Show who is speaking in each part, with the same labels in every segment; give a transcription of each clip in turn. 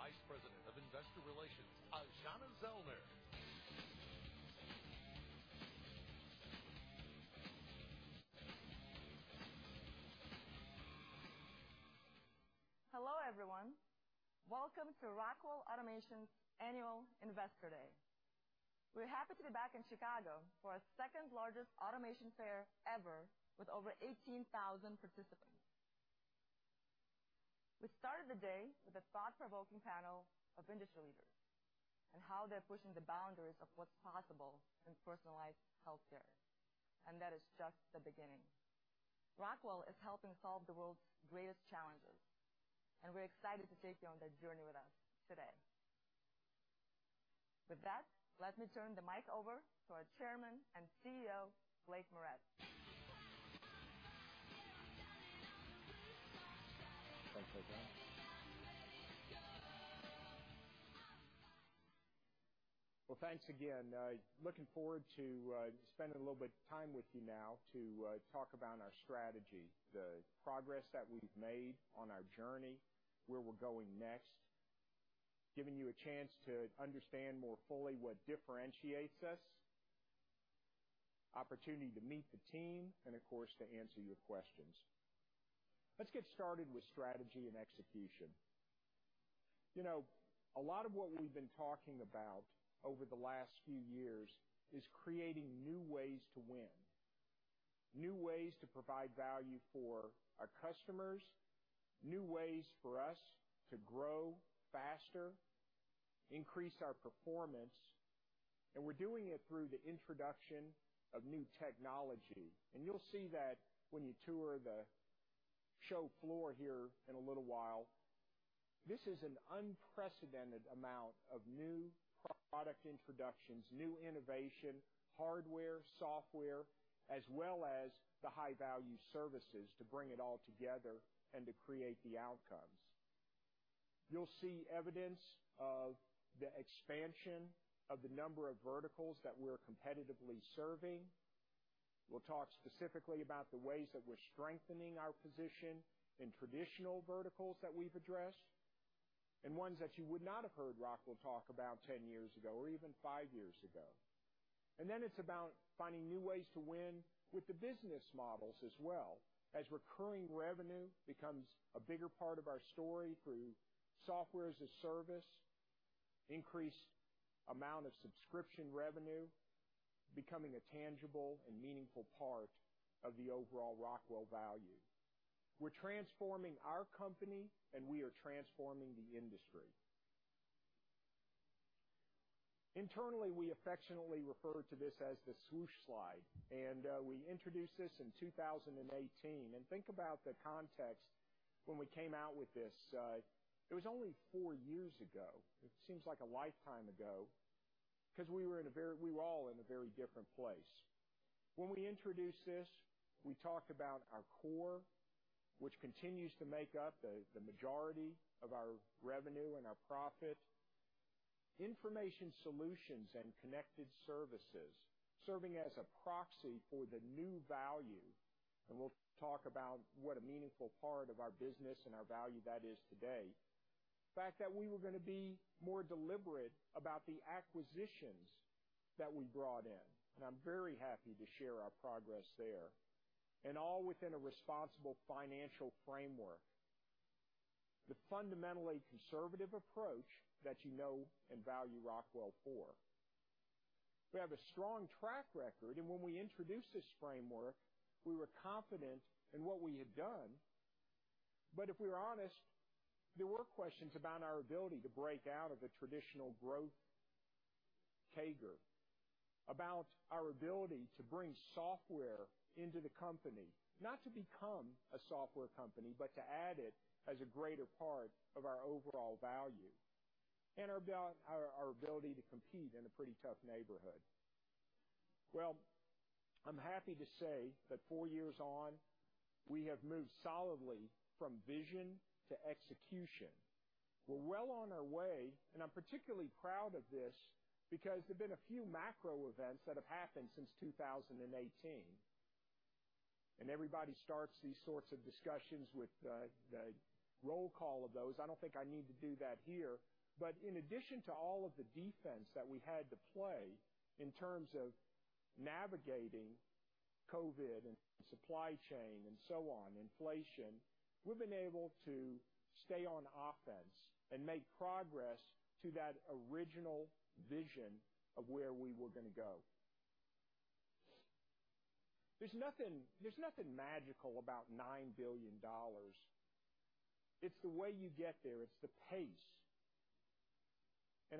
Speaker 1: Please welcome Rockwell Automation's Vice President of Investor Relations, Aijana Zellner.
Speaker 2: Hello, everyone. Welcome to Rockwell Automation's Annual Investor Day. We're happy to be back in Chicago for our second largest Automation Fair ever, with over 18,000 participants. We started the day with a thought-provoking panel of industry leaders and how they're pushing the boundaries of what's possible in personalized healthcare, and that is just the beginning. Rockwell is helping solve the world's greatest challenges, and we're excited to take you on that journey with us today. With that, let me turn the mic over to our Chairman and CEO, Blake Moret.
Speaker 3: Thanks, Aijana. Well, thanks again. Looking forward to spending a little bit of time with you now to talk about our strategy, the progress that we've made on our journey, where we're going next, giving you a chance to understand more fully what differentiates us, opportunity to meet the team, and of course, to answer your questions. Let's get started with strategy and execution. You know, a lot of what we've been talking about over the last few years is creating new ways to win, new ways to provide value for our customers, new ways for us to grow faster, increase our performance, and we're doing it through the introduction of new technology. You'll see that when you tour the show floor here in a little while. This is an unprecedented amount of new product introductions, new innovation, hardware, software, as well as the high-value services to bring it all together and to create the outcomes. You'll see evidence of the expansion of the number of verticals that we're competitively serving. We'll talk specifically about the ways that we're strengthening our position in traditional verticals that we've addressed and ones that you would not have heard Rockwell talk about ten years ago or even five years ago. It's about finding new ways to win with the business models as well as recurring revenue becomes a bigger part of our story through software as a service, increased amount of subscription revenue becoming a tangible and meaningful part of the overall Rockwell value. We're transforming our company, and we are transforming the industry. Internally, we affectionately refer to this as the swoosh slide, and we introduced this in 2018. Think about the context when we came out with this. It was only four years ago. It seems like a lifetime ago because we were all in a very different place. When we introduced this, we talked about our core, which continues to make up the majority of our revenue and our profit, Information Solutions and Connected Services, serving as a proxy for the new value, and we'll talk about what a meaningful part of our business and our value that is today. The fact that we were gonna be more deliberate about the acquisitions that we brought in, and I'm very happy to share our progress there, and all within a responsible financial framework, the fundamentally conservative approach that you know and value Rockwell for. We have a strong track record, and when we introduced this framework, we were confident in what we had done, but if we were honest, there were questions about our ability to break out of the traditional growth CAGR, about our ability to bring software into the company, not to become a software company, but to add it as a greater part of our overall value and our ability to compete in a pretty tough neighborhood. Well, I'm happy to say that four years on, we have moved solidly from vision to execution. We're well on our way, and I'm particularly proud of this because there've been a few macro events that have happened since 2018, and everybody starts these sorts of discussions with the roll call of those. I don't think I need to do that here. In addition to all of the defense that we had to play in terms of navigating COVID and supply chain and so on, inflation, we've been able to stay on offense and make progress to that original vision of where we were gonna go. There's nothing magical about $9 billion. It's the way you get there. It's the pace.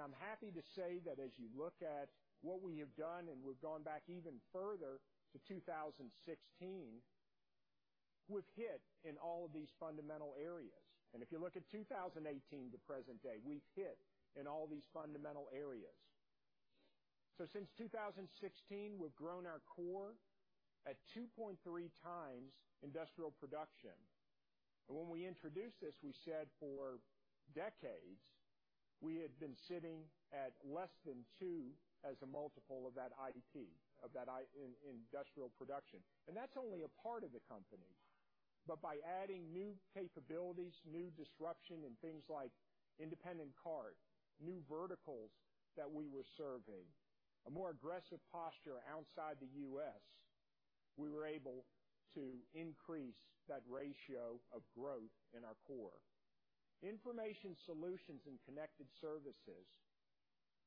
Speaker 3: I'm happy to say that as you look at what we have done, and we've gone back even further to 2016, we've hit in all of these fundamental areas. If you look at 2018 to present day, we've hit in all these fundamental areas. Since 2016, we've grown our core at 2.3 times industrial production. When we introduced this, we said for decades we had been sitting at less than 2 as a multiple of that IP, of that IP in industrial production, and that's only a part of the company. By adding new capabilities, new disruption in things like independent cart, new verticals that we were serving, a more aggressive posture outside the U.S., we were able to increase that ratio of growth in our core. Information Solutions and Connected Services,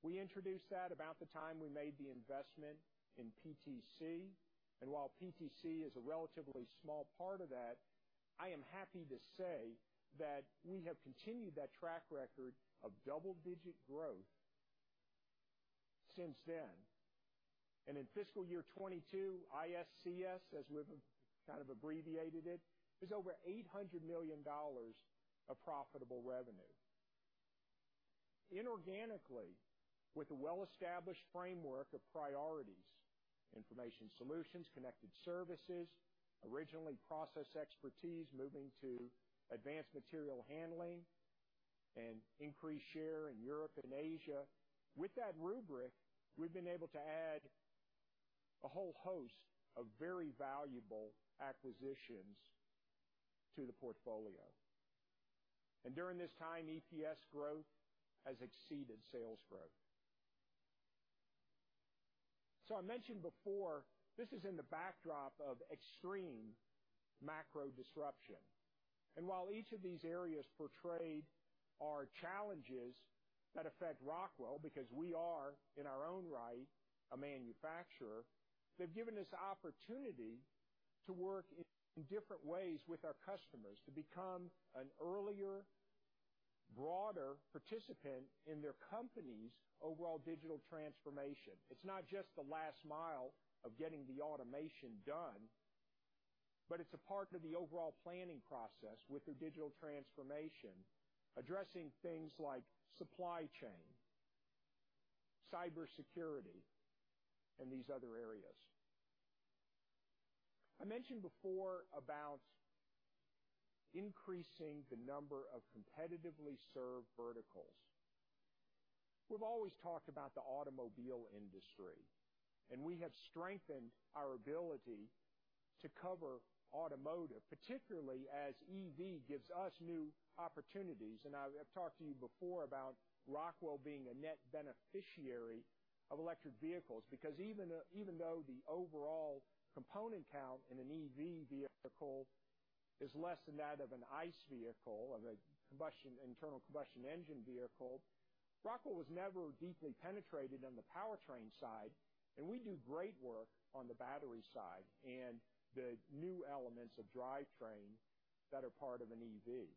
Speaker 3: we introduced that about the time we made the investment in PTC, and while PTC is a relatively small part of that, I am happy to say that we have continued that track record of double-digit growth since then. In fiscal year 2022, ISCS, as we've kind of abbreviated it, is over $800 million of profitable revenue. Inorganically, with a well-established framework of priorities, Information Solutions, Connected Services, originally process expertise, moving to advanced material handling and increased share in Europe and Asia. With that rubric, we've been able to add a whole host of very valuable acquisitions to the portfolio. During this time, EPS growth has exceeded sales growth. I mentioned before, this is in the backdrop of extreme macro disruption. While each of these areas portray our challenges that affect Rockwell, because we are, in our own right, a manufacturer, they've given us opportunity to work in different ways with our customers to become an earlier, broader participant in their company's overall digital transformation. It's not just the last mile of getting the automation done, but it's a part of the overall planning process with their digital transformation, addressing things like supply chain, cybersecurity, and these other areas. I mentioned before about increasing the number of competitively served verticals. We've always talked about the automobile industry, and we have strengthened our ability to cover automotive, particularly as EV gives us new opportunities. I've talked to you before about Rockwell being a net beneficiary of electric vehicles because even though the overall component count in an EV vehicle is less than that of an ICE vehicle, an internal combustion engine vehicle, Rockwell was never deeply penetrated on the powertrain side, and we do great work on the battery side and the new elements of drivetrain that are part of an EV.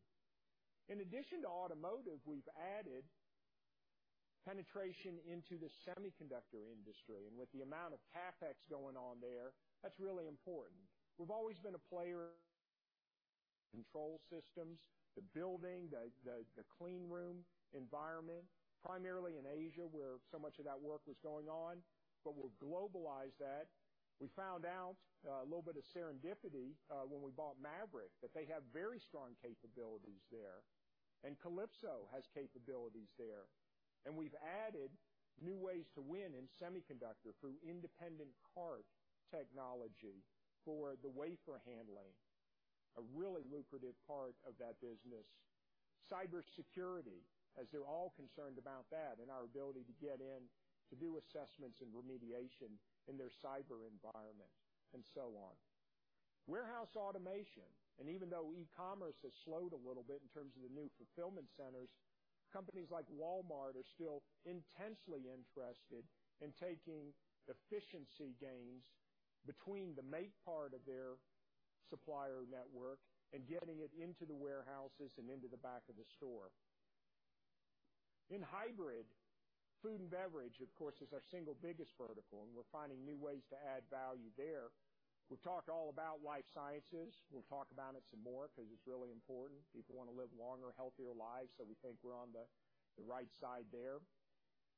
Speaker 3: In addition to automotive, we've added penetration into the semiconductor industry, and with the amount of CapEx going on there, that's really important. We've always been a player in control systems, the building, the clean room environment, primarily in Asia, where so much of that work was going on, but we've globalized that. We found out a little bit of serendipity when we bought Maverick, that they have very strong capabilities there, and Kalypso has capabilities there. We've added new ways to win in semiconductor through Independent Cart Technology for the wafer handling, a really lucrative part of that business. Cybersecurity, as they're all concerned about that and our ability to get in to do assessments and remediation in their cyber environment and so on. Warehouse automation, even though e-commerce has slowed a little bit in terms of the new fulfillment centers, companies like Walmart are still intensely interested in taking efficiency gains between the make part of their supplier network and getting it into the warehouses and into the back of the store. In hybrid, food and beverage, of course, is our single biggest vertical, and we're finding new ways to add value there. We've talked all about life sciences. We'll talk about it some more because it's really important. People want to live longer, healthier lives, so we think we're on the right side there.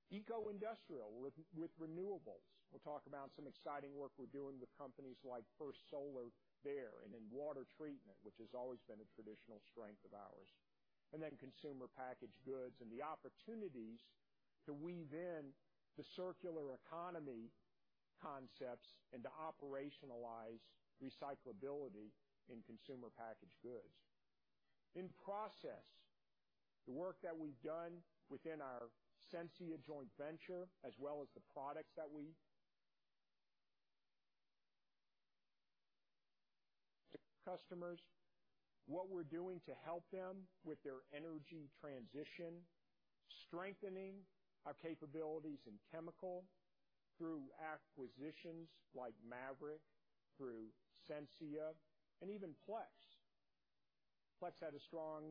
Speaker 3: Eco-industrial with renewables. We'll talk about some exciting work we're doing with companies like First Solar there and in water treatment, which has always been a traditional strength of ours. Then consumer packaged goods and the opportunities to weave in the circular economy concepts and to operationalize recyclability in consumer packaged goods. In process, the work that we've done within our Sensia joint venture, as well as the products that we offer customers, what we're doing to help them with their energy transition, strengthening our capabilities in chemical through acquisitions like Maverick, through Sensia, and even Plex. Plex had a strong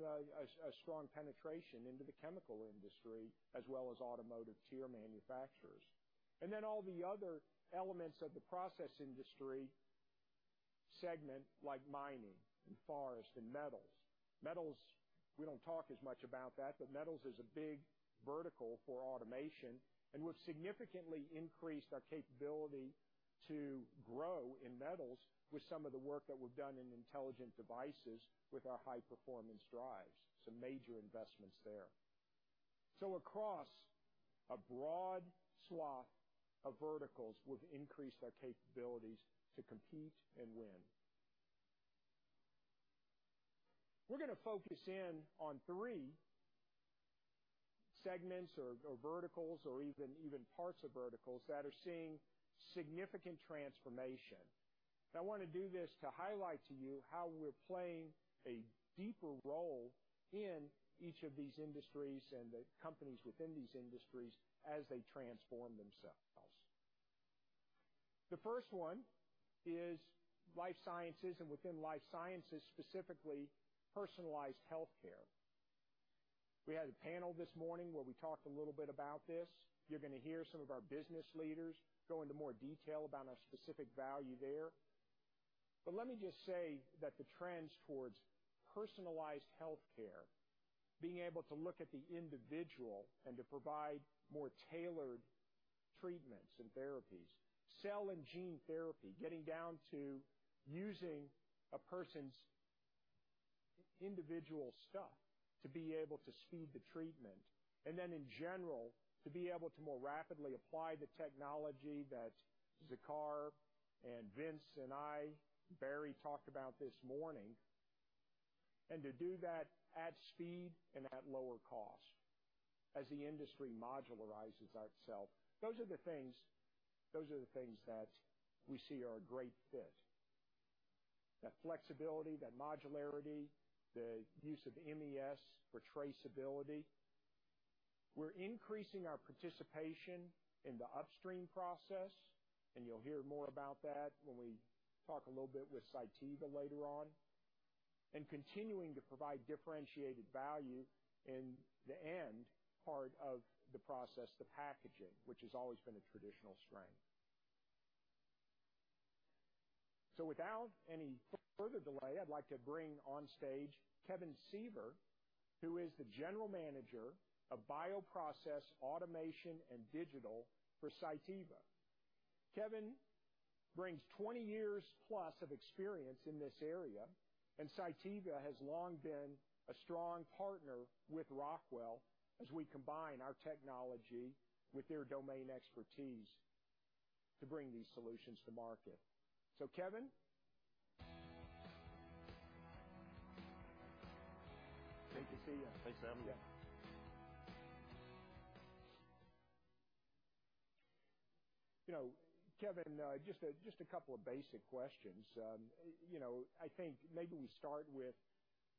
Speaker 3: penetration into the chemical industry as well as automotive tier manufacturers. Then all the other elements of the process industry segment like mining and forest and metals. Metals, we don't talk as much about that, but metals is a big vertical for automation, and we've significantly increased our capability to grow in metals with some of the work that we've done in Intelligent Devices with our high-performance drives, some major investments there. Across a broad swath of verticals, we've increased our capabilities to compete and win. We're gonna focus in on three segments or verticals or even parts of verticals that are seeing significant transformation. I wanna do this to highlight to you how we're playing a deeper role in each of these industries and the companies within these industries as they transform themselves. The first one is life sciences, and within life sciences, specifically personalized health care. We had a panel this morning where we talked a little bit about this. You're gonna hear some of our business leaders go into more detail about our specific value there. Let me just say that the trends towards personalized health care, being able to look at the individual and to provide more tailored treatments and therapies, cell and gene therapy, getting down to using a person's individual stuff to be able to speed the treatment, and then in general, to be able to more rapidly apply the technology that Zakar and Vince and I, Barry talked about this morning, and to do that at speed and at lower cost as the industry modularizes itself. Those are the things that we see are a great fit. That flexibility, that modularity, the use of MES for traceability. We're increasing our participation in the upstream process, and you'll hear more about that when we talk a little bit with Cytiva later on. Continuing to provide differentiated value in the end part of the process, the packaging, which has always been a traditional strength. Without any further delay, I'd like to bring on stage Kevin Seaver, who is the General Manager of Bioprocess Automation and Digital for Cytiva. Kevin brings 20 years plus of experience in this area, and Cytiva has long been a strong partner with Rockwell as we combine our technology with their domain expertise to bring these solutions to market. Kevin? Good to see you.
Speaker 4: Thanks for having me.
Speaker 3: Yeah. You know, Kevin, just a couple of basic questions. You know, I think maybe we start with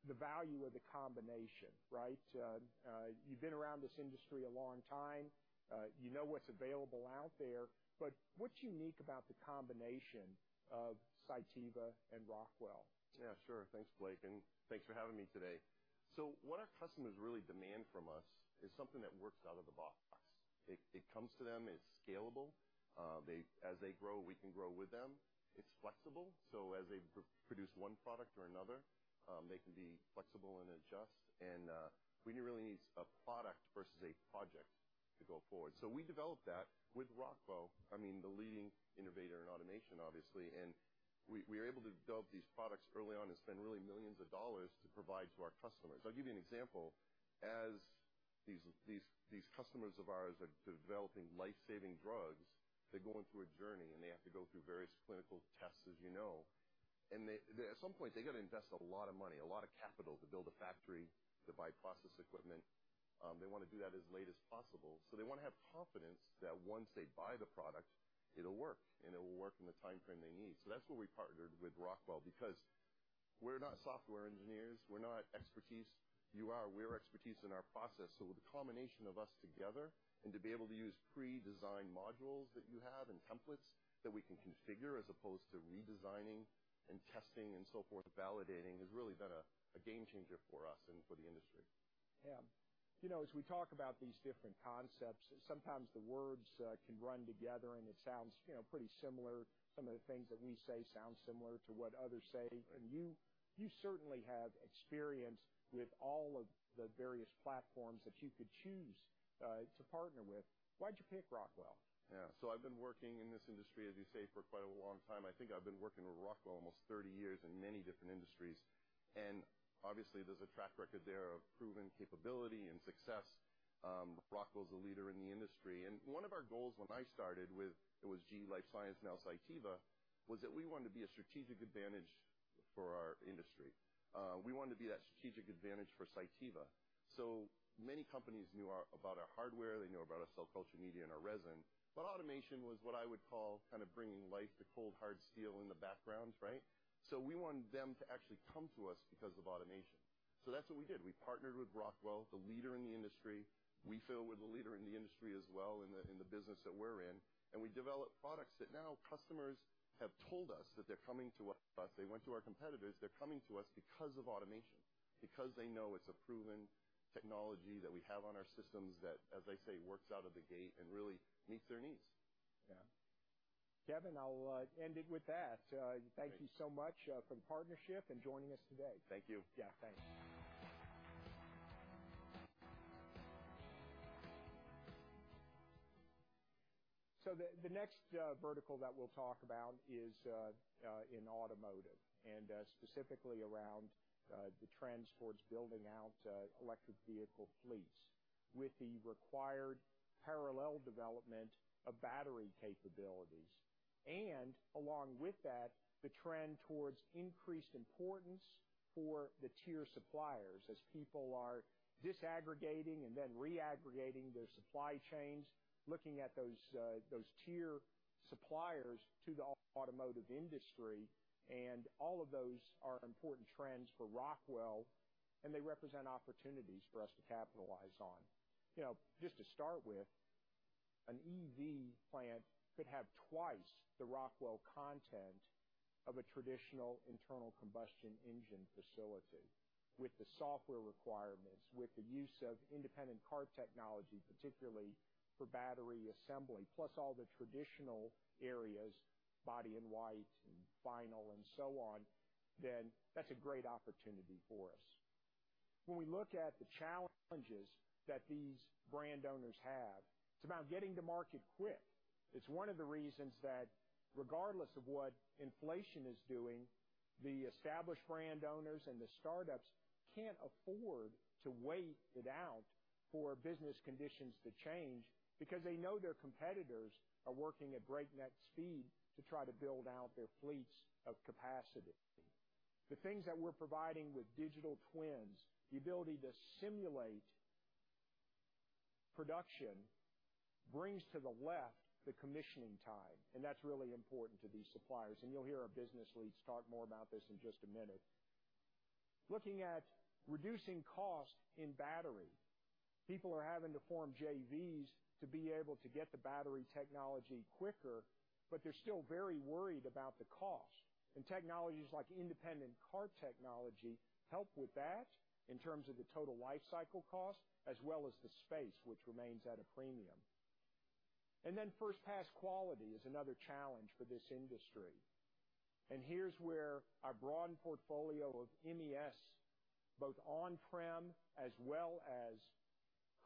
Speaker 3: the value of the combination, right? You've been around this industry a long time. You know what's available out there, but what's unique about the combination of Cytiva and Rockwell?
Speaker 4: Yeah, sure. Thanks, Blake, and thanks for having me today. What our customers really demand from us is something that works out of the box. It comes to them, it's scalable. As they grow, we can grow with them. It's flexible, so as they produce one product or another, they can be flexible and adjust. We really need a product versus a project to go forward. We developed that with Rockwell, I mean, the leading innovator in automation, obviously. We're able to develop these products early on and spend really millions of dollars to provide to our customers. I'll give you an example. As these customers of ours are developing life-saving drugs, they're going through a journey, and they have to go through various clinical tests, as you know. At some point, they've got to invest a lot of money, a lot of capital to build a factory, to buy process equipment. They wanna do that as late as possible. They wanna have confidence that once they buy the product, it'll work, and it will work in the timeframe they need. That's why we partnered with Rockwell, because we're not software experts. We're experts in our process. With the combination of us together and to be able to use pre-designed modules that you have and templates that we can configure as opposed to redesigning and testing and so forth, validating, has really been a game changer for us and for the industry.
Speaker 3: Yeah. You know, as we talk about these different concepts, sometimes the words can run together and it sounds, you know, pretty similar. Some of the things that we say sound similar to what others say. You certainly have experience with all of the various platforms that you could choose to partner with. Why'd you pick Rockwell?
Speaker 4: Yeah. I've been working in this industry, as you say, for quite a long time. I think I've been working with Rockwell almost 30 years in many different industries. Obviously, there's a track record there of proven capability and success. Rockwell's a leader in the industry. One of our goals when I started with it was GE Healthcare Life Sciences, now Cytiva, was that we wanted to be a strategic advantage for our industry. We wanted to be that strategic advantage for Cytiva. Many companies knew about our hardware, they knew about our cell culture media and our resin, but automation was what I would call kind of bringing life to cold, hard steel in the background, right? We wanted them to actually come to us because of automation. That's what we did. We partnered with Rockwell, the leader in the industry. We feel we're the leader in the industry as well, in the business that we're in, and we developed products that now customers have told us that they're coming to us. They went to our competitors, they're coming to us because of automation, because they know it's a proven technology that we have on our systems that, as I say, works out of the gate and really meets their needs.
Speaker 3: Yeah. Kevin, I'll end it with that.
Speaker 4: Thanks.
Speaker 3: Thank you so much, for partnership and joining us today.
Speaker 4: Thank you.
Speaker 3: Yeah, thanks. The next vertical that we'll talk about is in automotive, and specifically around the trends towards building out electric vehicle fleets with the required parallel development of battery capabilities. Along with that, the trend towards increased importance for the tier suppliers as people are disaggregating and then reaggregating their supply chains, looking at those tier suppliers to the automotive industry, and all of those are important trends for Rockwell, and they represent opportunities for us to capitalize on. You know, just to start with, an EV plant could have twice the Rockwell content of a traditional internal combustion engine facility with the software requirements, with the use of Independent Cart Technology, particularly for battery assembly, plus all the traditional areas, body-in-white and final and so on, then that's a great opportunity for us. When we look at the challenges that these brand owners have, it's about getting to market quick. It's one of the reasons that regardless of what inflation is doing, the established brand owners and the startups can't afford to wait it out for business conditions to change because they know their competitors are working at breakneck speed to try to build out their fleets of capacity. The things that we're providing with digital twins, the ability to simulate production brings to the left the commissioning time, and that's really important to these suppliers. You'll hear our business leads talk more about this in just a minute. Looking at reducing cost in battery, people are having to form JVs to be able to get the battery technology quicker, but they're still very worried about the cost. Technologies like Independent Cart Technology help with that in terms of the total life cycle cost as well as the space which remains at a premium. First pass quality is another challenge for this industry. Here's where our broad portfolio of MES, both on-prem as well as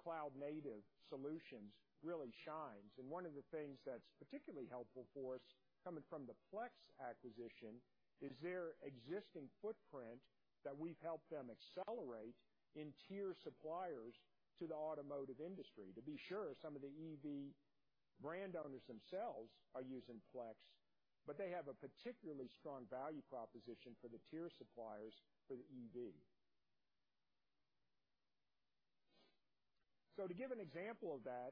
Speaker 3: cloud native solutions really shines. One of the things that's particularly helpful for us coming from the Plex acquisition is their existing footprint that we've helped them accelerate in tier suppliers to the automotive industry. To be sure, some of the EV brand owners themselves are using Plex, but they have a particularly strong value proposition for the tier suppliers for the EV. To give an example of that,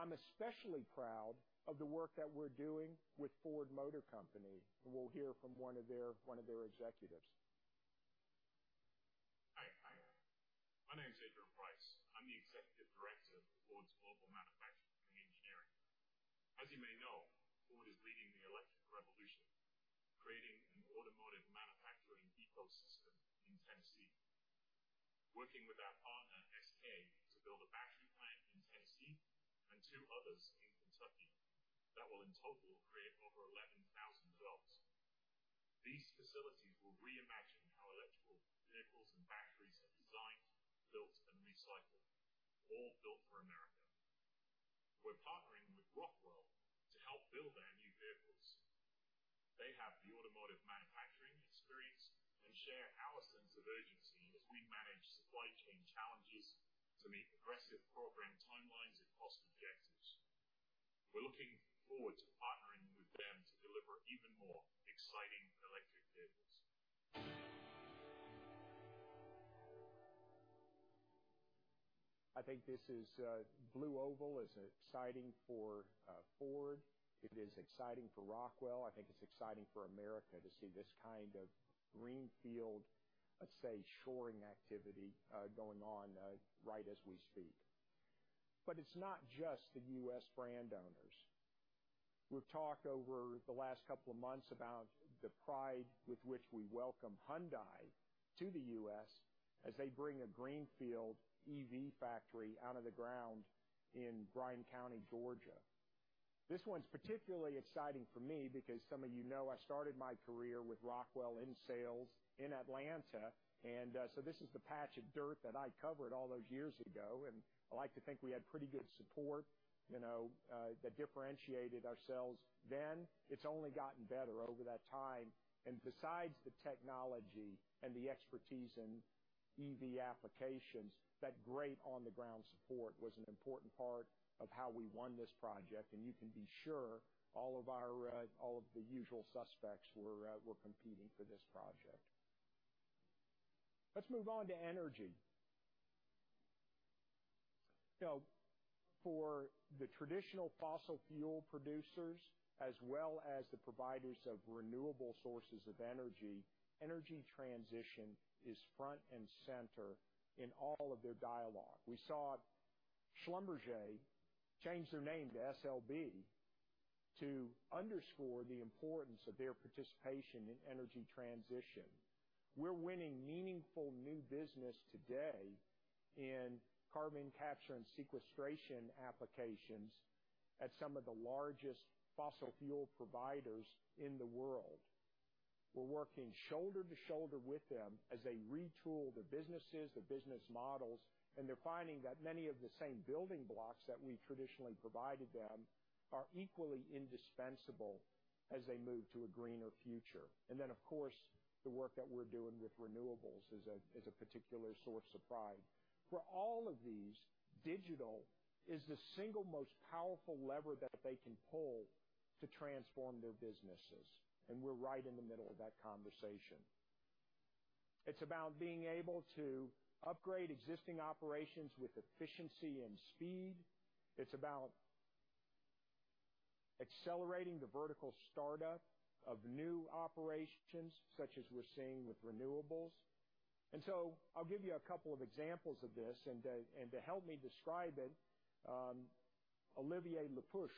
Speaker 3: I'm especially proud of the work that we're doing with Ford Motor Company, and we'll hear from one of their executives.
Speaker 5: Hi. My name is Adrian Price. I'm the Executive Director of Ford's Global Manufacturing and Engineering. As you may know, Ford is leading the electric revolution, creating an automotive manufacturing ecosystem in Tennessee, working with our partner, SK, to build a battery plant in Tennessee and two others in Kentucky that will in total create over 11,000 jobs. These facilities will reimagine how electric vehicles and batteries are designed, built, and recycled, all built for America. We're partnering with Rockwell to help build our new vehicles. They have the automotive manufacturing experience and share our sense of urgency as we manage supply chain challenges to meet aggressive program timelines and cost objectives. We're looking forward to partnering with them to deliver even more exciting electric vehicles.
Speaker 3: I think this is BlueOval is exciting for Ford. It is exciting for Rockwell. I think it's exciting for America to see this kind of greenfield, let's say, onshoring activity going on right as we speak. It's not just the U.S. brand owners. We've talked over the last couple of months about the pride with which we welcome Hyundai to the U.S. as they bring a greenfield EV factory out of the ground in Bryan County, Georgia. This one's particularly exciting for me because some of you know I started my career with Rockwell in sales in Atlanta, and so this is the patch of dirt that I covered all those years ago, and I like to think we had pretty good support, you know, that differentiated ourselves then. It's only gotten better over that time, and besides the technology and the expertise in EV applications, that great on the ground support was an important part of how we won this project. You can be sure all of the usual suspects were competing for this project. Let's move on to energy. You know, for the traditional fossil fuel producers as well as the providers of renewable sources of energy transition is front and center in all of their dialogue. We saw Schlumberger change their name to SLB to underscore the importance of their participation in energy transition. We're winning meaningful new business today in carbon capture and sequestration applications at some of the largest fossil fuel providers in the world. We're working shoulder to shoulder with them as they retool their businesses, their business models, and they're finding that many of the same building blocks that we traditionally provided them are equally indispensable as they move to a greener future. Of course, the work that we're doing with renewables is a particular source of pride. For all of these, digital is the single most powerful lever that they can pull to transform their businesses, and we're right in the middle of that conversation. It's about being able to upgrade existing operations with efficiency and speed. It's about accelerating the vertical startup of new operations, such as we're seeing with renewables. I'll give you a couple of examples of this, and to help me describe it, Olivier Le Peuch,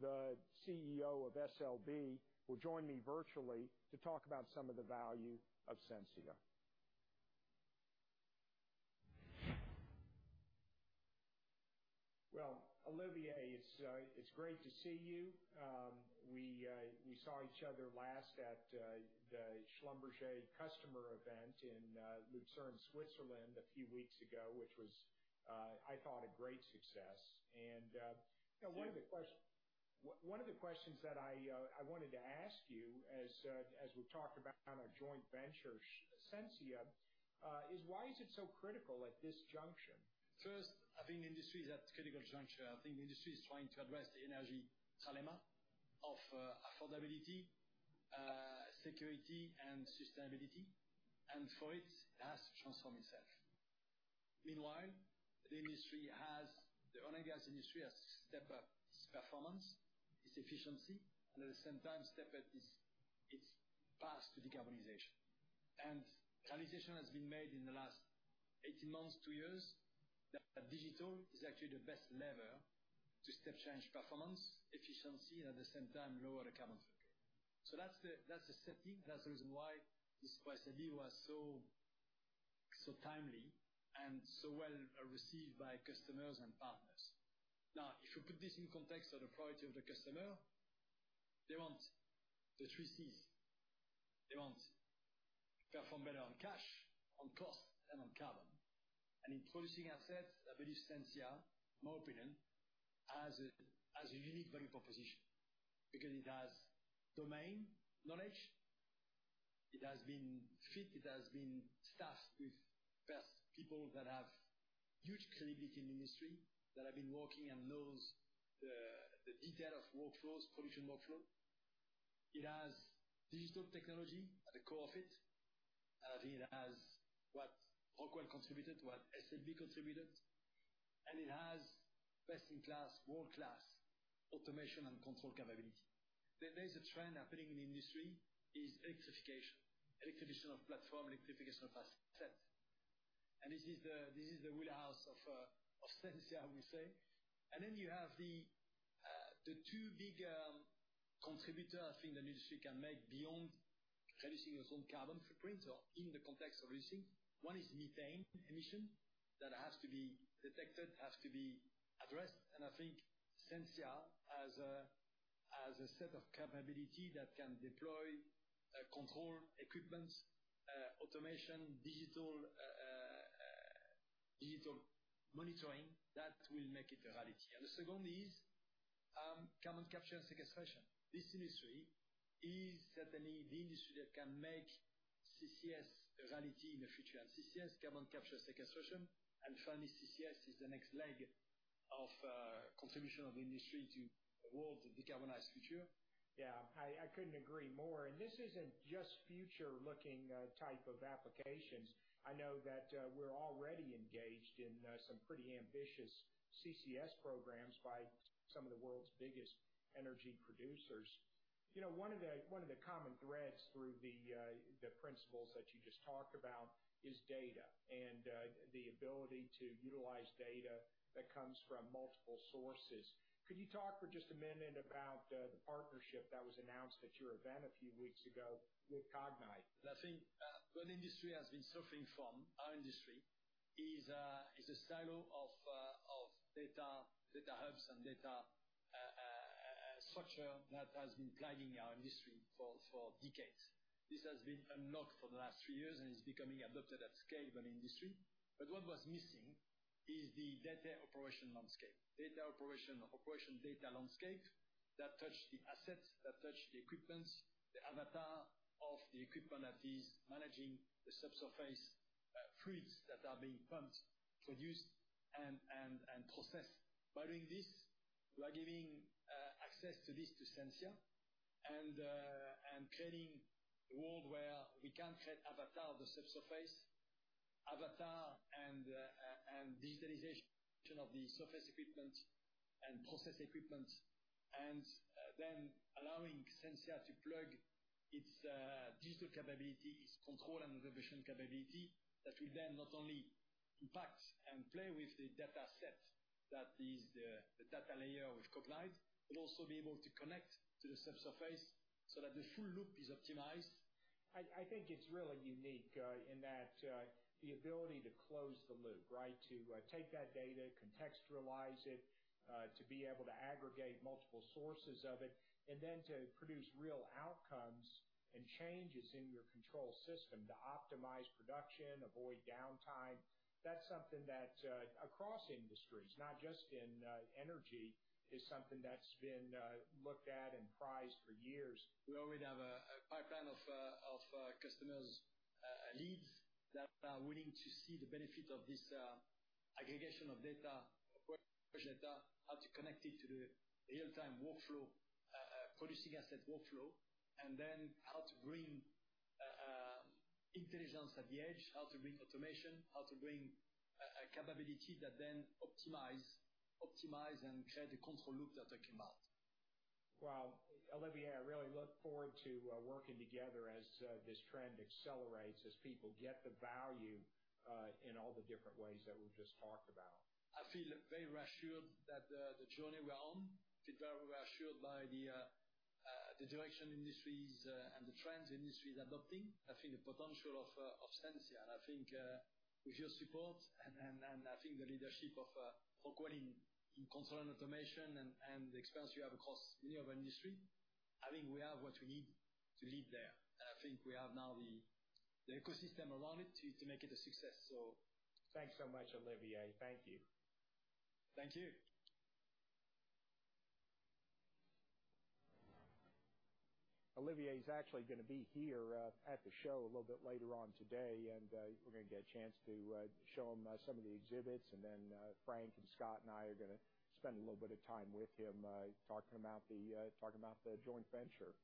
Speaker 3: the CEO of SLB, will join me virtually to talk about some of the value of Sensia. Well, Olivier, it's great to see you. We saw each other last at the Schlumberger customer event in Lucerne, Switzerland, a few weeks ago, which was, I thought a great success. You know, one of the questions that I wanted to ask you as we talk about our joint venture, Sensia, is why is it so critical at this juncture?
Speaker 6: First, I think industry is at a critical juncture. I think industry is trying to address the energy dilemma of affordability, security, and sustainability. For it has to transform itself. Meanwhile, the oil and gas industry has stepped up its performance, its efficiency, and at the same time stepped up its path to decarbonization. Conclusions have been made in the last 18 months, 2 years, that digital is actually the best lever to step-change performance, efficiency, and at the same time lower the carbon footprint. That's the setting. That's the reason why this precise idea was so timely and so well received by customers and partners. Now, if you put this in context of the priority of the customer, they want the three Cs. They want perform better on cash, on cost, and on carbon. In producing assets, I believe Sensia, in my opinion, has a unique value proposition because it has domain knowledge, it has been built, it has been staffed with best people that have huge credibility in the industry, that have been working and knows the detail of workflows, production workflow. It has digital technology at the core of it. It has what Rockwell contributed, what SLB contributed, and it has best-in-class, world-class automation and control capability. There is a trend happening in the industry is electrification of platform, electrification of assets. This is the wheelhouse of Sensia, I would say. You have the two big contributors I think the industry can make beyond reducing its own carbon footprint or in the context of reducing. One is methane emission that has to be detected, has to be addressed, and I think Sensia has a set of capability that can deploy control equipments automation digital monitoring that will make it a reality. The second is carbon capture and sequestration. This industry is certainly the industry that can make CCS a reality in the future. CCS, carbon capture and sequestration. Finally, CCS is the next leg of contribution of the industry to the world decarbonized future.
Speaker 3: Yeah, I couldn't agree more. This isn't just future-looking type of applications. I know that we're already engaged in some pretty ambitious CCS programs by some of the world's biggest energy producers. You know, one of the common threads through the principles that you just talked about is data and the ability to utilize data that comes from multiple sources. Could you talk for just a minute about the partnership that was announced at your event a few weeks ago with Cognite?
Speaker 6: I think our industry is a silo of data hubs and data structure that has been plaguing our industry for decades. This has been unlocked for the last three years and is becoming adopted at scale by industry. What was missing is the data operation landscape. Operation data landscape that touches the assets, the equipments, the avatar of the equipment that is managing the subsurface fluids that are being pumped, produced, and processed. By doing this, we are giving access to this to Sensia and creating a world where we can create avatar of the subsurface and digitalization of the surface equipment and process equipment, and then allowing Sensia to plug its digital capabilities, its control and observation capability that will then not only impact and play with the dataset that is the data layer with Cognite, but also be able to connect to the subsurface so that the full loop is optimized.
Speaker 3: I think it's really unique in that the ability to close the loop, right? To take that data, contextualize it, to be able to aggregate multiple sources of it, and then to produce real outcomes and changes in your control system to optimize production, avoid downtime. That's something that across industries, not just in energy, is something that's been looked at and prized for years.
Speaker 6: We already have a pipeline of customers' leads that are willing to see the benefit of this aggregation of data approach how to connect it to the real-time workflow, producing asset workflow, and then how to bring intelligence at the edge, how to bring automation, how to bring a capability that then optimize and create a control loop that I came out.
Speaker 3: Well, Olivier, I really look forward to working together as this trend accelerates, as people get the value in all the different ways that we've just talked about.
Speaker 6: I feel very reassured that the journey we're on. I feel very reassured by the direction the industry is adopting and the trends the industry is adopting. I think the potential of Sensia, and I think with your support and I think the leadership of Rockwell in control and automation and the experience you have across many of our industries, I think we have what we need to lead there. I think we have now the ecosystem around it to make it a success.
Speaker 3: Thanks so much, Olivier. Thank you.
Speaker 6: Thank you.
Speaker 3: Olivier is actually gonna be here at the show a little bit later on today, and we're gonna get a chance to show him some of the exhibits, and then Frank and Scott and I are gonna spend a little bit of time with him talking about the joint venture.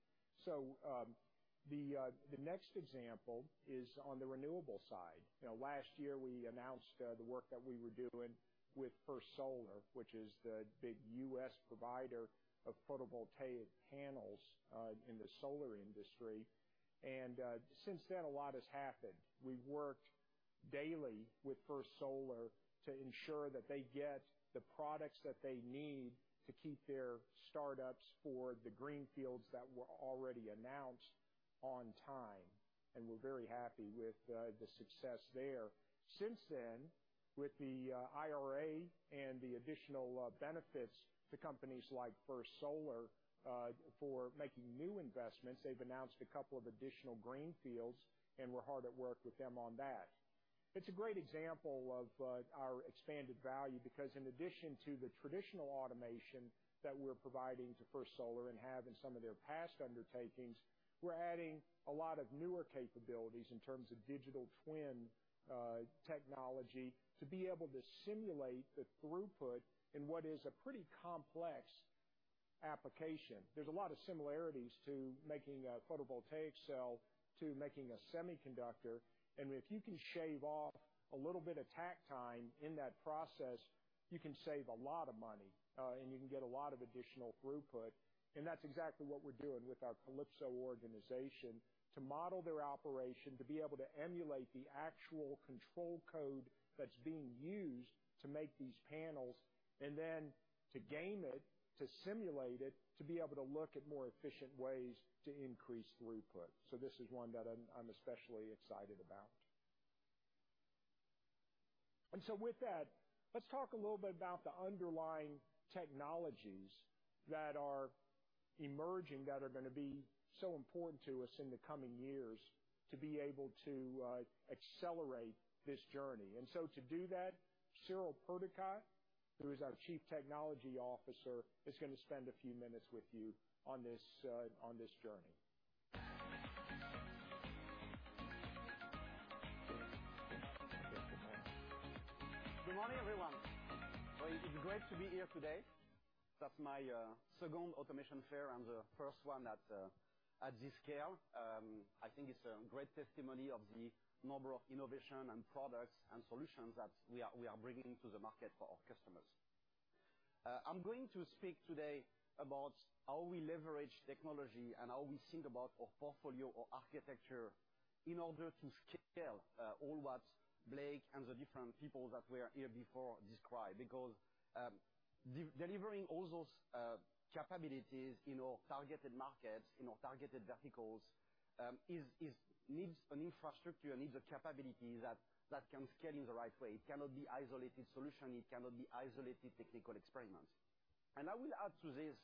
Speaker 3: The next example is on the renewable side. You know, last year, we announced the work that we were doing with First Solar, which is the U.S. provider of photovoltaic panels in the solar industry. Since then, a lot has happened. We worked daily with First Solar to ensure that they get the products that they need to keep their startups for the green fields that were already announced on time. We're very happy with the success there. Since then, with the IRA and the additional benefits to companies like First Solar for making new investments, they've announced a couple of additional green fields, and we're hard at work with them on that. It's a great example of our expanded value because in addition to the traditional automation that we're providing to First Solar and have in some of their past undertakings, we're adding a lot of newer capabilities in terms of digital twin technology to be able to simulate the throughput in what is a pretty complex application. There's a lot of similarities to making a photovoltaic cell to making a semiconductor. If you can shave off a little bit of takt time in that process, you can save a lot of money, and you can get a lot of additional throughput. That's exactly what we're doing with our Kalypso organization, to model their operation, to be able to emulate the actual control code that's being used to make these panels, and then to game it, to simulate it, to be able to look at more efficient ways to increase throughput. This is one that I'm especially excited about. With that, let's talk a little bit about the underlying technologies that are emerging that are gonna be so important to us in the coming years to be able to accelerate this journey. To do that, Cyril Perducat, who is our Chief Technology Officer, is gonna spend a few minutes with you on this journey.
Speaker 7: Good morning, everyone. Well, it's great to be here today. That's my second Automation Fair and the first one at this scale. I think it's a great testimony of the number of innovation and products and solutions that we are bringing to the market for our customers. I'm going to speak today about how we leverage technology and how we think about our portfolio or architecture in order to scale all that Blake and the different people that were here before described. Delivering all those capabilities in our targeted markets, in our targeted verticals, needs an infrastructure, needs a capability that can scale in the right way. It cannot be isolated solution, it cannot be isolated technical experiments. I will add to this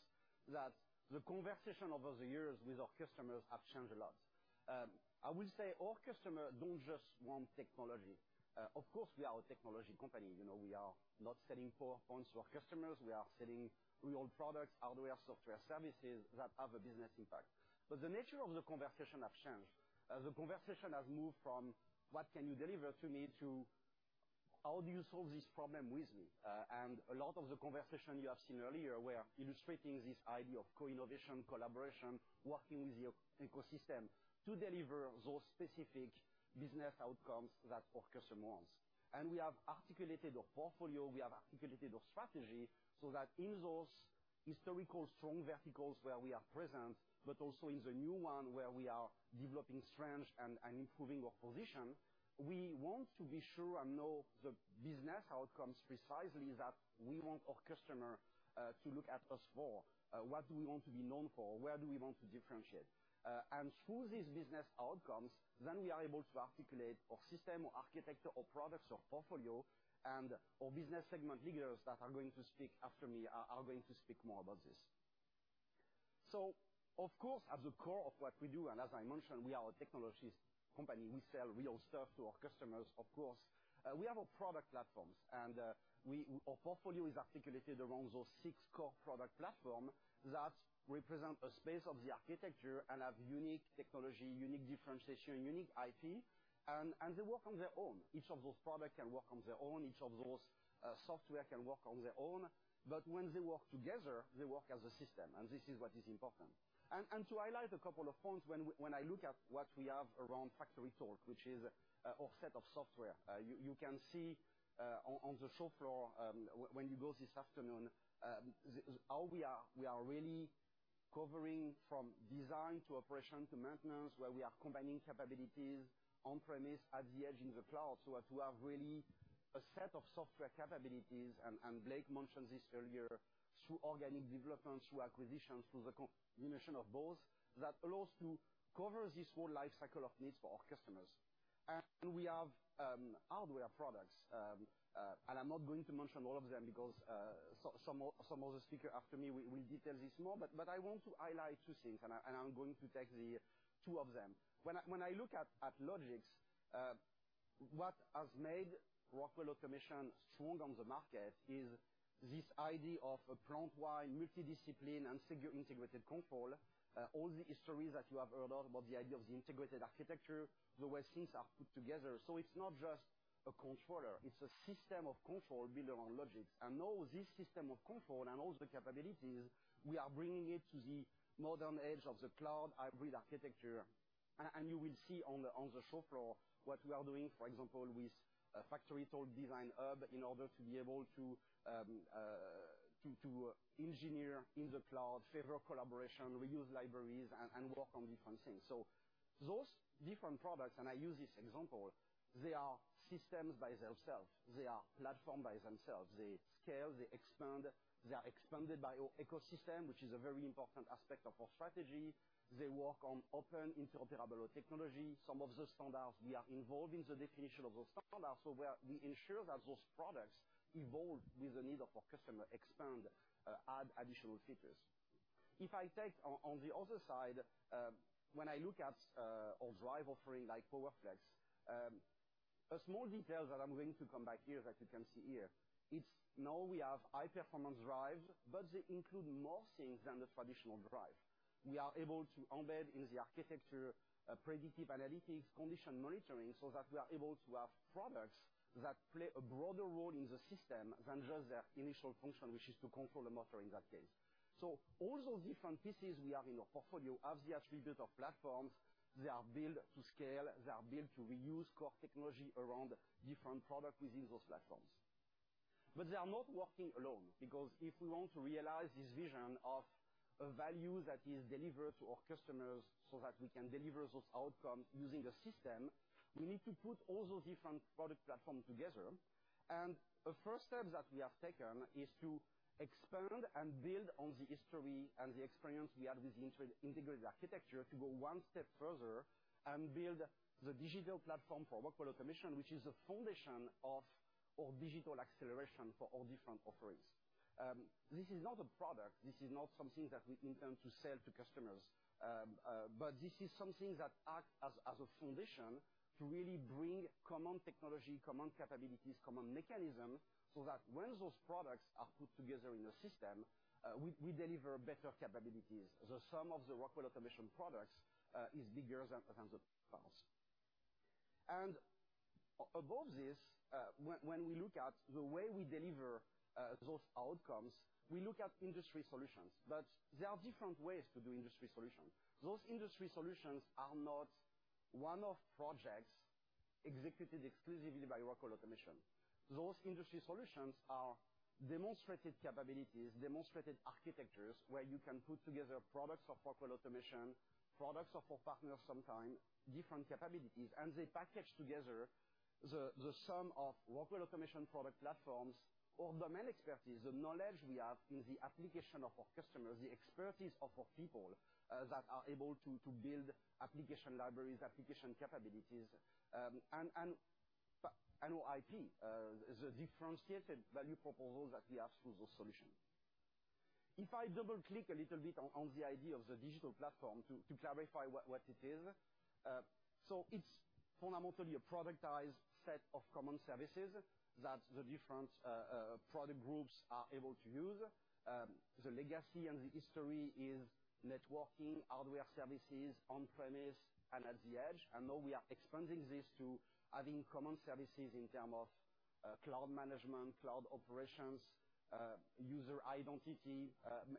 Speaker 7: that the conversation over the years with our customers have changed a lot. I will say our customer don't just want technology. Of course, we are a technology company, you know, we are not selling power points to our customers, we are selling real products, hardware, software services that have a business impact. The nature of the conversation have changed. The conversation has moved from what can you deliver to me to how do you solve this problem with me? A lot of the conversation you have seen earlier were illustrating this idea of co-innovation, collaboration, working with your ecosystem to deliver those specific business outcomes that our customer wants. We have articulated our portfolio, we have articulated our strategy so that in those historical strong verticals where we are present, but also in the new one where we are developing strength and improving our position, we want to be sure and know the business outcomes precisely that we want our customer to look at us for. What do we want to be known for? Where do we want to differentiate? Through these business outcomes, then we are able to articulate our system or architecture or products or portfolio and business segment leaders that are going to speak after me are going to speak more about this. Of course, at the core of what we do, and as I mentioned, we are a technologies company. We sell real stuff to our customers, of course. We have our product platforms, and our portfolio is articulated around those six core product platform that represent a space of the architecture and have unique technology, unique differentiation, unique IP, and they work on their own. Each of those products can work on their own. Each of those software can work on their own. When they work together, they work as a system, and this is what is important. To highlight a couple of points, when I look at what we have around FactoryTalk, which is a whole set of software, you can see on the show floor when you go this afternoon how we are really covering from design to operation to maintenance, where we are combining capabilities on-premise, at the edge, in the cloud, so as to have really a set of software capabilities. Blake mentioned this earlier, through organic development, through acquisitions, through the combination of both, that allows to cover this whole life cycle of needs for our customers. We have hardware products. I'm not going to mention all of them because some of the speakers after me will detail this more. I want to highlight two things, and I'm going to take the two of them. When I look at Logix, what has made Rockwell Automation strong on the market is this idea of a plant-wide multi-discipline and secure integrated control. All the history that you have heard about the idea of the integrated architecture, the way things are put together. It's not just a controller, it's a system of control built around Logix. Now this system of control and all the capabilities, we are bringing it to the modern edge of the cloud hybrid architecture. You will see on the show floor what we are doing, for example, with FactoryTalk Design Hub in order to be able to engineer in the cloud, favor collaboration, reuse libraries, and work on different things. Those different products, and I use this example, they are systems by themselves. They are platforms by themselves. They scale, they expand. They are expanded by our ecosystem, which is a very important aspect of our strategy. They work on open interoperable technology. Some of the standards, we are involved in the definition of those standards, so where we ensure that those products evolve with the need of our customer, expand, add additional features. If I take on the other side, when I look at our drive offering like PowerFlex, a small detail that I'm going to come back to that you can see here, it's now we have high-performance drive, but they include more things than the traditional drive. We are able to embed in the architecture, predictive analytics, condition monitoring, so that we are able to have products that play a broader role in the system than just their initial function, which is to control the motor in that case. All those different pieces we have in our portfolio have the attribute of platforms. They are built to scale, they are built to reuse core technology around different product within those platforms. They are not working alone, because if we want to realize this vision of a value that is delivered to our customers so that we can deliver those outcome using a system, we need to put all those different product platform together. The first step that we have taken is to expand and build on the history and the experience we have with the Integrated Architecture to go one step further and build the digital platform for Rockwell Automation, which is a foundation of our digital acceleration for all different offerings. This is not a product. This is not something that we intend to sell to customers. But this is something that acts as a foundation to really bring common technology, common capabilities, common mechanism, so that when those products are put together in a system, we deliver better capabilities. The sum of the Rockwell Automation products is bigger than the parts. Above this, when we look at the way we deliver those outcomes, we look at industry solutions. There are different ways to do industry solution. Those industry solutions are not one-off projects executed exclusively by Rockwell Automation. Those industry solutions are demonstrated capabilities, demonstrated architectures, where you can put together products of Rockwell Automation, products of our partners sometimes, different capabilities, and they package together the sum of Rockwell Automation product platforms or domain expertise, the knowledge we have in the application for our customers, the expertise of our people that are able to build application libraries, application capabilities, and our IP, the differentiated value propositions that we have through those solutions. If I double-click a little bit on the idea of the digital platform to clarify what it is. It's fundamentally a productized set of common services that the different product groups are able to use. The legacy and the history is networking hardware services on premise and at the edge. Now we are expanding this to adding common services in terms of cloud management, cloud operations, user identity,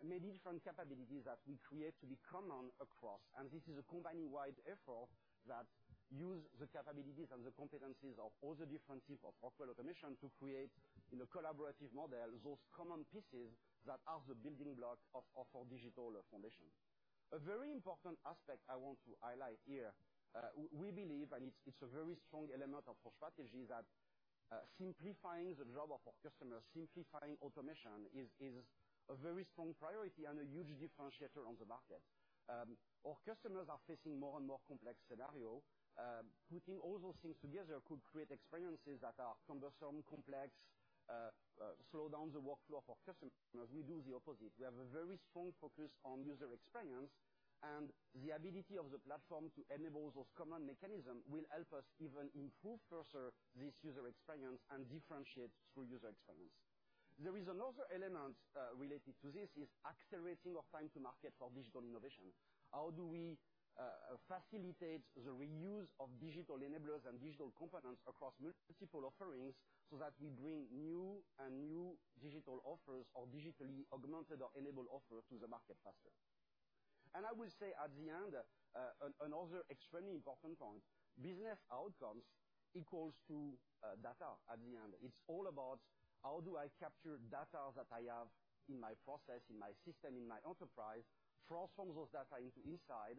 Speaker 7: many different capabilities that we create to be common across. This is a company-wide effort that uses the capabilities and the competencies of all the different types of Rockwell Automation to create in a collaborative model those common pieces that are the building block of our digital foundation. A very important aspect I want to highlight here, we believe, and it's a very strong element of our strategy, that simplifying the job of our customers, simplifying automation is a very strong priority and a huge differentiator on the market. Our customers are facing more and more complex scenarios. Putting all those things together could create experiences that are cumbersome, complex, slow down the workflow of our customers. We do the opposite. We have a very strong focus on user experience and the ability of the platform to enable those common mechanism will help us even improve further this user experience and differentiate through user experience. There is another element related to this, is accelerating of time to market for digital innovation. How do we facilitate the reuse of digital enablers and digital components across multiple offerings so that we bring new digital offers or digitally augmented or enabled offer to the market faster? I will say at the end, another extremely important point, business outcomes equals to data at the end. It's all about how do I capture data that I have in my process, in my system, in my enterprise, transform those data into insight,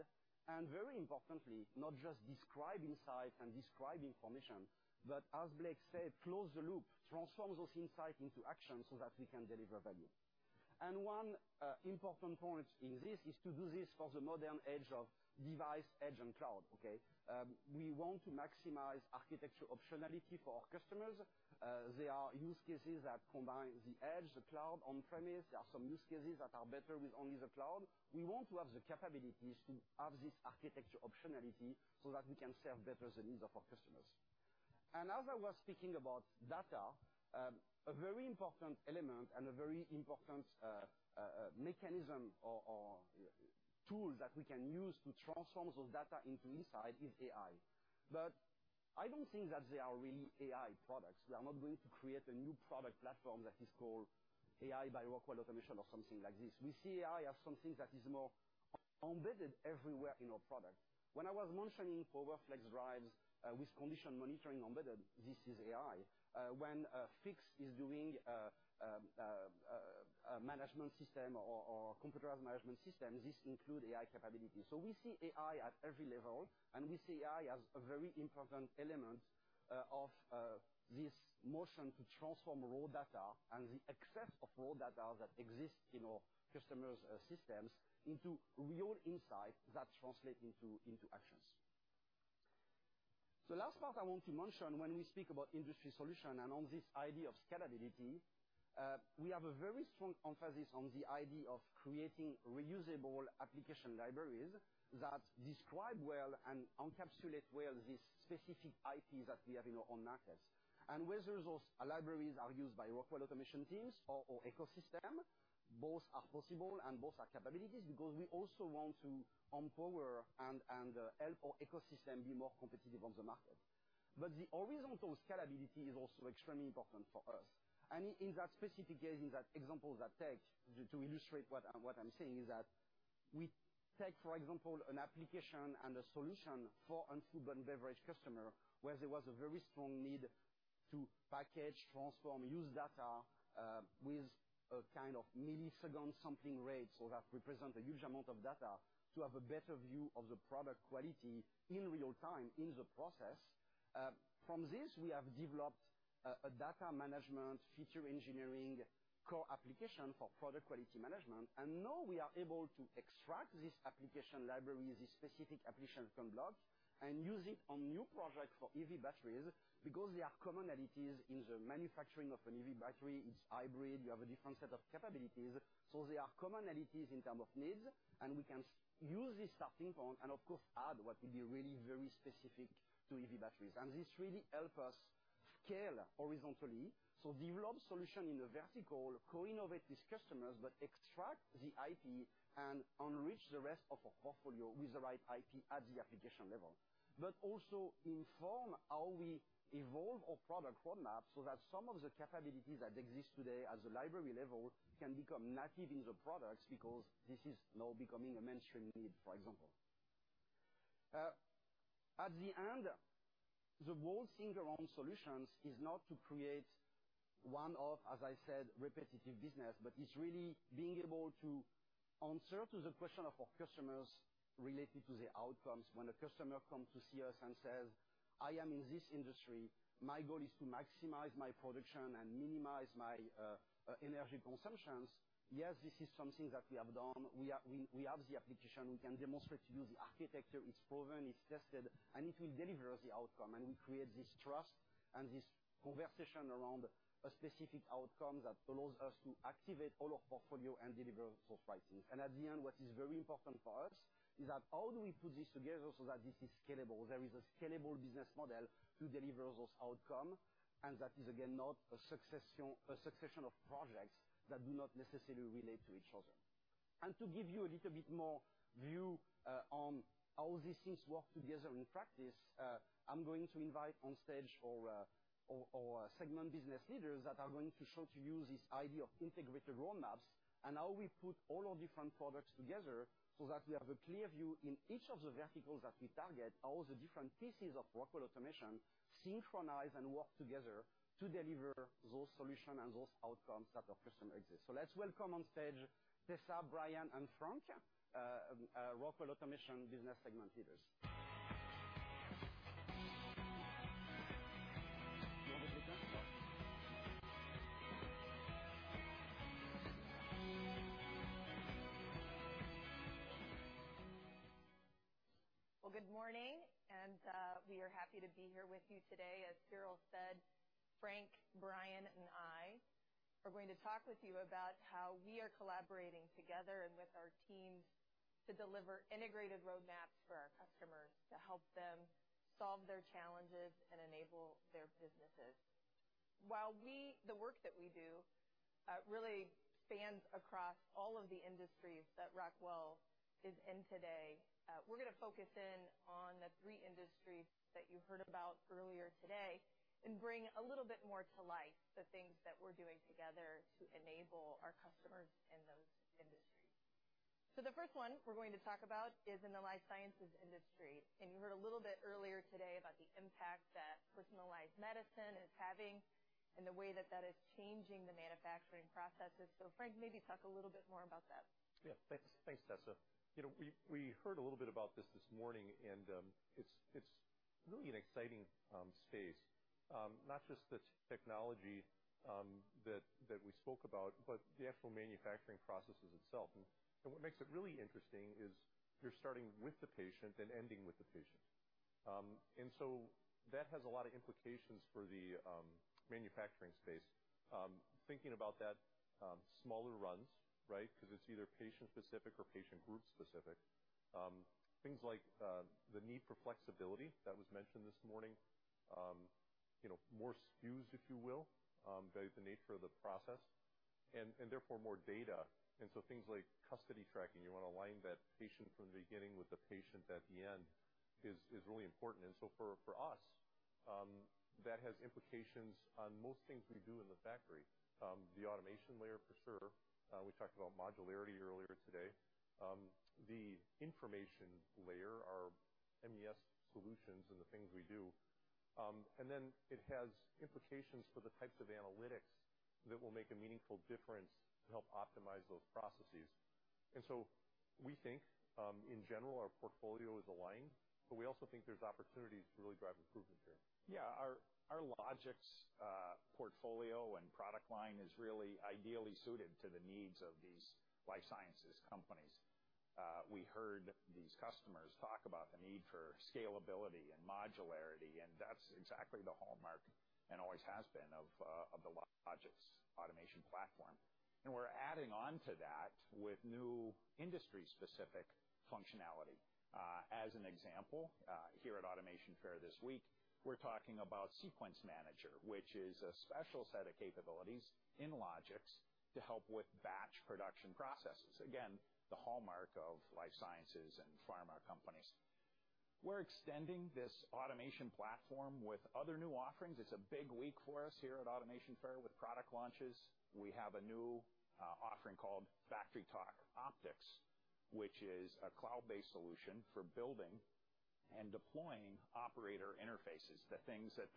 Speaker 7: and very importantly, not just describe insight and describe information, but as Blake said, close the loop, transform those insights into action so that we can deliver value. One important point in this is to do this for the modern edge of device, edge, and cloud, okay? We want to maximize architecture optionality for our customers. There are use cases that combine the edge, the cloud on-premise. There are some use cases that are better with only the cloud. We want to have the capabilities to have this architecture optionality so that we can serve better the needs of our customers. As I was speaking about data, a very important element and mechanism or tool that we can use to transform those data into insight is AI. I don't think that they are really AI products. We are not going to create a new product platform that is called AI by Rockwell Automation or something like this. We see AI as something that is more embedded everywhere in our product. When I was mentioning PowerFlex drives with condition monitoring embedded, this is AI. When Fiix is doing a management system or computerized management system, this include AI capabilities. We see AI at every level, and we see AI as a very important element of this motion to transform raw data and the excess of raw data that exists in our customers' systems into real insight that translate into actions. The last part I want to mention when we speak about industry solution and on this idea of scalability, we have a very strong emphasis on the idea of creating reusable application libraries that describe well and encapsulate well the specific IPs that we have in our own markets. Whether those libraries are used by Rockwell Automation teams or ecosystem, both are possible and both are capabilities, because we also want to empower and help our ecosystem be more competitive on the market. The horizontal scalability is also extremely important for us. In that specific case, in that example that I take to illustrate what I'm saying is that we take, for example, an application and a solution for a food and beverage customer, where there was a very strong need to package, transform, use data with a kind of millisecond sampling rate. That represent a huge amount of data to have a better view of the product quality in real time in the process. From this, we have developed a data management feature engineering core application for product quality management, and now we are able to extract this application library, this specific application from blocks, and use it on new projects for EV batteries because there are commonalities in the manufacturing of an EV battery. It's hybrid, you have a different set of capabilities. There are commonalities in terms of needs, and we can use this starting point and of course add what will be really very specific to EV batteries. This really helps us scale horizontally. Develop solutions in a vertical, co-innovate with customers, but extract the IP and enrich the rest of our portfolio with the right IP at the application level. This also informs how we evolve our product roadmap, so that some of the capabilities that exist today at the library level can become native in the products, because this is now becoming a mainstream need, for example. In the end, the whole thing around solutions is not to create one-off, as I said, repetitive business, but it's really being able to answer to the question of our customers related to the outcomes. When a customer comes to see us and says, "I am in this industry, my goal is to maximize my production and minimize my energy consumptions." Yes, this is something that we have done. We have the application, we can demonstrate to you the architecture. It's proven, it's tested, and it will deliver the outcome. We create this trust and this conversation around a specific outcome that allows us to activate all our portfolio and deliver those findings. At the end, what is very important to us is that how do we put this together so that this is scalable, there is a scalable business model to deliver those outcomes, and that is again, not a succession of projects that do not necessarily relate to each other. To give you a little bit more view on how these things work together in practice, I'm going to invite on stage our segment business leaders that are going to show to you this idea of integrated roadmaps and how we put all our different products together so that we have a clear view in each of the verticals that we target, all the different pieces of Rockwell Automation synchronize and work together to deliver those solutions and those outcomes that our customers expect. Let's welcome on stage Tessa, Brian and Frank, Rockwell Automation business segment leaders. You want to do the intro?
Speaker 8: Well, good morning. We are happy to be here with you today. As Cyril said, Frank, Brian and I are going to talk with you about how we are collaborating together and with our teams to deliver integrated roadmaps for our customers to help them solve their challenges and enable their businesses. The work that we do really spans across all of the industries that Rockwell is in today. We're gonna focus in on the three industries that you heard about earlier today and bring a little bit more to life the things that we're doing together to enable our customers in those industries. The first one we're going to talk about is in the life sciences industry. You heard a little bit earlier today about the impact that personalized medicine is having and the way that that is changing the manufacturing processes. Frank, maybe talk a little bit more about that.
Speaker 1: Yeah. Thanks, Tessa. You know, we heard a little bit about this morning, and it's really an exciting space. Not just the technology that we spoke about, but the actual manufacturing processes itself. What makes it really interesting is you're starting with the patient and ending with the patient. That has a lot of implications for the manufacturing space. Thinking about that, smaller runs, right? 'Cause it's either patient specific or patient group specific. Things like the need for flexibility that was mentioned this morning, you know, more SKUs, if you will, by the nature of the process, and therefore more data. Things like custody tracking, you wanna align that patient from the beginning with the patient at the end is really important. For us, that has implications on most things we do in the factory. The automation layer for sure. We talked about modularity earlier today. The information layer, our MES solutions and the things we do. It has implications for the types of analytics that will make a meaningful difference to help optimize those processes. We think, in general, our portfolio is aligned, but we also think there's opportunities to really drive improvement here.
Speaker 9: Yeah. Our Logix portfolio and product line is really ideally suited to the needs of these life sciences companies. We heard these customers talk about the need for scalability and modularity, and that's exactly the hallmark and always has been of the Logix automation platform. We're adding on to that with new industry-specific functionality. As an example, here at Automation Fair this week, we're talking about Sequence Manager, which is a special set of capabilities in Logix to help with batch production processes. Again, the hallmark of life sciences and pharma companies. We're extending this automation platform with other new offerings. It's a big week for us here at Automation Fair with product launches. We have a new offering called FactoryTalk Optix, which is a cloud-based solution for building and deploying operator interfaces, the things that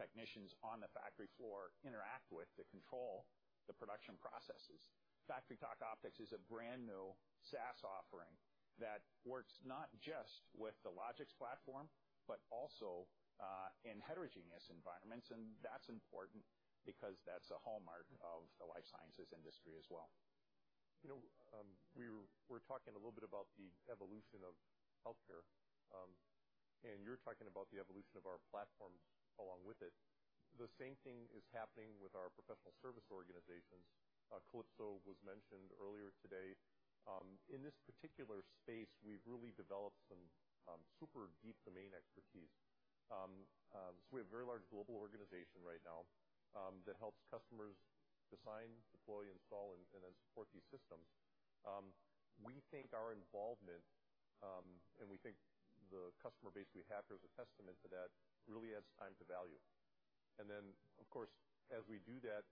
Speaker 9: technicians on the factory floor interact with to control the production processes. FactoryTalk Optix is a brand new SaaS offering that works not just with the Logix platform, but also in heterogeneous environments. That's important because that's a hallmark of the life sciences industry as well.
Speaker 1: You know, we were talking a little bit about the evolution of healthcare, and you're talking about the evolution of our platforms along with it. The same thing is happening with our professional service organizations. Kalypso was mentioned earlier today. In this particular space, we've really developed some super deep domain expertise. So we have a very large global organization right now that helps customers design, deploy, install, and then support these systems. We think our involvement and we think the customer base we have here as a testament to that really adds time to value. Then of course, as we do that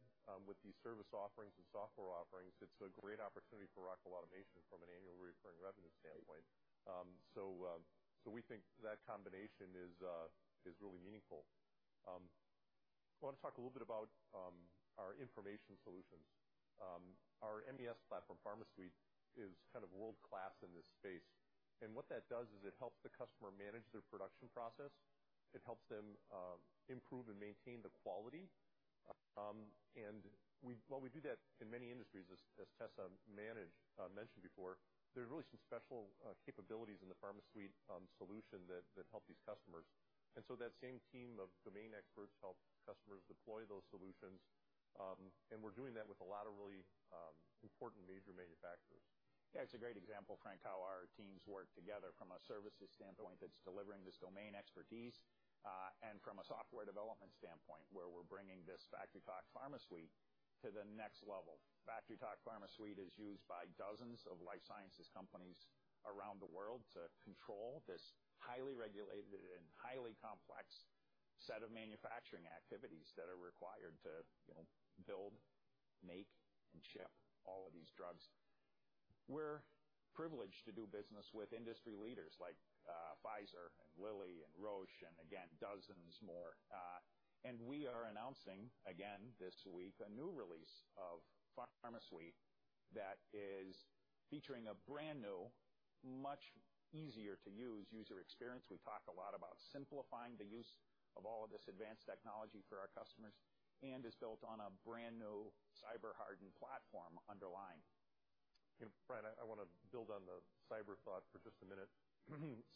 Speaker 1: with these service offerings and software offerings, it's a great opportunity for Rockwell Automation from an annual recurring revenue standpoint. So we think that combination is really meaningful. I wanna talk a little bit about our information solutions. Our MES platform, PharmaSuite, is kind of world-class in this space. What that does is it helps the customer manage their production process. It helps them improve and maintain the quality. While we do that in many industries, as Tessa mentioned before, there's really some special capabilities in the PharmaSuite solution that help these customers. That same team of domain experts help customers deploy those solutions. We're doing that with a lot of really important major manufacturers.
Speaker 9: Yeah, it's a great example, Frank, how our teams work together from a services standpoint that's delivering this domain expertise, and from a software development standpoint, where we're bringing this FactoryTalk PharmaSuite to the next level. FactoryTalk PharmaSuite is used by dozens of life sciences companies around the world to control this highly regulated and highly complex set of manufacturing activities that are required to, you know, build, make, and ship all of these drugs. We're privileged to do business with industry leaders like Pfizer and Lilly and Roche and again, dozens more. We are announcing again this week, a new release of PharmaSuite that is featuring a brand-new much easier to use user experience. We talk a lot about simplifying the use of all of this advanced technology for our customers and is built on a brand-new cyber hardened platform underlying.
Speaker 1: Brian, I wanna build on the cyber thought for just a minute.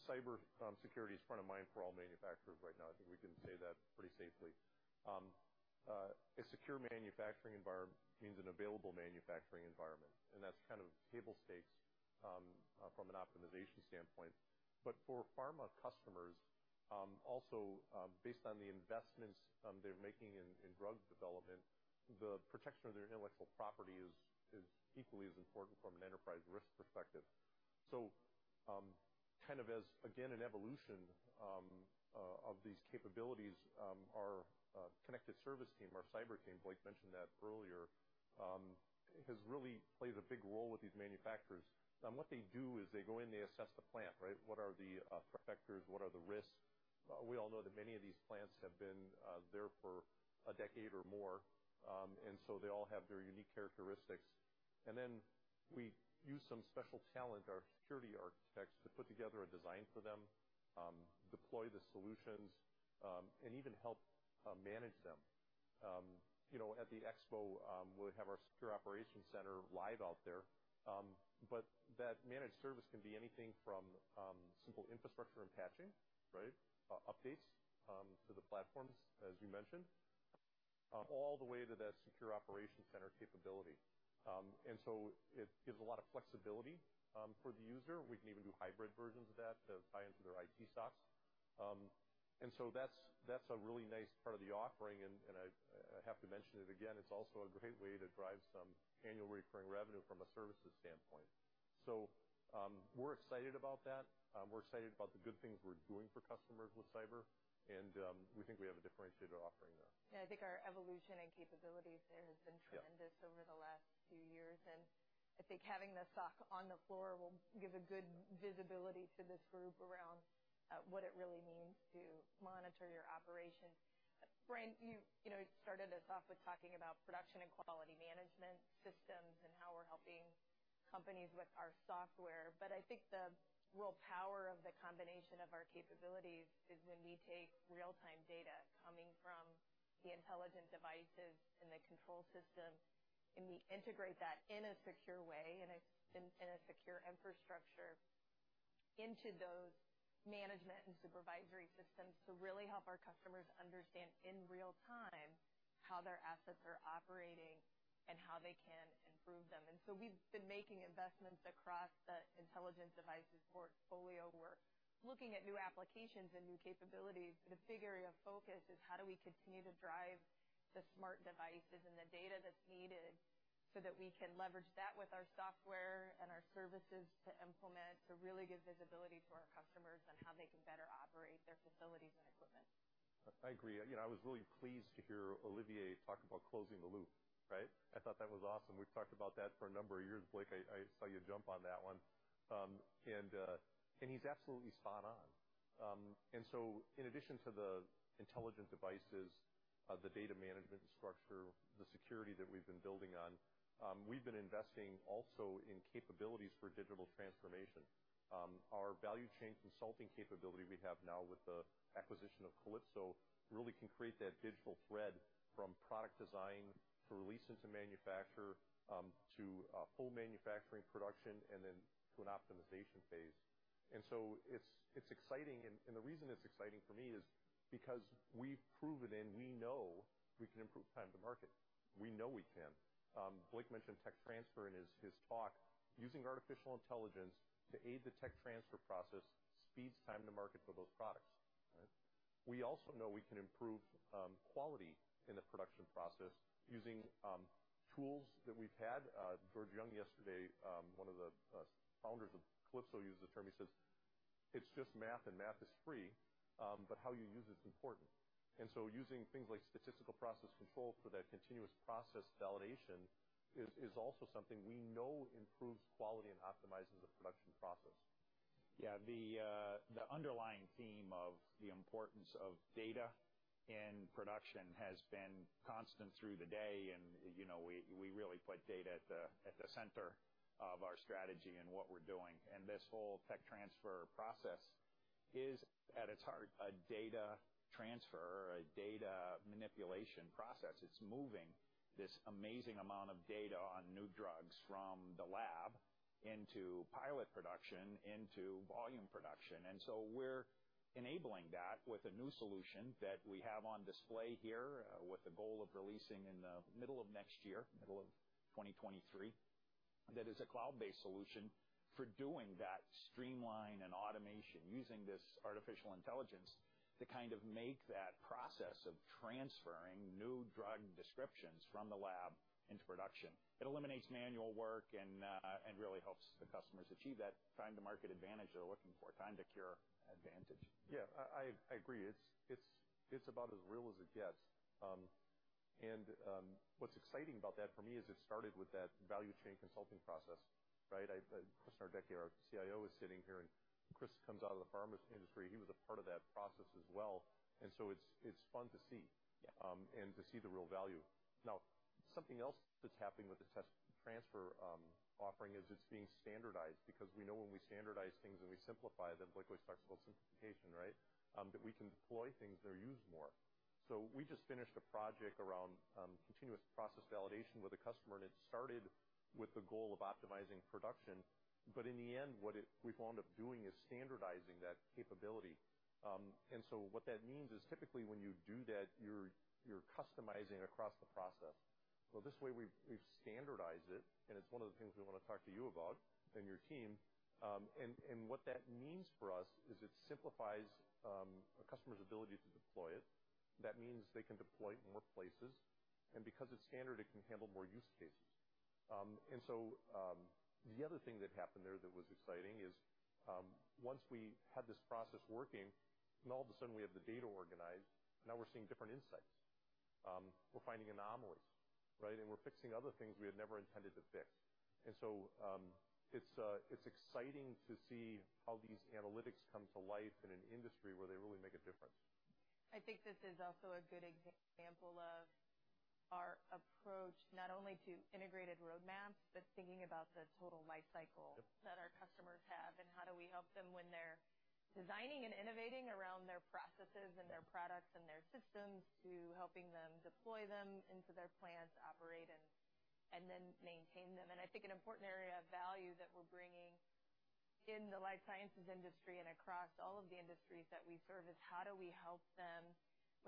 Speaker 1: Cyber security is front of mind for all manufacturers right now. I think we can say that pretty safely. A secure manufacturing environment means an available manufacturing environment, and that's kind of table stakes from an optimization standpoint. But for pharma customers, also, based on the investments they're making in drug development, the protection of their intellectual property is equally as important from an enterprise risk perspective. Kind of as, again, an evolution of these capabilities, our connected service team, our cyber team, Blake mentioned that earlier, has really played a big role with these manufacturers. What they do is they go in, they assess the plant, right? What are the factors? What are the risks? We all know that many of these plants have been there for a decade or more. They all have their unique characteristics. We use some special talent, our security architects, to put together a design for them, deploy the solutions, and even help manage them. You know, at the expo, we'll have our secure operations center live out there. That managed service can be anything from simple infrastructure and patching, right? Updates to the platforms, as you mentioned, all the way to that secure operations center capability. It gives a lot of flexibility for the user. We can even do hybrid versions of that to tie into their IT stacks. That's a really nice part of the offering. I have to mention it again, it's also a great way to drive some annual recurring revenue from a services standpoint. We're excited about that. We're excited about the good things we're doing for customers with cyber, and we think we have a differentiated offering there.
Speaker 8: Yeah. I think our evolution and capabilities there has been.
Speaker 1: Yeah.
Speaker 8: Tremendous over the last few years. I think having the SOC on the floor will give a good visibility to this group around what it really means to monitor your operations. Brian, you know, started us off with talking about production and quality management systems and how we're helping companies with our software. I think the real power of the combination of our capabilities is when we take real-time data coming from the intelligent devices and the control system, and we integrate that in a secure way, in a secure infrastructure into those management and supervisory systems to really help our customers understand in real time how their assets are operating and how they can improve them. We've been making investments across the intelligent devices portfolio. We're looking at new applications and new capabilities, but the big area of focus is how do we continue to drive the smart devices and the data that's needed so that we can leverage that with our software and our services to implement, to really give visibility to our customers on how they can better operate their facilities and equipment.
Speaker 1: I agree. You know, I was really pleased to hear Olivier talk about closing the loop, right? I thought that was awesome. We've talked about that for a number of years. Blake, I saw you jump on that one. And he's absolutely spot on. In addition to the intelligent devices, the data management structure, the security that we've been building on, we've been investing also in capabilities for digital transformation. Our value chain consulting capability we have now with the acquisition of Kalypso really can create that digital thread from product design to release into manufacture, to full manufacturing production and then to an optimization phase. It's exciting. The reason it's exciting for me is because we've proven and we know we can improve time to market. We know we can. Blake mentioned tech transfer in his talk. Using artificial intelligence to aid the tech transfer process speeds time to market for those products. All right. We also know we can improve quality in the production process using tools that we've had. George Young yesterday, one of the founders of Kalypso, used the term, he says, "It's just math, and math is free. But how you use it is important." Using things like Statistical Process Control for that continuous process validation is also something we know improves quality and optimizes the production process.
Speaker 9: Yeah. The underlying theme of the importance of data in production has been constant through the day. You know, we really put data at the center of our strategy and what we're doing. This whole tech transfer process is, at its heart, a data transfer or a data manipulation process. It's moving this amazing amount of data on new drugs from the lab into pilot production into volume production. We're enabling that with a new solution that we have on display here, with the goal of releasing in the middle of next year, middle of 2023. That is a cloud-based solution for doing that streamlining and automation using this artificial intelligence to kind of make that process of transferring new drug descriptions from the lab into production. It eliminates manual work and really helps the customers achieve that time to market advantage they're looking for, time to cure advantage.
Speaker 1: Yeah, I agree. It's about as real as it gets. What's exciting about that for me is it started with that value chain consulting process, right? Christopher Nardecchia, our CIO, is sitting here, and Chris comes out of the pharma industry. He was a part of that process as well. It's fun to see.
Speaker 9: Yeah.
Speaker 1: To see the real value. Now, something else that's happening with the test transfer offering is it's being standardized because we know when we standardize things and we simplify them. Blake always talks about simplification, right, that we can deploy things that are used more. We just finished a project around continuous process validation with a customer, and it started with the goal of optimizing production. In the end, what we've wound up doing is standardizing that capability. What that means is typically when you do that, you're customizing across the process. This way we've standardized it, and it's one of the things we want to talk to you about and your team. What that means for us is it simplifies a customer's ability to deploy it. That means they can deploy it in more places. Because it's standard, it can handle more use cases. The other thing that happened there that was exciting is once we had this process working, and all of a sudden we had the data organized, now we're seeing different insights. We're finding anomalies, right? We're fixing other things we had never intended to fix. It's exciting to see how these analytics come to life in an industry where they really make a difference.
Speaker 8: I think this is also a good example of our approach, not only to integrated roadmaps, but thinking about the total lifecycle.
Speaker 1: Yep.
Speaker 8: that our customers have and how do we help them when they're designing and innovating around their processes and their products and their systems to helping them deploy them into their plants, operate and then maintain them? I think an important area of value that we're bringing in the life sciences industry and across all of the industries that we serve is how do we help them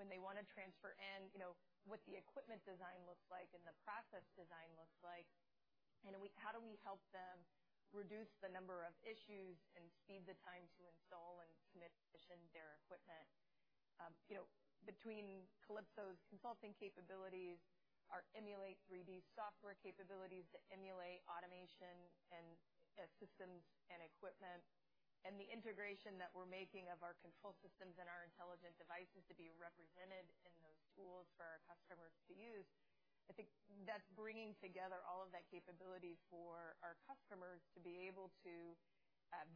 Speaker 8: when they wanna transfer and, you know, what the equipment design looks like and the process design looks like. How do we help them reduce the number of issues and speed the time to install and commission their equipment? You know, between Kalypso's consulting capabilities, our Emulate3D software capabilities to emulate automation and systems and equipment, and the integration that we're making of our control systems and our intelligent devices to be represented in those tools for our customers to use. I think that's bringing together all of that capability for our customers to be able to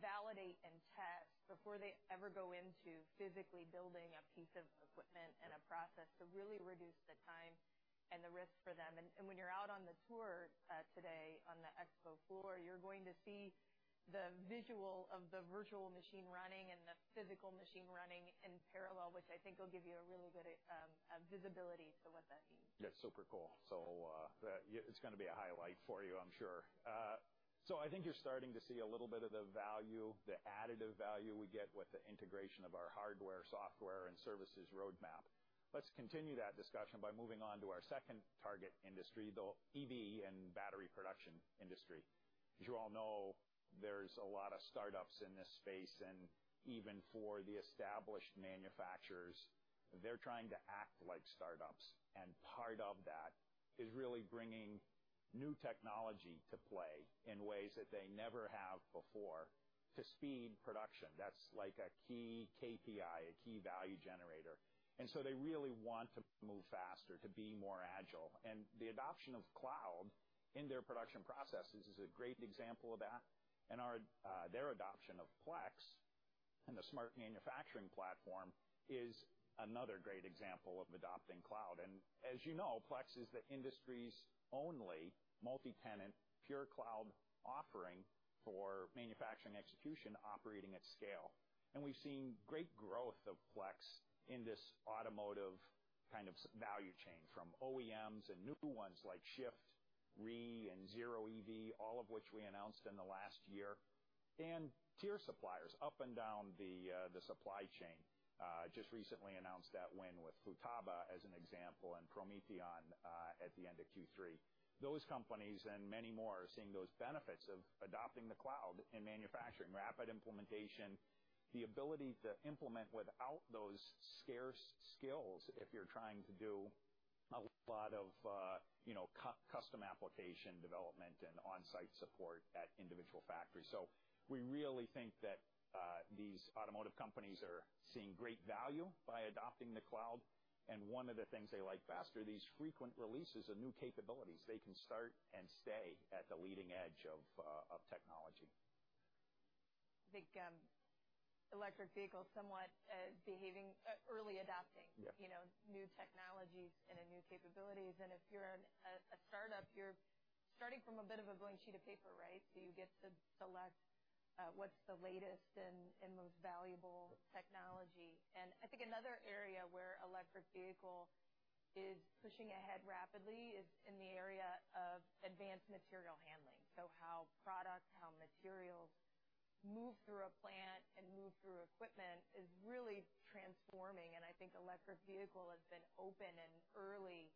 Speaker 8: validate and test before they ever go into physically building a piece of equipment and a process to really reduce the time and the risk for them. When you're out on the tour today, on the expo floor, you're going to see the visual of the virtual machine running and the physical machine running in parallel, which I think will give you a really good visibility to what that means.
Speaker 9: Yeah, super cool. It's gonna be a highlight for you, I'm sure. I think you're starting to see a little bit of the value, the additive value we get with the integration of our hardware, software, and services roadmap. Let's continue that discussion by moving on to our second target industry, the EV and battery production industry. As you all know, there's a lot of startups in this space. Even for the established manufacturers, they're trying to act like startups. Part of that is really bringing new technology to play in ways that they never have before to speed production. That's like a key KPI, a key value generator. They really want to move faster, to be more agile. The adoption of cloud in their production processes is a great example of that. Their adoption of Plex and the smart manufacturing platform is another great example of adopting cloud. As you know, Plex is the industry's only multi-tenant, pure cloud offering for manufacturing execution operating at scale. We've seen great growth of Plex in this automotive kind of value chain, from OEMs and new ones like REE, REE, and Zero EV, all of which we announced in the last year. Tier suppliers up and down the supply chain. Just recently announced that win with Futaba as an example, and Prometeon at the end of Q3. Those companies and many more are seeing those benefits of adopting the cloud in manufacturing. Rapid implementation, the ability to implement without those scarce skills if you're trying to do a lot of, you know, custom application development and on-site support at individual factories. We really think that these automotive companies are seeing great value by adopting the cloud. One of the things they like best are these frequent releases of new capabilities. They can start and stay at the leading edge of technology.
Speaker 8: I think electric vehicles somewhat early adopting.
Speaker 9: Yeah.
Speaker 8: You know, new technologies and new capabilities. If you're starting from a bit of a blank sheet of paper, right? You get to select what's the latest and most valuable technology. I think another area where electric vehicle is pushing ahead rapidly is in the area of advanced material handling. How products, how materials move through a plant and move through equipment is really transforming. I think electric vehicle has been open and early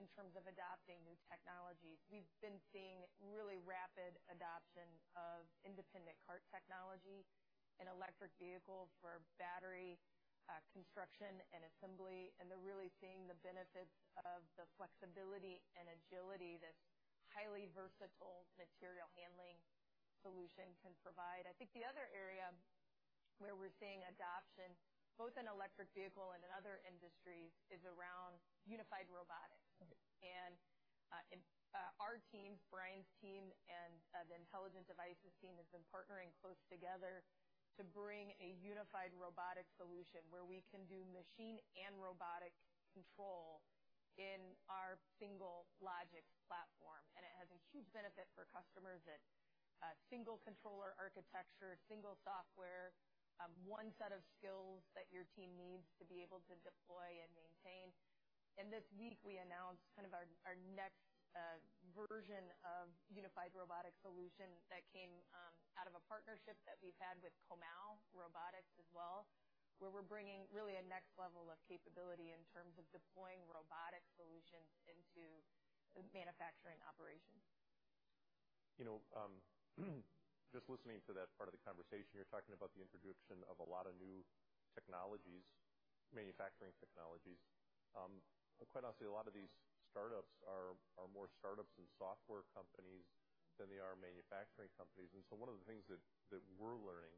Speaker 8: in terms of adopting new technologies. We've been seeing really rapid adoption of Independent Cart Technology in electric vehicles for battery construction and assembly. They're really seeing the benefits of the flexibility and agility this highly versatile material handling solution can provide. I think the other area where we're seeing adoption, both in electric vehicle and in other industries, is around unified robotics.
Speaker 1: Okay.
Speaker 8: In our team, Brian's team, and the Intelligent Devices team has been partnering close together to bring a unified robotic solution where we can do machine and robotic control in our single Logix platform. It has a huge benefit for customers. It single controller architecture, single software, one set of skills that your team needs to be able to deploy and maintain. This week, we announced kind of our next version of unified robotic solution that came out of a partnership that we've had with Comau as well, where we're bringing really a next level of capability in terms of deploying robotic solutions into manufacturing operations.
Speaker 1: You know, just listening to that part of the conversation, you're talking about the introduction of a lot of new technologies, manufacturing technologies. Quite honestly, a lot of these startups are more startups and software companies than they are manufacturing companies. One of the things that we're learning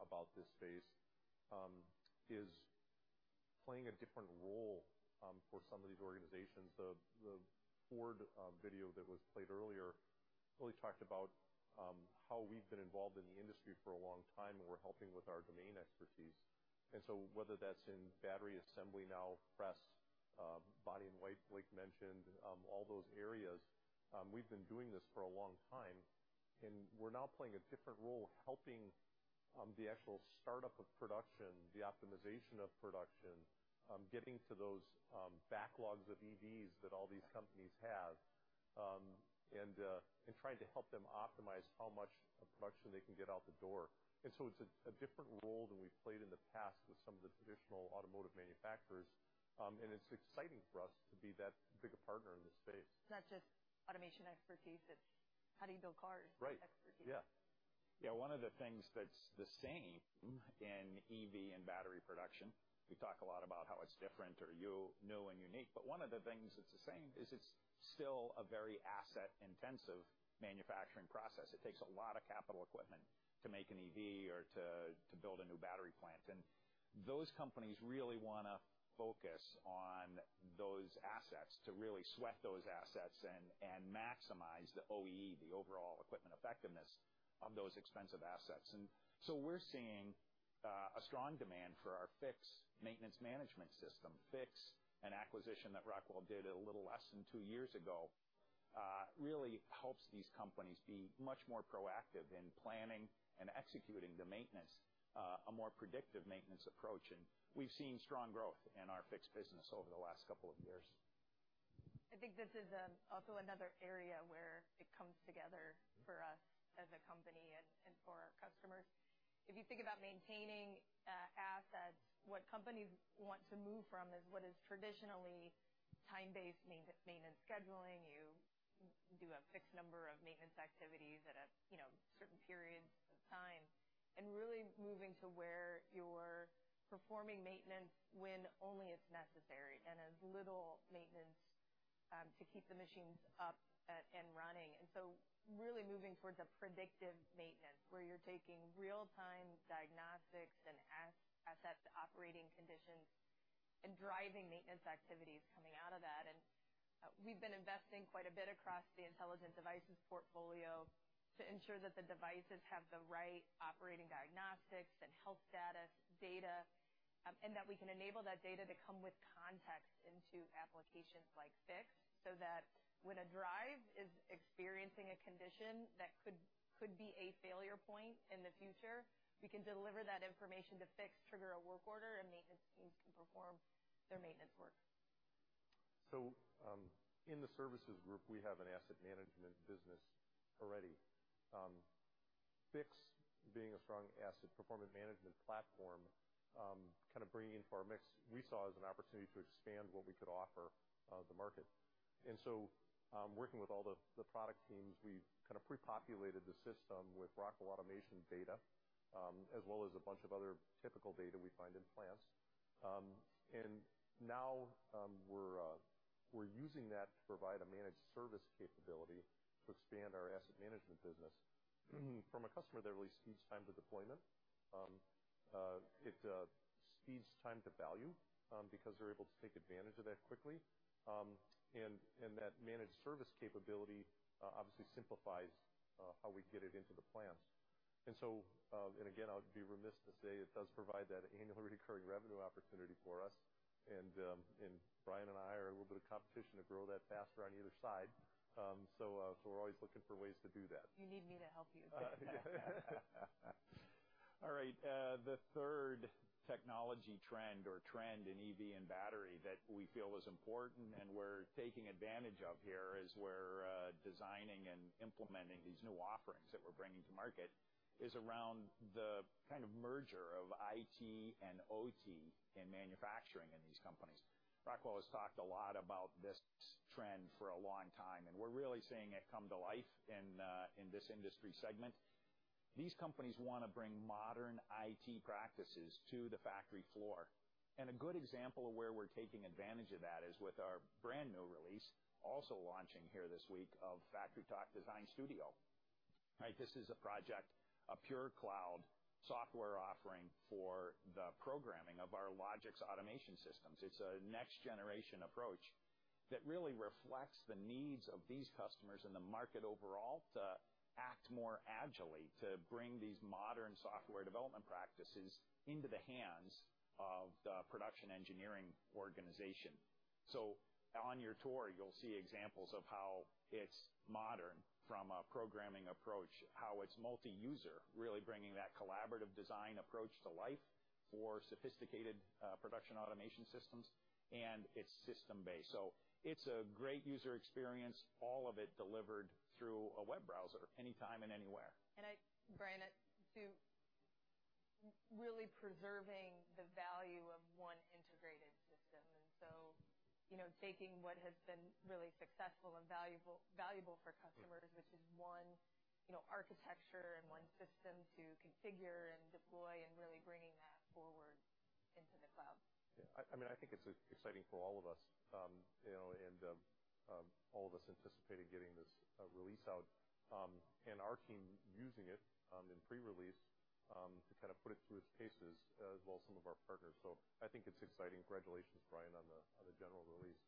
Speaker 1: about this space is playing a different role for some of these organizations. The Ford video that was played earlier really talked about how we've been involved in the industry for a long time, and we're helping with our domain expertise. Whether that's in battery assembly now, press, body-in-white, like mentioned, all those areas, we've been doing this for a long time, and we're now playing a different role, helping the actual startup of production, the optimization of production, getting to those backlogs of EVs that all these companies have, and trying to help them optimize how much of production they can get out the door. It's a different role than we've played in the past with some of the traditional automotive manufacturers, and it's exciting for us to be that big a partner in this space.
Speaker 8: It's not just automation expertise, it's how do you build cars?
Speaker 1: Right.
Speaker 8: -expertise.
Speaker 1: Yeah.
Speaker 9: Yeah, one of the things that's the same in EV and battery production. We talk a lot about how it's different or you know, new and unique, but one of the things that's the same is it's still a very asset-intensive manufacturing process. It takes a lot of capital equipment to make an EV or to build a new battery plant. Those companies really wanna focus on those assets, to really sweat those assets and maximize the OEE, the overall equipment effectiveness of those expensive assets. We're seeing a strong demand for our Fiix maintenance management system. Fiix, an acquisition that Rockwell did a little less than two years ago, really helps these companies be much more proactive in planning and executing the maintenance, a more predictive maintenance approach. We've seen strong growth in our Fiix business over the last couple of years.
Speaker 8: I think this is also another area where it comes together for us as a company and for our customers. If you think about maintaining assets, what companies want to move from is what is traditionally time-based maintenance scheduling. You do a fixed number of maintenance activities at a you know certain periods of time. Really moving to where you're performing maintenance when only it's necessary and as little maintenance to keep the machines up and running. Really moving towards a predictive maintenance, where you're taking real-time diagnostics and assets operating conditions and driving maintenance activities coming out of that. We've been investing quite a bit across the Intelligent Devices portfolio to ensure that the devices have the right operating diagnostics and health status data, and that we can enable that data to come with context into applications like Fiix, so that when a drive is experiencing a condition that could be a failure point in the future, we can deliver that information to Fiix, trigger a work order, and maintenance teams can perform their maintenance work.
Speaker 1: In the services group, we have an asset management business already. Fiix being a strong asset performance management platform, kind of bringing into our mix, we saw as an opportunity to expand what we could offer, the market. Working with all the product teams, we've kind of pre-populated the system with Rockwell Automation data, as well as a bunch of other typical data we find in plants. Now, we're using that to provide a managed service capability to expand our asset management business. From a customer, that really speeds time to deployment. It speeds time to value, because they're able to take advantage of that quickly. That managed service capability obviously simplifies how we get it into the plants. I'll be remiss to say it does provide that annually recurring revenue opportunity for us. Brian and I are a little bit in competition to grow that faster on either side. We're always looking for ways to do that.
Speaker 8: You need me to help you with that.
Speaker 9: All right. The third technology trend in EV and battery that we feel is important and we're taking advantage of here is we're designing and implementing these new offerings that we're bringing to market is around the kind of merger of IT and OT in manufacturing in these companies. Rockwell has talked a lot about this trend for a long time, and we're really seeing it come to life in this industry segment. These companies wanna bring modern IT practices to the factory floor. A good example of where we're taking advantage of that is with our brand new release, also launching here this week, of FactoryTalk Design Studio. Right. This is a project, a pure cloud software offering for the programming of our Logix automation systems. It's a next generation approach that really reflects the needs of these customers and the market overall to act more agilely, to bring these modern software development practices into the hands of the production engineering organization. On your tour, you'll see examples of how it's modern from a programming approach, how it's multi-user, really bringing that collaborative design approach to life for sophisticated production automation systems, and it's system based. It's a great user experience, all of it delivered through a web browser anytime and anywhere.
Speaker 8: Brian, really preserving the value of one integrated system, and so, you know, taking what has been really successful and valuable for customers.
Speaker 1: Yeah.
Speaker 8: which is one, you know, architecture and one system to configure and deploy and really bringing that forward into the cloud.
Speaker 1: Yeah. I mean, I think it's exciting for all of us. You know, all of us anticipated getting this release out, and our team using it in pre-release to kind of put it through its paces, as well as some of our partners. I think it's exciting. Congratulations, Brian, on the general release.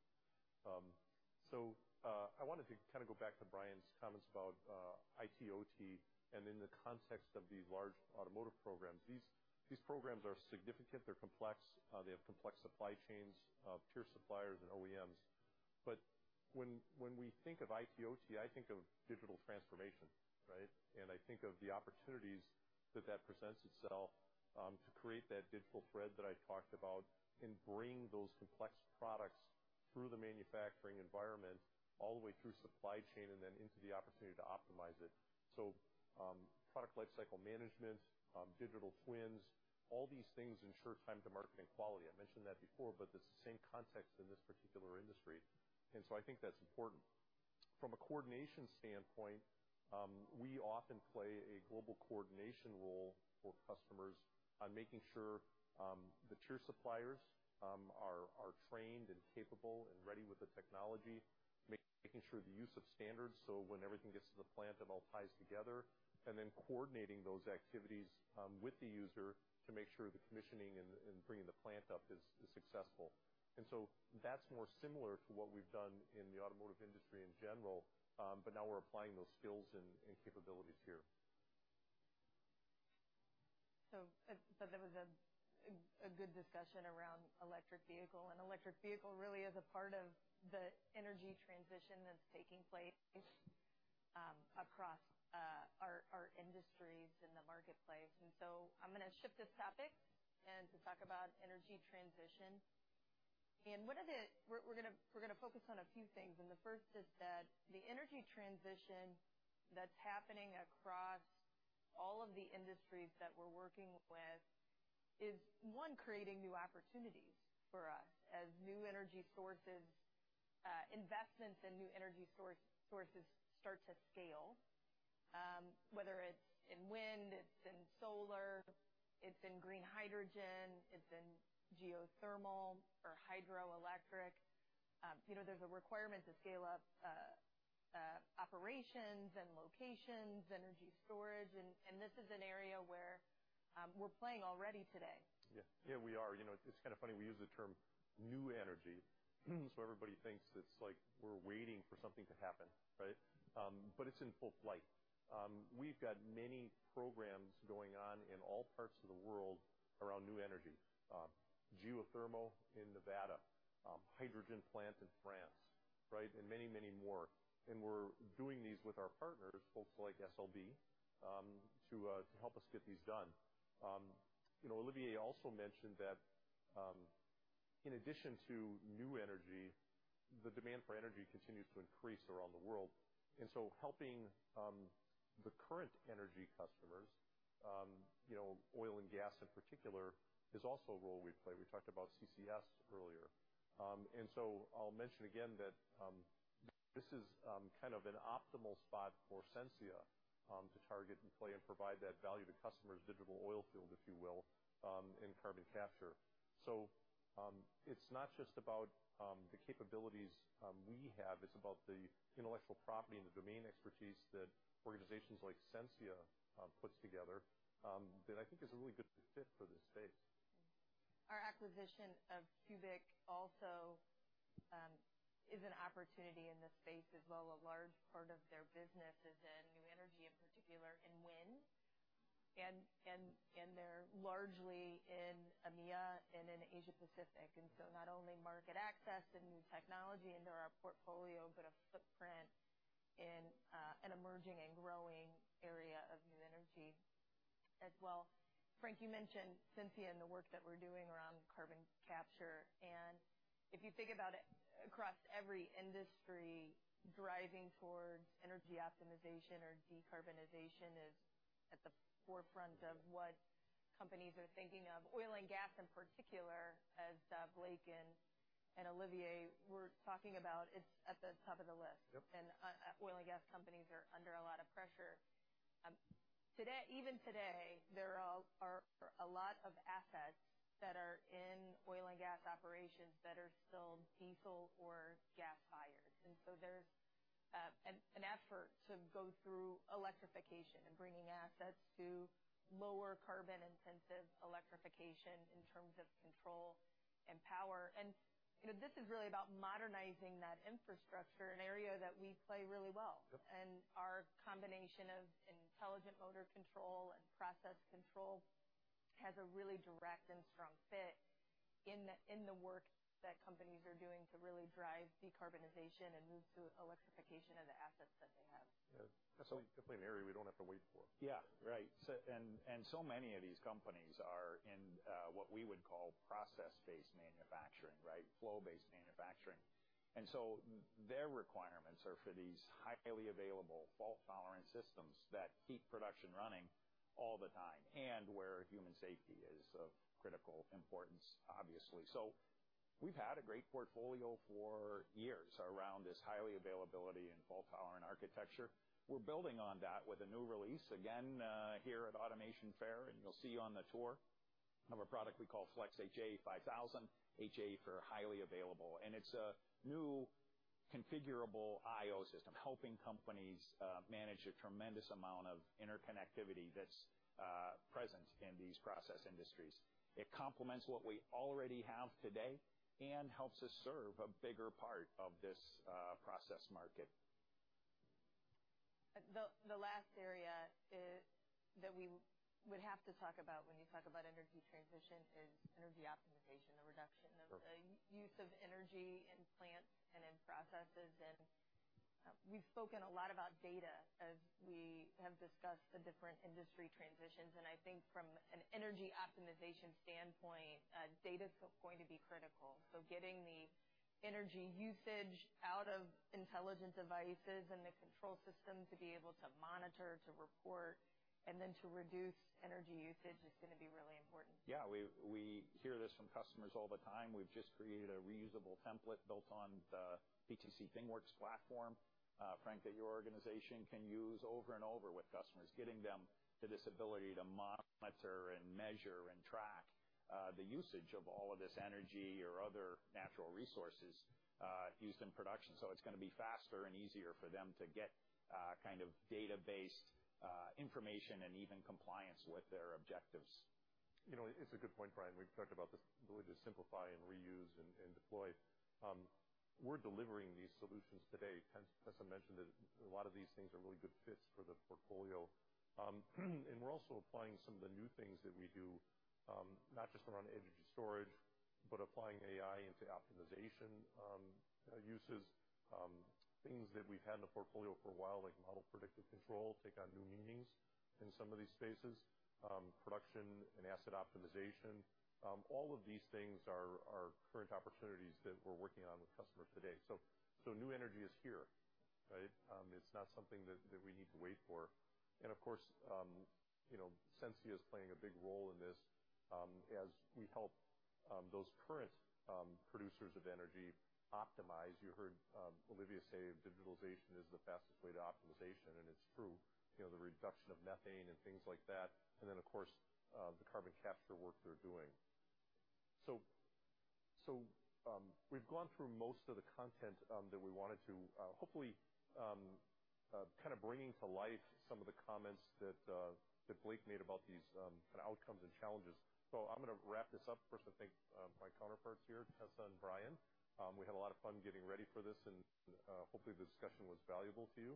Speaker 1: I wanted to kind of go back to Brian's comments about IT/OT and in the context of these large automotive programs. These programs are significant. They're complex. They have complex supply chains, tier suppliers and OEMs. When we think of IT/OT, I think of digital transformation, right? I think of the opportunities that presents itself to create that digital thread that I talked about and bring those complex products through the manufacturing environment all the way through supply chain and then into the opportunity to optimize it. Product lifecycle management, digital twins, all these things ensure time to market and quality. I mentioned that before, but it's the same context in this particular industry. I think that's important. From a coordination standpoint, we often play a global coordination role for customers on making sure the tier suppliers are trained and capable and ready with the technology, making sure the use of standards, so when everything gets to the plant, it all ties together, and then coordinating those activities with the user to make sure the commissioning and bringing the plant up is successful. That's more similar to what we've done in the automotive industry in general, but now we're applying those skills and capabilities here.
Speaker 8: That was a good discussion around electric vehicle, and electric vehicle really is a part of the energy transition that's taking place across our industries in the marketplace. I'm gonna shift this topic to talk about energy transition. We're gonna focus on a few things, and the first is that the energy transition that's happening across all of the industries that we're working with is creating new opportunities for us as new energy sources investments in new energy sources start to scale, whether it's in wind, it's in solar, it's in green hydrogen, it's in geothermal or hydroelectric. You know, there's a requirement to scale up operations and locations, energy storage, and this is an area where we're playing already today.
Speaker 1: Yeah. Yeah, we are. You know, it's kind of funny, we use the term new energy, so everybody thinks it's like we're waiting for something to happen, right? But it's in full flight. We've got many programs going on in all parts of the world around new energy. Geothermal in Nevada, hydrogen plant in France, right, and many, many more. We're doing these with our partners, folks like SLB, to help us get these done. You know, Olivier also mentioned that, in addition to new energy, the demand for energy continues to increase around the world. Helping the current energy customers, you know, oil and gas in particular, is also a role we play. We talked about CCS earlier. I'll mention again that this is kind of an optimal spot for Sensia to target and play and provide that value to customers, digital oil field, if you will, in carbon capture. It's not just about the capabilities we have. It's about the intellectual property and the domain expertise that organizations like Sensia puts together that I think is a really good fit for this space.
Speaker 8: Our acquisition of CUBIC also is an opportunity in this space as well. A large part of their business is in new energy, in particular in wind, and they're largely in EMEA and in Asia-Pacific. Not only market access and new technology into our portfolio, but a footprint in an emerging and growing area of new energy as well. Frank, you mentioned Sensia and the work that we're doing around carbon capture. If you think about it across every industry, driving towards energy optimization or decarbonization is at the forefront of what companies are thinking of. Oil and gas, in particular, as Blake and Olivier were talking about, it's at the top of the list.
Speaker 1: Yep.
Speaker 8: Oil and gas companies are under a lot of pressure. Today, even today, there are a lot of assets that are in oil and gas operations that are still diesel or gas fired. There's an effort to go through electrification and bringing assets to lower carbon intensive electrification in terms of control and power. You know, this is really about modernizing that infrastructure, an area that we play really well.
Speaker 1: Yep.
Speaker 8: Our combination of intelligent motor control and process control has a really direct and strong fit in the work that companies are doing to really drive decarbonization and move to electrification of the assets that they have.
Speaker 1: Yeah. That's definitely an area we don't have to wait for.
Speaker 9: Yeah. Right. Many of these companies are in what we would call process-based manufacturing, right? Flow-based manufacturing. Their requirements are for these highly available fault-tolerant systems that keep production running all the time and where human safety is of critical importance, obviously. We've had a great portfolio for years around this high availability and fault-tolerant architecture. We're building on that with a new release, again, here at Automation Fair, and you'll see on the tour of a product we call FLEX HA 5000, HA for highly available. It's a new configurable I/O system, helping companies manage a tremendous amount of interconnectivity that's present in these process industries. It complements what we already have today and helps us serve a bigger part of this process market.
Speaker 8: The last area that we would have to talk about when you talk about energy transition is energy optimization, the reduction of
Speaker 9: Sure.
Speaker 8: The use of energy in plants and in processes. We've spoken a lot about data as we have discussed the different industry transitions. I think from an energy optimization standpoint, data is going to be critical. Getting the energy usage out of intelligent devices and the control system to be able to monitor, to report, and then to reduce energy usage is gonna be really important.
Speaker 9: Yeah. We hear this from customers all the time. We've just created a reusable template built on the PTC ThingWorx platform, Frank, that your organization can use over and over with customers, getting them to this ability to monitor and measure and track the usage of all of this energy or other natural resources used in production. It's gonna be faster and easier for them to get kind of data-based information and even compliance with their objectives.
Speaker 1: You know, it's a good point, Brian. We've talked about this ability to simplify and reuse and deploy. We're delivering these solutions today. Tessa mentioned that a lot of these things are really good fits for the portfolio. We're also applying some of the new things that we do, not just around energy storage, but applying AI into optimization uses, things that we've had in the portfolio for a while, like Model Predictive Control, take on new meanings in some of these spaces, production and asset optimization. All of these things are current opportunities that we're working on with customers today. New energy is here, right? It's not something that we need to wait for. Of course, you know, Sensia is playing a big role in this, as we help those current producers of energy optimize. You heard Olivier say digitalization is the fastest way to optimization, and it's true, you know, the reduction of methane and things like that. Of course, the carbon capture work they're doing. We've gone through most of the content that we wanted to, hopefully kind of bringing to life some of the comments that Blake made about these kind of outcomes and challenges. I'm gonna wrap this up. First, I thank my counterparts here, Tessa and Brian. We had a lot of fun getting ready for this, and hopefully the discussion was valuable to you.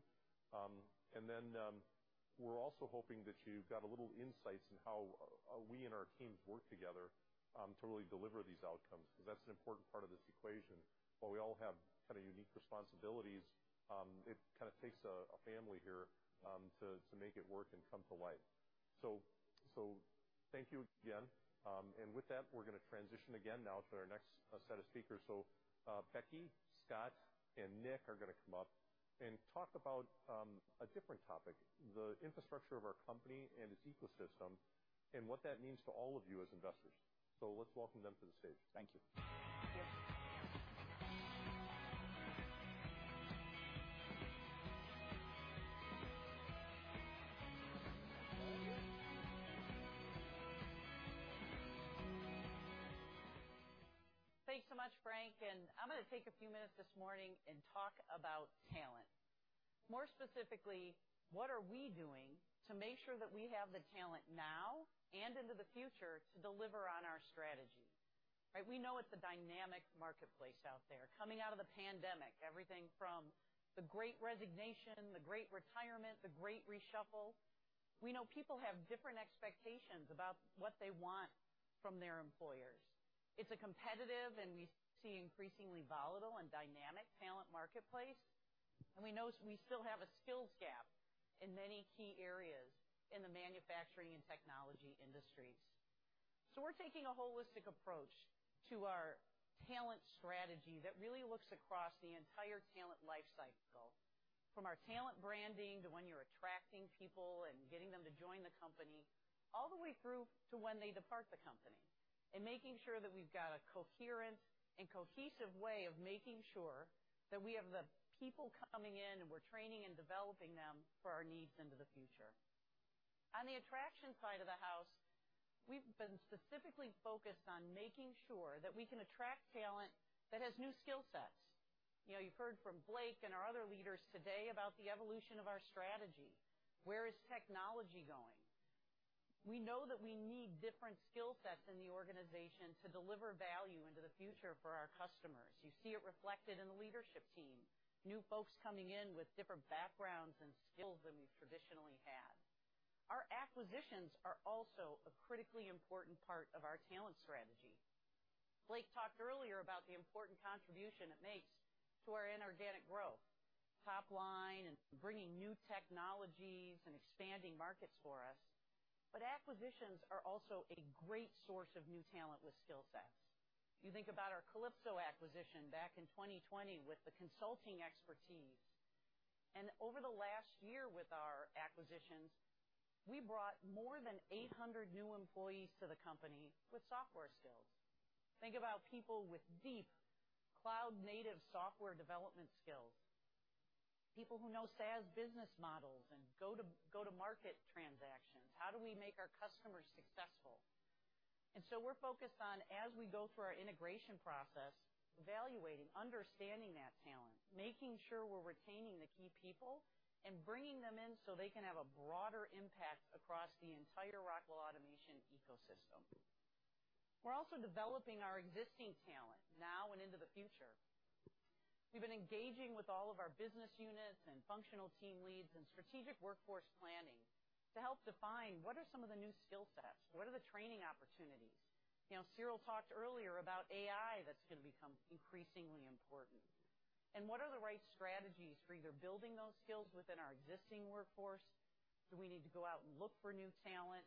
Speaker 1: We're also hoping that you've got a little insights in how we and our teams work together to really deliver these outcomes, because that's an important part of this equation. While we all have kind of unique responsibilities, it kind of takes a family here to make it work and come to life. Thank you again. With that, we're gonna transition again now to our next set of speakers. Becky, Scott, and Nick are gonna come up and talk about a different topic, the infrastructure of our company and its ecosystem and what that means to all of you as investors. Let's welcome them to the stage. Thank you.
Speaker 8: Thank you.
Speaker 10: Thanks so much, Frank. I'm gonna take a few minutes this morning and talk about talent. More specifically, what are we doing to make sure that we have the talent now and into the future to deliver on our strategy, right? We know it's a dynamic marketplace out there. Coming out of the pandemic, everything from the Great Resignation, the Great Retirement, the Great Reshuffle. We know people have different expectations about what they want from their employers. It's a competitive, and we see increasingly volatile and dynamic talent marketplace, and we know we still have a skills gap in many key areas in the manufacturing and technology industries. We're taking a holistic approach to our talent strategy that really looks across the entire talent life cycle, from our talent branding to when you're attracting people and getting them to join the company, all the way through to when they depart the company. Making sure that we've got a coherent and cohesive way of making sure that we have the people coming in, and we're training and developing them for our needs into the future. On the attraction side of the house, we've been specifically focused on making sure that we can attract talent that has new skill sets. You know, you've heard from Blake and our other leaders today about the evolution of our strategy. Where is technology going? We know that we need different skill sets in the organization to deliver value into the future for our customers. You see it reflected in the leadership team, new folks coming in with different backgrounds and skills than we've traditionally had. Our acquisitions are also a critically important part of our talent strategy. Blake talked earlier about the important contribution it makes to our inorganic growth, top line, and bringing new technologies and expanding markets for us, but acquisitions are also a great source of new talent with skill sets. You think about our Kalypso acquisition back in 2020 with the consulting expertise, and over the last year with our acquisitions, we brought more than 800 new employees to the company with software skills. Think about people with deep cloud-native software development skills, people who know SaaS business models and go-to-market transactions. How do we make our customers successful? We're focused on, as we go through our integration process, evaluating, understanding that talent, making sure we're retaining the key people and bringing them in so they can have a broader impact across the entire Rockwell Automation ecosystem. We're also developing our existing talent now and into the future. We've been engaging with all of our business units and functional team leads in strategic workforce planning to help define what are some of the new skill sets? What are the training opportunities? You know, Cyril talked earlier about AI that's gonna become increasingly important. What are the right strategies for either building those skills within our existing workforce? Do we need to go out and look for new talent?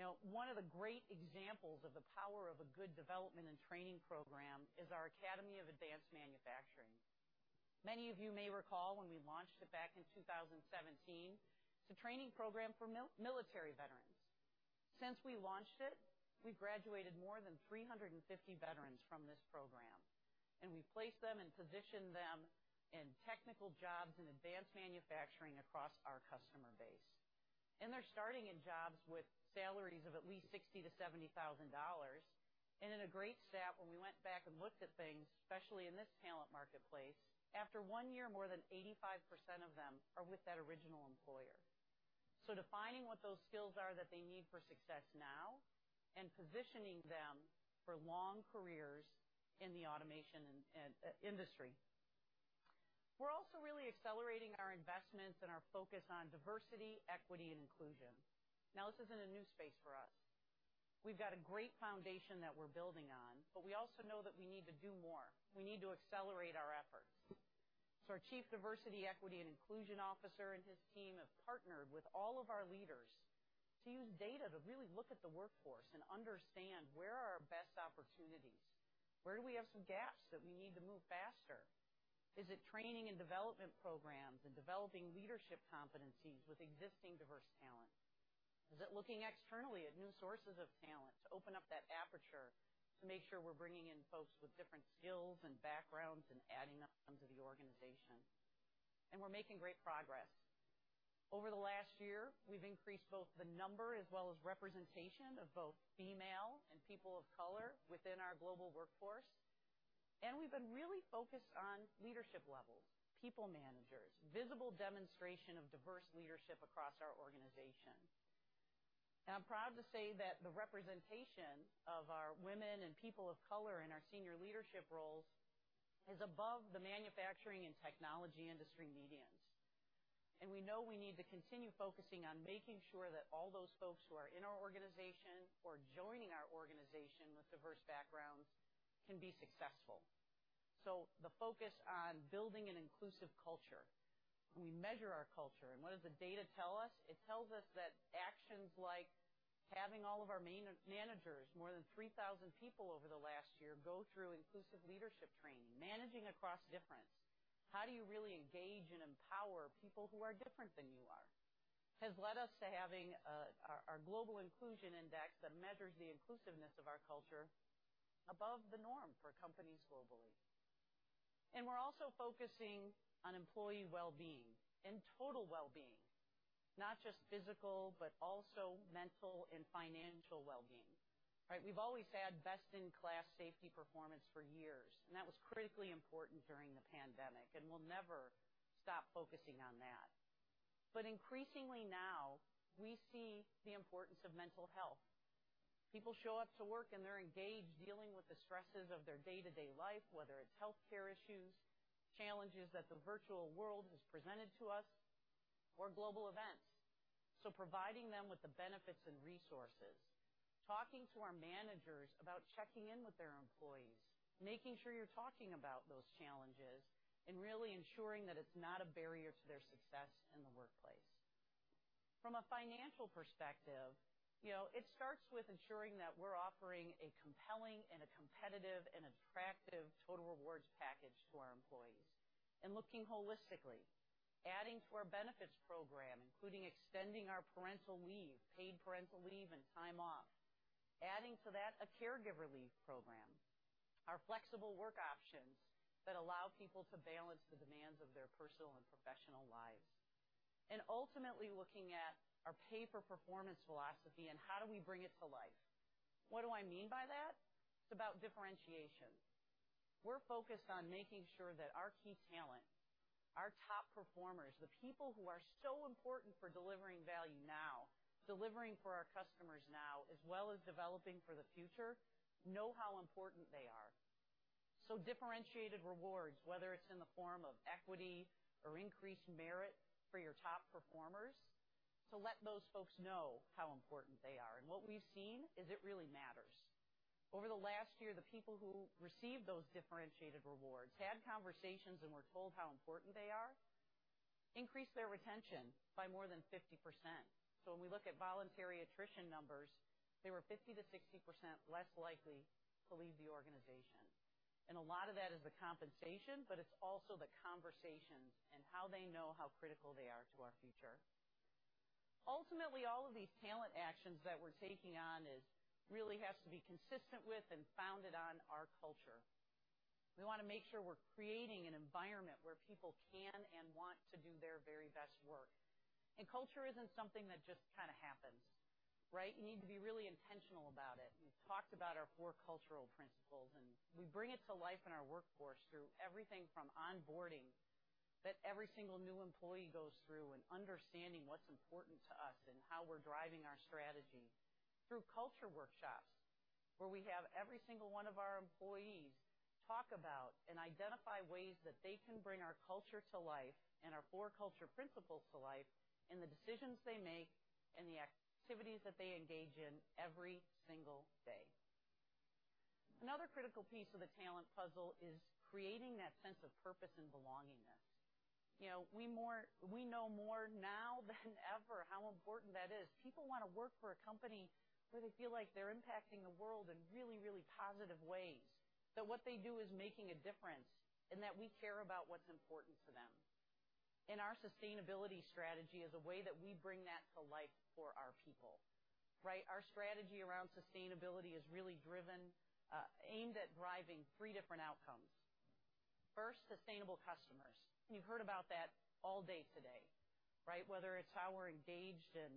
Speaker 10: You know, one of the great examples of the power of a good development and training program is our Academy of Advanced Manufacturing. Many of you may recall when we launched it back in 2017. It's a training program for military veterans. Since we launched it, we graduated more than 350 veterans from this program, and we placed them and positioned them in technical jobs in advanced manufacturing across our customer base. They're starting in jobs with salaries of at least $60,000-$70,000. Then a great stat when we went back and looked at things, especially in this talent marketplace, after one year, more than 85% of them are with that original employer. Defining what those skills are that they need for success now and positioning them for long careers in the automation industry. We're also really accelerating our investments and our focus on diversity, equity, and inclusion. Now, this isn't a new space for us. We've got a great foundation that we're building on, but we also know that we need to do more. We need to accelerate our efforts. Our Chief Diversity, Equity, and Inclusion Officer and his team have partnered with all of our leaders to use data to really look at the workforce and understand where are our best opportunities. Where do we have some gaps that we need to move faster? Is it training and development programs and developing leadership competencies with existing diverse talent? Is it looking externally at new sources of talent to open up that aperture to make sure we're bringing in folks with different skills and backgrounds and adding them to the organization? We're making great progress. Over the last year, we've increased both the number as well as representation of both female and people of color within our global workforce, and we've been really focused on leadership levels, people managers, visible demonstration of diverse leadership across our organization. I'm proud to say that the representation of our women and people of color in our senior leadership roles is above the manufacturing and technology industry medians. We know we need to continue focusing on making sure that all those folks who are in our organization or joining our organization with diverse backgrounds can be successful. The focus on building an inclusive culture. We measure our culture, and what does the data tell us? It tells us that actions like having all of our managers, more than 3,000 people over the last year go through inclusive leadership training, managing across difference. How do you really engage and empower people who are different than you are? Has led us to having our global inclusion index that measures the inclusiveness of our culture above the norm for a company. We're also focusing on employee well-being and total well-being, not just physical, but also mental and financial well-being, right? We've always had best-in-class safety performance for years, and that was critically important during the pandemic, and we'll never stop focusing on that. Increasingly now, we see the importance of mental health. People show up to work, and they're engaged, dealing with the stresses of their day-to-day life, whether it's healthcare issues, challenges that the virtual world has presented to us, or global events. Providing them with the benefits and resources, talking to our managers about checking in with their employees, making sure you're talking about those challenges, and really ensuring that it's not a barrier to their success in the workplace. From a financial perspective, you know, it starts with ensuring that we're offering a compelling and a competitive and attractive total rewards package to our employees and looking holistically, adding to our benefits program, including extending our parental leave, paid parental leave and time off. Adding to that, a caregiver leave program, our flexible work options that allow people to balance the demands of their personal and professional lives, and ultimately looking at our pay for performance philosophy and how do we bring it to life. What do I mean by that? It's about differentiation. We're focused on making sure that our key talent, our top performers, the people who are so important for delivering value now, delivering for our customers now, as well as developing for the future, know how important they are. Differentiated rewards, whether it's in the form of equity or increased merit for your top performers, to let those folks know how important they are. What we've seen is it really matters. Over the last year, the people who received those differentiated rewards, had conversations and were told how important they are, increased their retention by more than 50%. When we look at voluntary attrition numbers, they were 50%-60% less likely to leave the organization. A lot of that is the compensation, but it's also the conversations and how they know how critical they are to our future. Ultimately, all of these talent actions that we're taking on is really has to be consistent with and founded on our culture. We want to make sure we're creating an environment where people can and want to do their very best work. Culture isn't something that just kind of happens, right? You need to be really intentional about it. We've talked about our four cultural principles, and we bring it to life in our workforce through everything from onboarding that every single new employee goes through and understanding what's important to us and how we're driving our strategy through culture workshops, where we have every single one of our employees talk about and identify ways that they can bring our culture to life and our four culture principles to life in the decisions they make and the activities that they engage in every single day. Another critical piece of the talent puzzle is creating that sense of purpose and belongingness. You know, we know more now than ever how important that is. People want to work for a company where they feel like they're impacting the world in really, really positive ways, that what they do is making a difference, and that we care about what's important to them. Our sustainability strategy is a way that we bring that to life for our people, right? Our strategy around sustainability is really driven, aimed at driving three different outcomes. First, sustainable customers. You've heard about that all day today, right? Whether it's how we're engaged in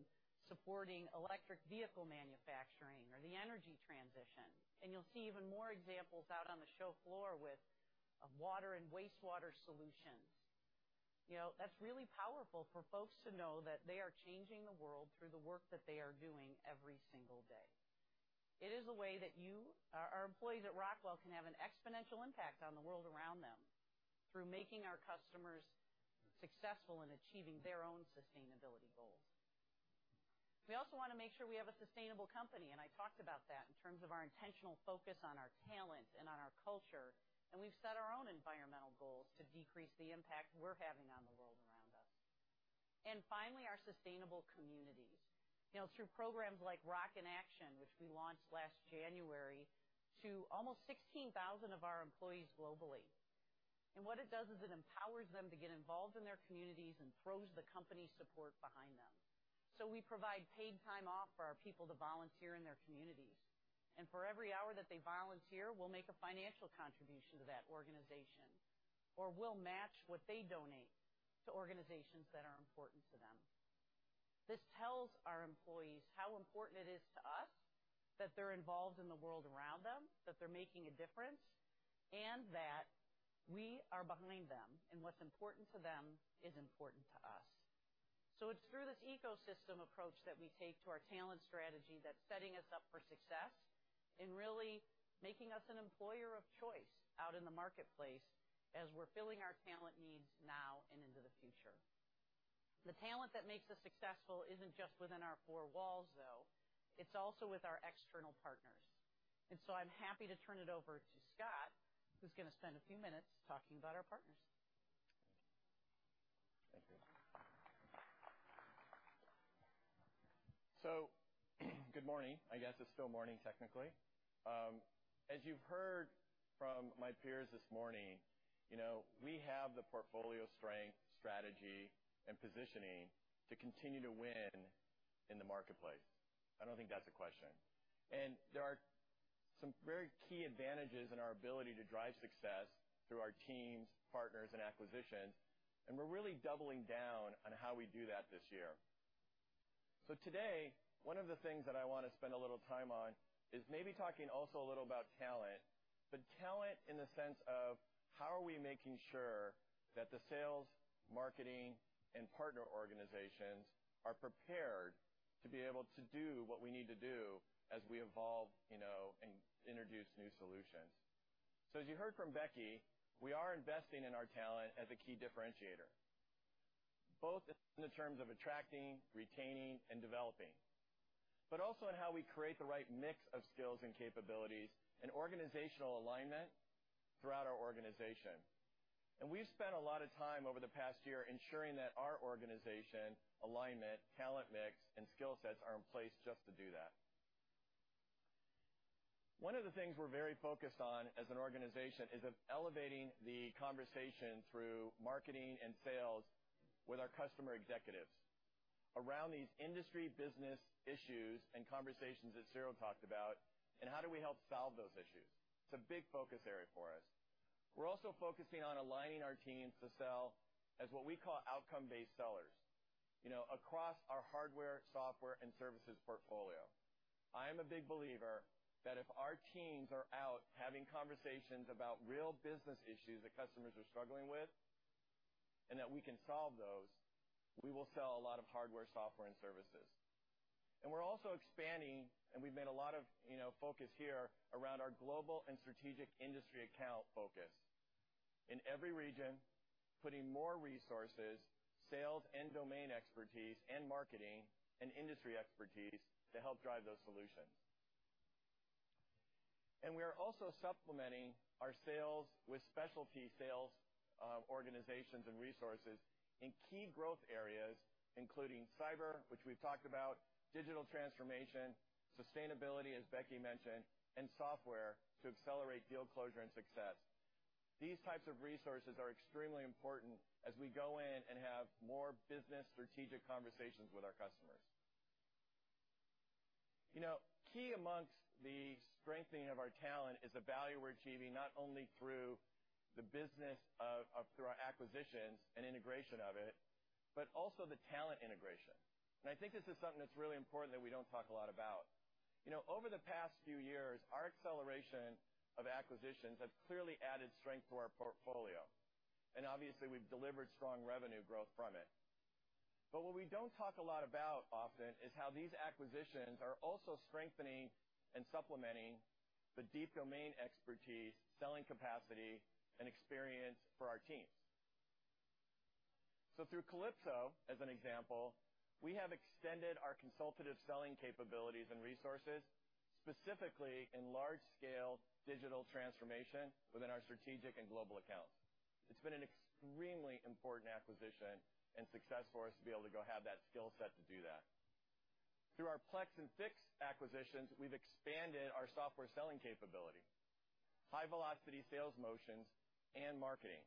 Speaker 10: supporting electric vehicle manufacturing or the energy transition, and you'll see even more examples out on the show floor with water and wastewater solutions. You know, that's really powerful for folks to know that they are changing the world through the work that they are doing every single day. It is a way that you, our employees at Rockwell, can have an exponential impact on the world around them through making our customers successful in achieving their own sustainability goals. We also want to make sure we have a sustainable company, and I talked about that in terms of our intentional focus on our talent and on our culture, and we've set our own environmental goals to decrease the impact we're having on the world around us. Finally, our sustainable communities. You know, through programs like Rock in Action, which we launched last January to almost 16,000 of our employees globally. What it does is it empowers them to get involved in their communities and throws the company support behind them. We provide paid time off for our people to volunteer in their communities. For every hour that they volunteer, we'll make a financial contribution to that organization, or we'll match what they donate to organizations that are important to them. This tells our employees how important it is to us that they're involved in the world around them, that they're making a difference, and that we are behind them, and what's important to them is important to us. It's through this ecosystem approach that we take to our talent strategy that's setting us up for success and really making us an employer of choice out in the marketplace as we're filling our talent needs now and into the future. The talent that makes us successful isn't just within our four walls, though. It's also with our external partners. I'm happy to turn it over to Scott, who's going to spend a few minutes talking about our partners.
Speaker 11: Thank you. Good morning. I guess it's still morning, technically. As you've heard from my peers this morning, you know, we have the portfolio strength, strategy, and positioning to continue to win in the marketplace. I don't think that's a question. There are some very key advantages in our ability to drive success through our teams, partners, and acquisitions, and we're really doubling down on how we do that this year. Today, one of the things that I want to spend a little time on is maybe talking also a little about talent, but talent in the sense of how are we making sure that the sales, marketing, and partner organizations are prepared to be able to do what we need to do as we evolve, you know, and introduce new solutions. As you heard from Becky, we are investing in our talent as a key differentiator, both in terms of attracting, retaining, and developing, but also in how we create the right mix of skills and capabilities and organizational alignment throughout our organization. We've spent a lot of time over the past year ensuring that our organization alignment, talent mix, and skill sets are in place just to do that. One of the things we're very focused on as an organization is on elevating the conversation through marketing and sales with our customer executives around these industry business issues and conversations that Cyril talked about, and how do we help solve those issues. It's a big focus area for us. We're also focusing on aligning our teams to sell as what we call outcome-based sellers, you know, across our hardware, software, and services portfolio. I am a big believer that if our teams are out having conversations about real business issues that customers are struggling with and that we can solve those, we will sell a lot of hardware, software, and services. We're also expanding, and we've made a lot of, you know, focus here around our global and strategic industry account focus in every region, putting more resources, sales and domain expertise, and marketing and industry expertise to help drive those solutions. We are also supplementing our sales with specialty sales organizations and resources in key growth areas, including cyber, which we've talked about, digital transformation, sustainability, as Rebecca mentioned, and software to accelerate deal closure and success. These types of resources are extremely important as we go in and have more business strategic conversations with our customers. You know, key amongst the strengthening of our talent is the value we're achieving, not only through our acquisitions and integration of it, but also the talent integration. I think this is something that's really important that we don't talk a lot about. You know, over the past few years, our acceleration of acquisitions have clearly added strength to our portfolio. Obviously, we've delivered strong revenue growth from it. What we don't talk a lot about often is how these acquisitions are also strengthening and supplementing the deep domain expertise, selling capacity, and experience for our teams. Through Kalypso, as an example, we have extended our consultative selling capabilities and resources, specifically in large-scale digital transformation within our strategic and global accounts. It's been an extremely important acquisition and success for us to be able to go have that skill set to do that. Through our Plex and Fiix acquisitions, we've expanded our software selling capability, high velocity sales motions, and marketing.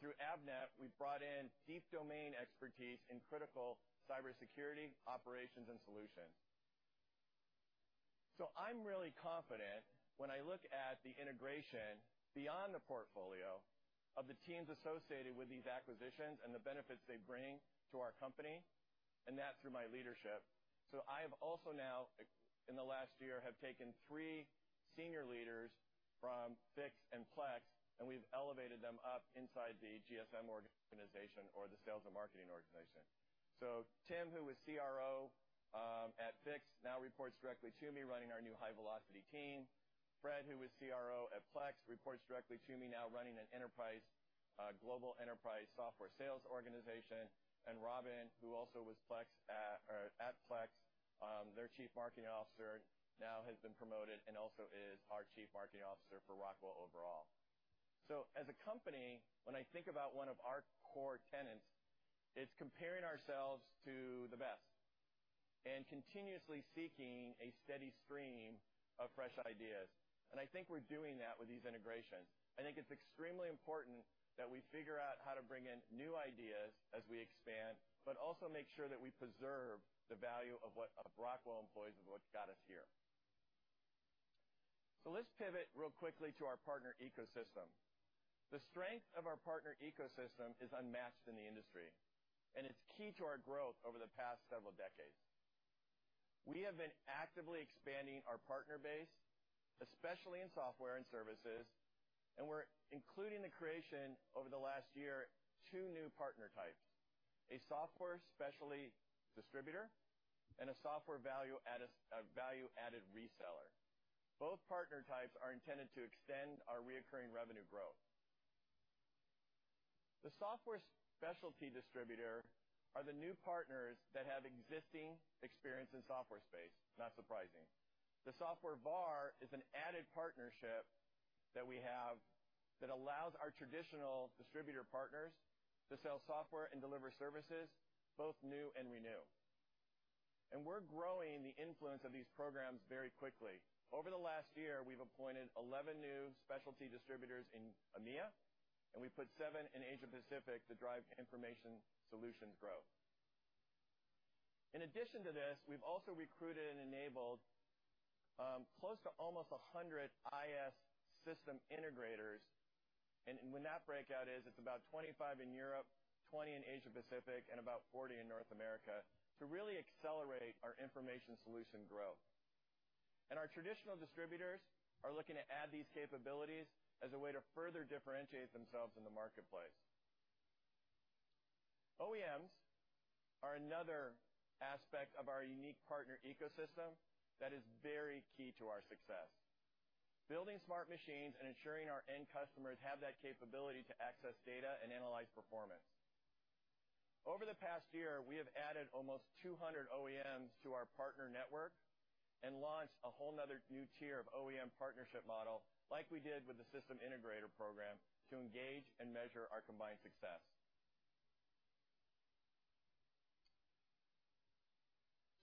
Speaker 11: Through Oylo, we've brought in deep domain expertise in critical cybersecurity operations and solutions. I'm really confident when I look at the integration beyond the portfolio of the teams associated with these acquisitions and the benefits they bring to our company, and that through my leadership. I have also now, in the last year, have taken three senior leaders from Fiix and Plex, and we've elevated them up inside the GSM organization, or the sales and marketing organization. Tim, who was CRO, at Fiix, now reports directly to me, running our new high-velocity team. Fred, who was CRO at Plex, reports directly to me now running an enterprise global enterprise software sales organization. Robin, who also was at Plex, their chief marketing officer, now has been promoted and also is our chief marketing officer for Rockwell overall. As a company, when I think about one of our core tenets, it's comparing ourselves to the best and continuously seeking a steady stream of fresh ideas. I think we're doing that with these integrations. I think it's extremely important that we figure out how to bring in new ideas as we expand, but also make sure that we preserve the value of what Rockwell employees of what got us here. Let's pivot real quickly to our partner ecosystem. The strength of our partner ecosystem is unmatched in the industry, and it's key to our growth over the past several decades. We have been actively expanding our partner base, especially in software and services, and we're including the creation over the last year, 2 new partner types, a software specialty distributor, and a software value-added reseller. Both partner types are intended to extend our recurring revenue growth. The software specialty distributor is the new partners that have existing experience in software space, not surprising. The software VAR is an added partnership that we have that allows our traditional distributor partners to sell software and deliver services, both new and renew. We're growing the influence of these programs very quickly. Over the last year, we've appointed 11 new specialty distributors in EMEA. We put 7 in Asia Pacific to drive information solutions growth. In addition to this, we've also recruited and enabled close to almost 100 IS system integrators, and when that breakout is, it's about 25 in Europe, 20 in Asia Pacific, and about 40 in North America, to really accelerate our information solution growth. Our traditional distributors are looking to add these capabilities as a way to further differentiate themselves in the marketplace. OEMs are another aspect of our unique partner ecosystem that is very key to our success. Building smart machines and ensuring our end customers have that capability to access data and analyze performance. Over the past year, we have added almost 200 OEMs to our partner network and launched a whole another new tier of OEM partnership model, like we did with the system integrator program, to engage and measure our combined success.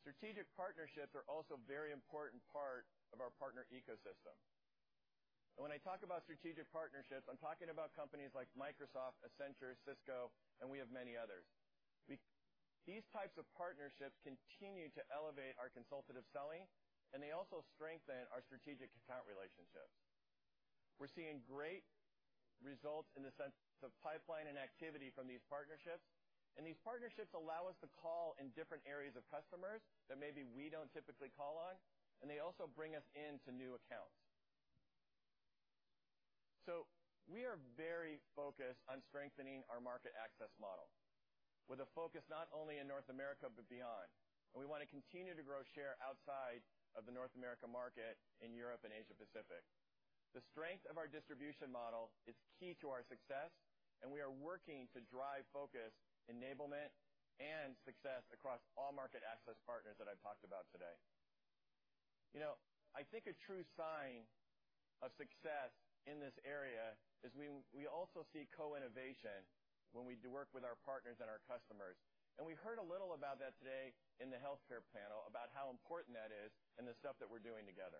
Speaker 11: Strategic partnerships are also a very important part of our partner ecosystem. When I talk about strategic partnerships, I'm talking about companies like Microsoft, Accenture, Cisco, and we have many others. These types of partnerships continue to elevate our consultative selling, and they also strengthen our strategic account relationships. We're seeing great results in the sense of pipeline and activity from these partnerships, and these partnerships allow us to call in different areas of customers that maybe we don't typically call on, and they also bring us into new accounts. We are very focused on strengthening our market access model, with a focus not only in North America but beyond. We want to continue to grow share outside of the North America market in Europe and Asia Pacific. The strength of our distribution model is key to our success, and we are working to drive focus, enablement, and success across all market access partners that I've talked about today. You know, I think a true sign of success in this area is when we also see co-innovation when we do work with our partners and our customers. We heard a little about that today in the healthcare panel about how important that is and the stuff that we're doing together.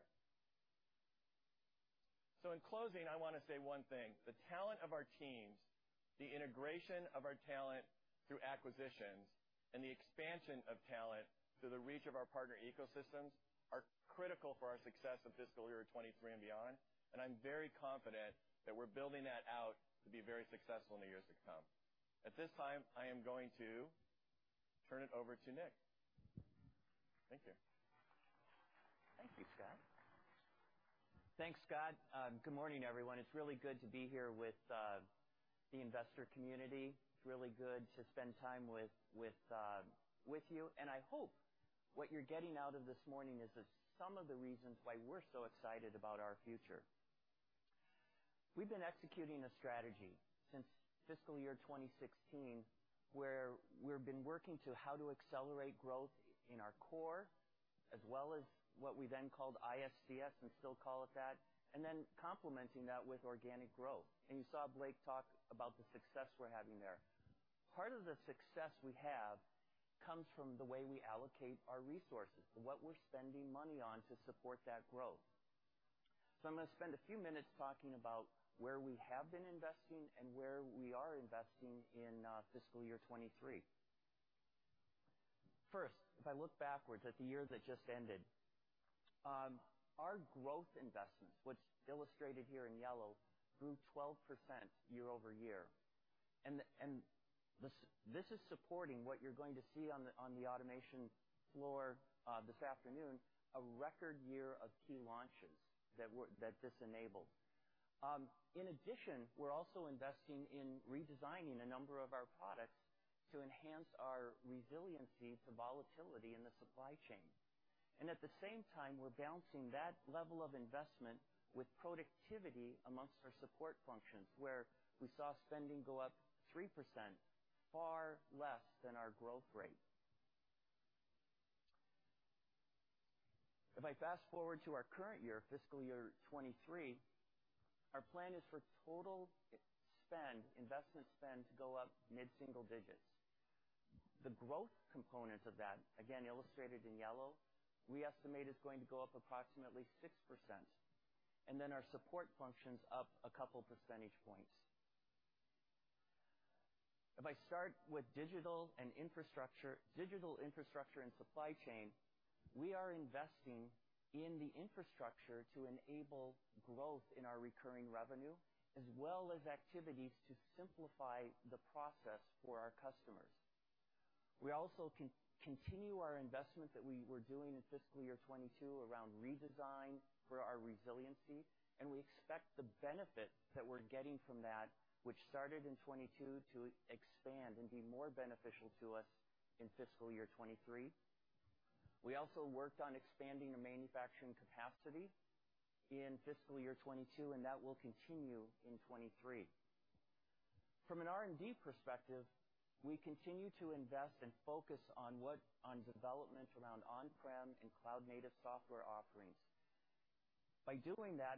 Speaker 11: In closing, I wanna say one thing. The talent of our teams, the integration of our talent through acquisitions, and the expansion of talent through the reach of our partner ecosystems are critical for our success of fiscal year 2023 and beyond, and I'm very confident that we're building that out to be very successful in the years to come. At this time, I am going to turn it over to Nick. Thank you.
Speaker 12: Thank you, Scott. Good morning, everyone. It's really good to be here with the investor community. It's really good to spend time with you. I hope what you're getting out of this morning is that some of the reasons why we're so excited about our future. We've been executing a strategy since fiscal year 2016, where we've been working to accelerate growth in our core as well as what we then called ISCS, and still call it that, and then complementing that with organic growth. You saw Blake talk about the success we're having there. Part of the success we have comes from the way we allocate our resources, what we're spending money on to support that growth. I'm gonna spend a few minutes talking about where we have been investing and where we are investing in fiscal year 2023. First, if I look backwards at the year that just ended, our growth investments, what's illustrated here in yellow, grew 12% year-over-year. This is supporting what you're going to see on the automation floor this afternoon, a record year of key launches that this enabled. In addition, we're also investing in redesigning a number of our products to enhance our resiliency to volatility in the supply chain. At the same time, we're balancing that level of investment with productivity among our support functions, where we saw spending go up 3%, far less than our growth rate. If I fast-forward to our current year, fiscal year 2023, our plan is for total spend, investment spend to go up mid-single digits. The growth components of that, again, illustrated in yellow, we estimate is going to go up approximately 6%, and then our support functions up a couple percentage points. If I start with digital infrastructure and supply chain, we are investing in the infrastructure to enable growth in our recurring revenue as well as activities to simplify the process for our customers. We also continue our investment that we were doing in fiscal year 2022 around redesign for our resiliency, and we expect the benefit that we're getting from that, which started in 2022, to expand and be more beneficial to us in fiscal year 2023. We also worked on expanding our manufacturing capacity in fiscal year 2022, and that will continue in 2023. From an R&D perspective, we continue to invest and focus on developments around on-prem and cloud-native software offerings. By doing that,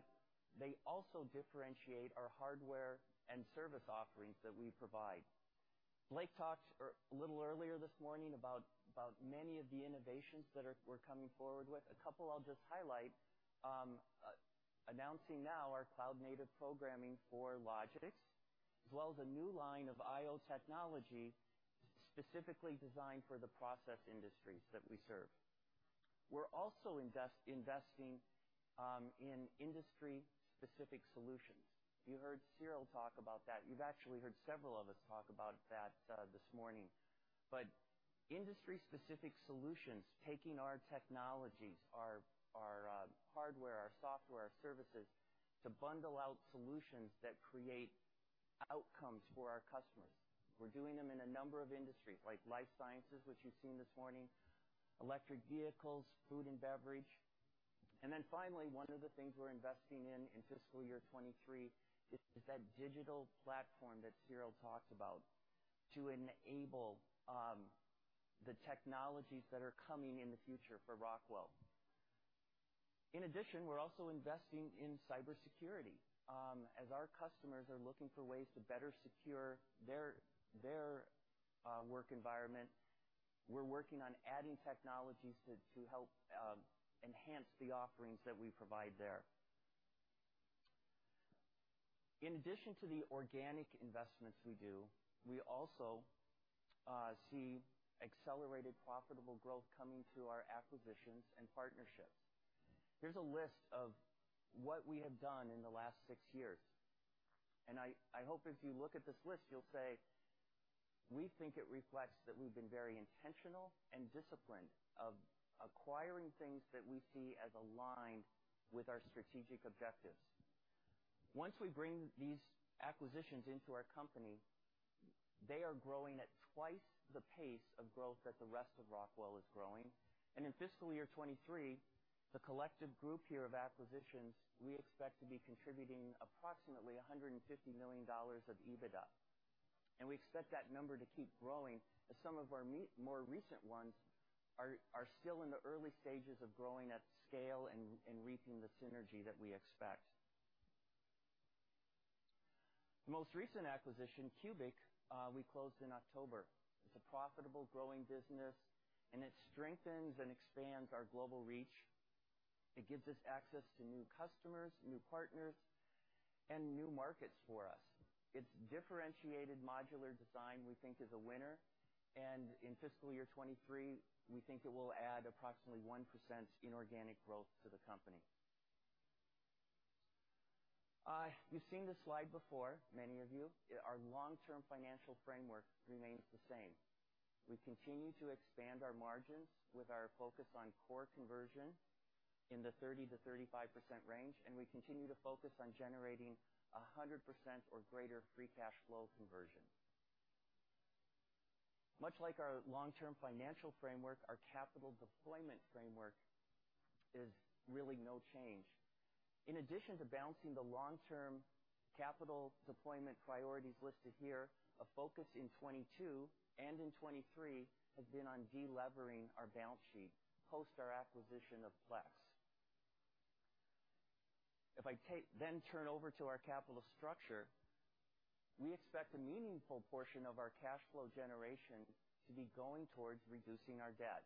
Speaker 12: they also differentiate our hardware and service offerings that we provide. Blake talked a little earlier this morning about many of the innovations that we're coming forward with. A couple I'll just highlight, announcing now our cloud-native programming for logistics, as well as a new line of I/O technology specifically designed for the process industries that we serve. We're also investing in industry-specific solutions. You heard Cyril talk about that. You've actually heard several of us talk about that this morning. Industry-specific solutions, taking our technologies, our hardware, our software, our services, to build out solutions that create outcomes for our customers. We're doing them in a number of industries, like life sciences, which you've seen this morning, electric vehicles, food and beverage. Finally, one of the things we're investing in in fiscal year 2023 is that digital platform that Cyril talked about to enable the technologies that are coming in the future for Rockwell. In addition, we're also investing in cybersecurity as our customers are looking for ways to better secure their work environment. We're working on adding technologies to help enhance the offerings that we provide there. In addition to the organic investments we do, we also see accelerated profitable growth coming through our acquisitions and partnerships. Here's a list of what we have done in the last 6 years. I hope if you look at this list, you'll say we think it reflects that we've been very intentional and disciplined of acquiring things that we see as aligned with our strategic objectives. Once we bring these acquisitions into our company, they are growing at twice the pace of growth that the rest of Rockwell is growing. In fiscal year 2023, the collective group here of acquisitions, we expect to be contributing approximately $150 million of EBITDA. We expect that number to keep growing, as some of our more recent ones are still in the early stages of growing at scale and reaping the synergy that we expect. The most recent acquisition, CUBIC, we closed in October. It's a profitable, growing business, and it strengthens and expands our global reach. It gives us access to new customers, new partners, and new markets for us. Its differentiated modular design, we think, is a winner, and in fiscal year 2023, we think it will add approximately 1% inorganic growth to the company. You've seen this slide before, many of you. Our long-term financial framework remains the same. We continue to expand our margins with our focus on core conversion in the 30%-35% range, and we continue to focus on generating 100% or greater free cash flow conversion. Much like our long-term financial framework, our capital deployment framework is really no change. In addition to balancing the long-term capital deployment priorities listed here, a focus in 2022 and in 2023 has been on de-levering our balance sheet post our acquisition of Plex. Then turn over to our capital structure, we expect a meaningful portion of our cash flow generation to be going towards reducing our debt.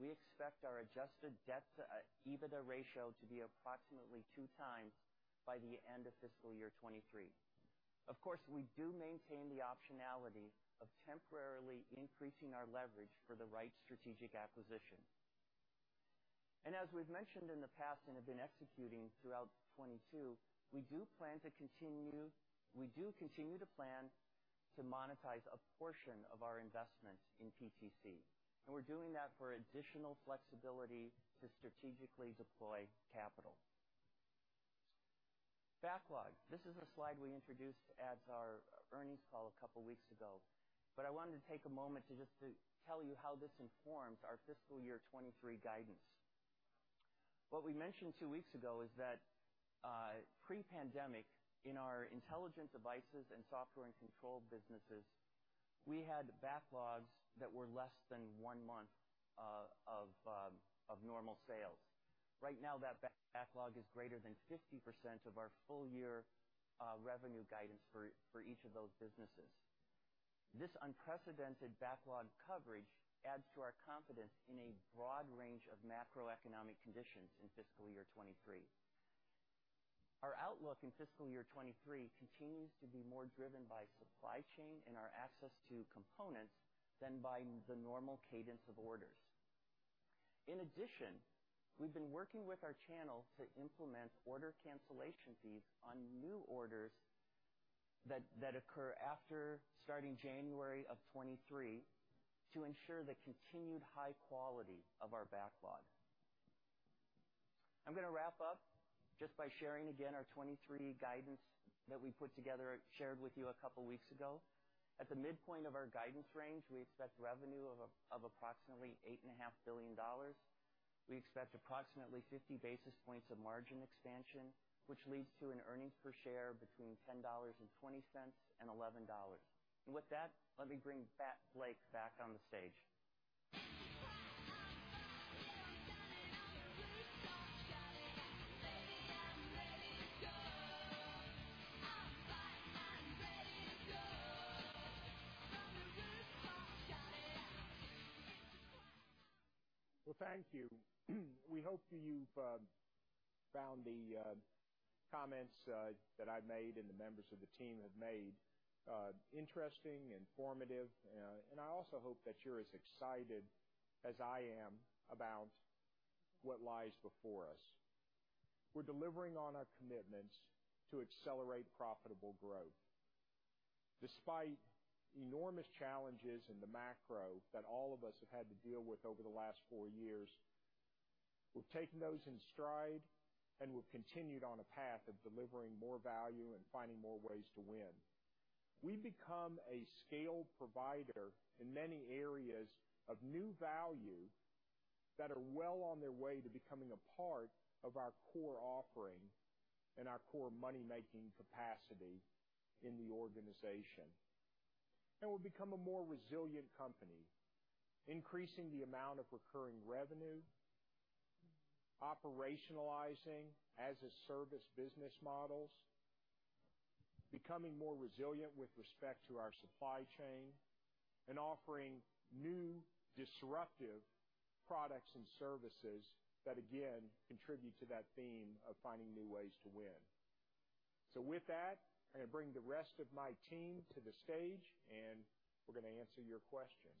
Speaker 12: We expect our adjusted debt to EBITDA ratio to be approximately two times by the end of fiscal year 2023. Of course, we do maintain the optionality of temporarily increasing our leverage for the right strategic acquisition. As we've mentioned in the past and have been executing throughout 2022, we do continue to plan to monetize a portion of our investment in PTC, and we're doing that for additional flexibility to strategically deploy capital. Backlog. This is a slide we introduced at our earnings call a couple weeks ago, but I wanted to take a moment to tell you how this informs our fiscal year 2023 guidance. What we mentioned two weeks ago is that, pre-pandemic, in our Intelligent Devices and Software and Control businesses, we had backlogs that were less than one month of normal sales. Right now, that backlog is greater than 50% of our full year revenue guidance for each of those businesses. This unprecedented backlog coverage adds to our confidence in a broad range of macroeconomic conditions in fiscal year 2023. Our outlook in fiscal year 2023 continues to be more driven by supply chain and our access to components than by the normal cadence of orders. In addition, we've been working with our channel to implement order cancellation fees on new orders that occur after starting January of 2023 to ensure the continued high quality of our backlog. I'm gonna wrap up just by sharing again our 2023 guidance that we put together, shared with you a couple weeks ago. At the midpoint of our guidance range, we expect revenue of approximately $8.5 billion. We expect approximately 50 basis points of margin expansion, which leads to an earnings per share between $10.20 and $11. With that, let me bring Blake back on the stage.
Speaker 3: Well, thank you. We hope you've found the comments that I've made and the members of the team have made interesting, informative. I also hope that you're as excited as I am about what lies before us. We're delivering on our commitments to accelerate profitable growth. Despite enormous challenges in the macro that all of us have had to deal with over the last four years, we've taken those in stride, and we've continued on a path of delivering more value and finding more ways to win. We've become a scaled provider in many areas of new value that are well on their way to becoming a part of our core offering and our core money-making capacity in the organization. We've become a more resilient company, increasing the amount of recurring revenue, operationalizing as-a-service business models, becoming more resilient with respect to our supply chain, and offering new disruptive products and services that again contribute to that theme of finding new ways to win. With that, I'm gonna bring the rest of my team to the stage, and we're gonna answer your questions.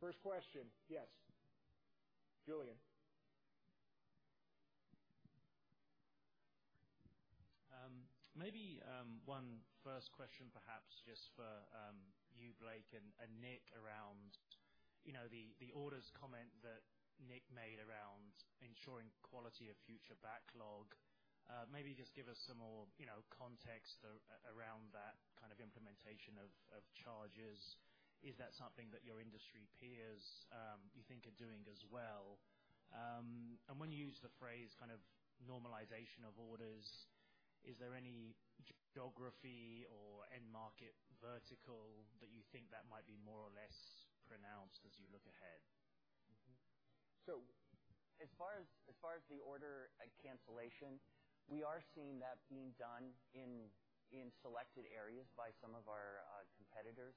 Speaker 3: First question. Yes. Julian.
Speaker 13: Maybe one first question perhaps just for you, Blake, and Nick around you know the orders comment that Nick made around ensuring quality of future backlog. Maybe just give us some more you know context around that kind of implementation of charges. Is that something that your industry peers you think are doing as well? When you use the phrase kind of normalization of orders, is there any geography or end market vertical that you think that might be more or less pronounced as you look ahead?
Speaker 12: As far as the order and cancellation, we are seeing that being done in selected areas by some of our competitors.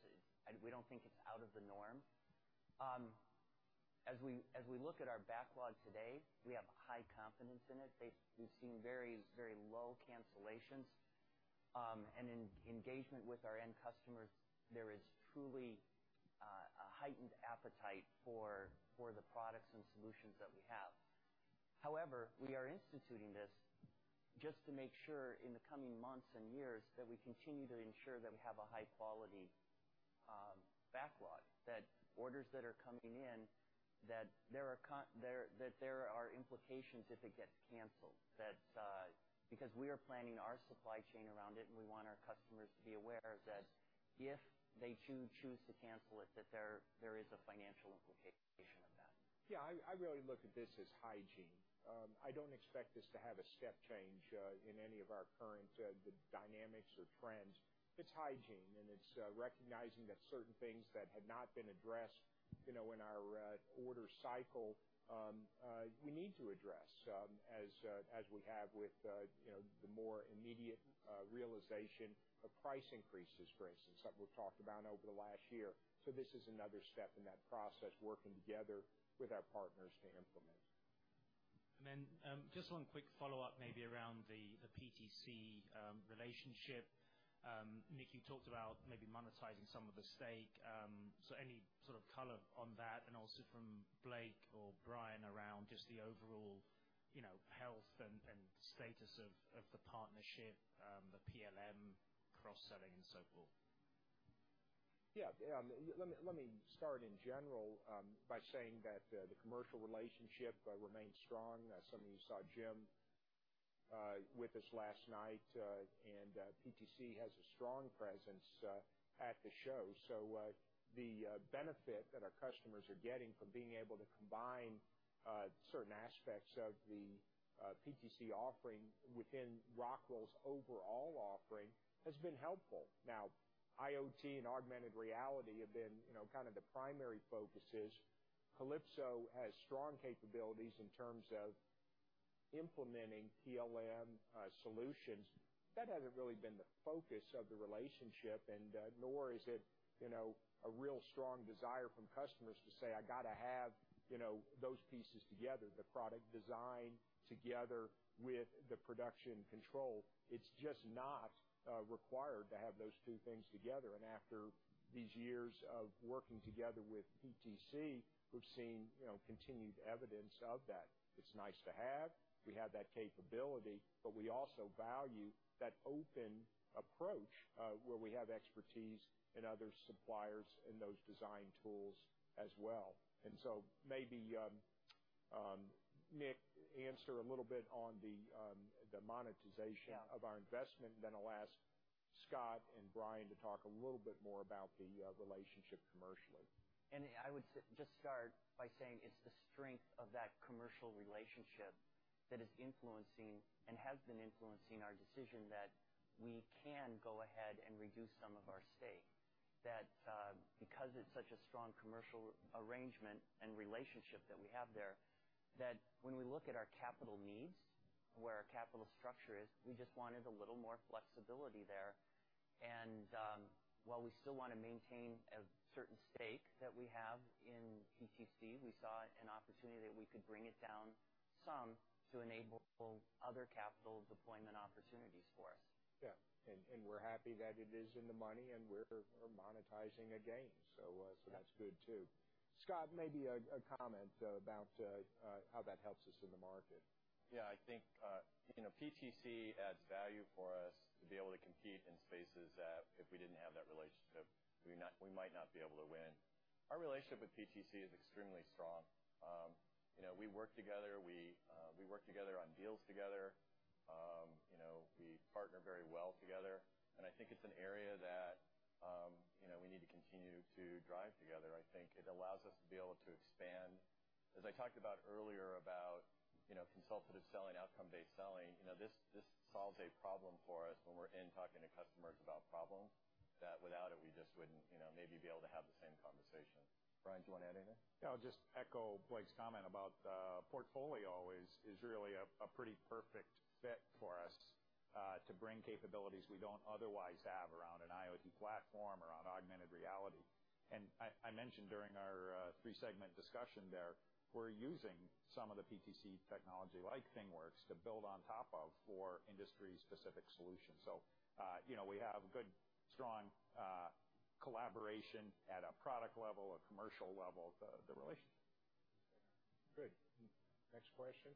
Speaker 12: We don't think it's out of the norm. As we look at our backlog today, we have high confidence in it. We've seen very low cancellations. In engagement with our end customers, there is truly a heightened appetite for the products and solutions that we have. However, we are instituting this just to make sure in the coming months and years that we continue to ensure that we have a high-quality backlog, that orders that are coming in, that there are implications if it gets canceled. That because we are planning our supply chain around it, and we want our customers to be aware that if they do choose to cancel it, that there is a financial implication of that.
Speaker 3: Yeah, I really look at this as hygiene. I don't expect this to have a step change in any of our current dynamics or trends. It's hygiene, and it's recognizing that certain things that had not been addressed, you know, in our order cycle, we need to address, as we have with, you know, the more immediate realization of price increases, for instance, that we've talked about over the last year. This is another step in that process, working together with our partners to implement.
Speaker 13: Just one quick follow-up maybe around the PTC relationship. Nick, you talked about maybe monetizing some of the stake. Any sort of color on that? Also from Blake or Brian around just the overall, you know, health and status of the partnership, the PLM cross-selling and so forth.
Speaker 3: Yeah. Let me start in general by saying that the commercial relationship remains strong. Some of you saw Jim with us last night and PTC has a strong presence at the show. The benefit that our customers are getting from being able to combine certain aspects of the PTC offering within Rockwell's overall offering has been helpful. Now, IoT and augmented reality have been, you know, kind of the primary focuses. Kalypso has strong capabilities in terms of implementing PLM solutions. That hasn't really been the focus of the relationship and nor is it, you know, a real strong desire from customers to say, "I gotta have, you know, those pieces together, the product design together with the production control." It's just not required to have those two things together. After these years of working together with PTC, we've seen, you know, continued evidence of that. It's nice to have. We have that capability, but we also value that open approach, where we have expertise in other suppliers in those design tools as well. Maybe, Nick, answer a little bit on the monetization.
Speaker 12: Yeah.
Speaker 3: of our investment, then I'll ask Scott and Brian to talk a little bit more about the relationship commercially.
Speaker 12: I would just start by saying it's the strength of that commercial relationship that is influencing and has been influencing our decision that we can go ahead and reduce some of our stake. That, because it's such a strong commercial arrangement and relationship that we have there, that when we look at our capital needs, where our capital structure is, we just wanted a little more flexibility there. While we still wanna maintain a certain stake that we have in PTC, we saw an opportunity that we could bring it down some to enable other capital deployment opportunities for us.
Speaker 3: Yeah, we're happy that it is in the money, and we're monetizing a gain. That's good too. Scott, maybe a comment about how that helps us in the market. Yeah. I think, you know, PTC adds value for us to be able to compete in spaces that if we didn't have that relationship, we might not be able to win. Our relationship with PTC is extremely strong. You know, we work together. We work together on deals together. You know, we partner very well together, and I think it's an area that, you know, we need to continue to drive together. I think it allows us to be able to expand. As I talked about earlier, you know, consultative selling, outcome-based selling, you know, this solves a problem for us when we're talking to customers about problems that without it, we just wouldn't, you know, maybe be able to have the same conversation. Brian, do you wanna add anything?
Speaker 9: Yeah. I'll just echo Blake's comment about the portfolio is really a pretty perfect fit for us to bring capabilities we don't otherwise have around an IoT platform or around augmented reality. I mentioned during our three-segment discussion there, we're using some of the PTC technology, like ThingWorx, to build on top of for industry-specific solutions. You know, we have a good, strong collaboration at a product level, a commercial level to the relationship.
Speaker 3: Great. Next question.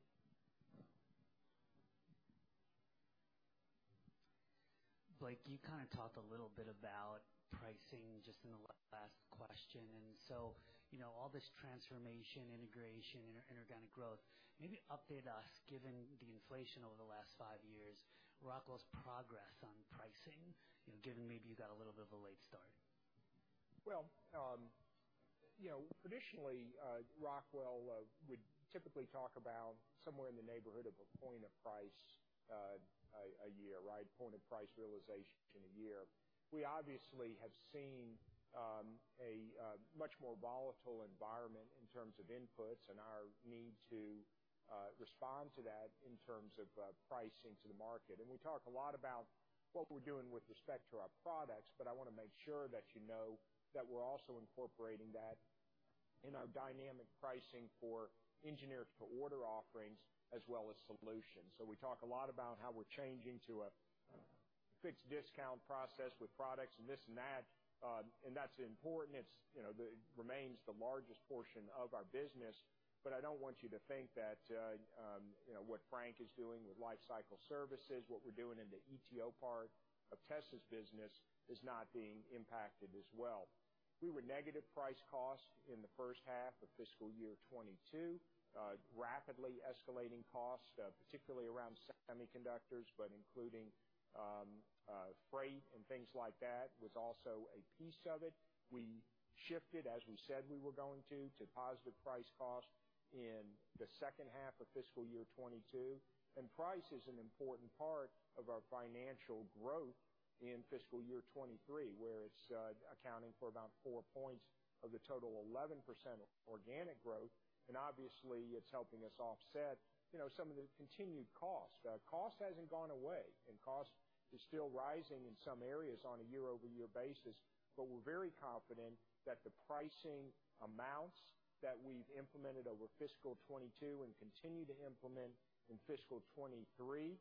Speaker 14: Blake, you kind of talked a little bit about pricing just in the last question. You know, all this transformation, integration, inorganic growth, maybe update us, given the inflation over the last five years, Rockwell's progress on pricing, you know, given maybe you got a little bit of a late start.
Speaker 3: Well, you know, traditionally, Rockwell would typically talk about somewhere in the neighborhood of a point of price a year, right? Point of price realization a year. We obviously have seen a much more volatile environment in terms of inputs and our need to respond to that in terms of pricing to the market. We talk a lot about what we're doing with respect to our products, but I wanna make sure that you know that we're also incorporating that in our dynamic pricing for engineer-to-order offerings as well as solutions. We talk a lot about how we're changing to a fixed discount process with products and this and that, and that's important. It's, you know, the remains the largest portion of our business, but I don't want you to think that, you know, what Frank is doing with Lifecycle Services, what we're doing in the ETO part of Tessa's business is not being impacted as well. We were negative price cost in the first half of fiscal year 2022. Rapidly escalating cost, particularly around semiconductors, but including freight and things like that, was also a piece of it. We shifted, as we said we were going to positive price cost in the second half of fiscal year 2022. Price is an important part of our financial growth in fiscal year 2023, where it's accounting for about 4 points of the total 11% organic growth. Obviously, it's helping us offset, you know, some of the continued cost. Cost hasn't gone away, and cost is still rising in some areas on a year-over-year basis, but we're very confident that the pricing amounts that we've implemented over fiscal 2022 and continue to implement in fiscal 2023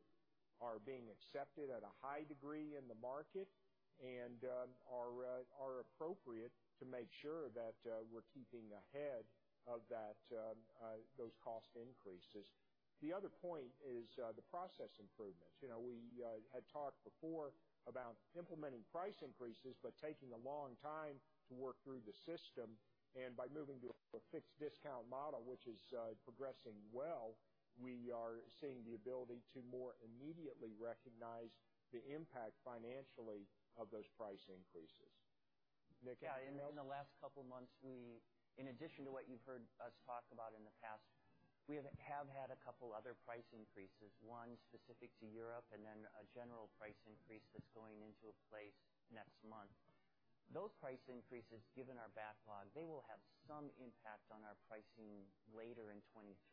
Speaker 3: are being accepted at a high degree in the market and are appropriate to make sure that we're keeping ahead of those cost increases. The other point is the process improvements. You know, we had talked before about implementing price increases, but taking a long time to work through the system. By moving to a fixed discount model, which is progressing well, we are seeing the ability to more immediately recognize the impact financially of those price increases. Nick, anything else?
Speaker 12: Yeah. In the last couple months, we, in addition to what you've heard us talk about in the past, we have had a couple other price increases, one specific to Europe and then a general price increase that's going into place next month. Those price increases, given our backlog, they will have some impact on our pricing later in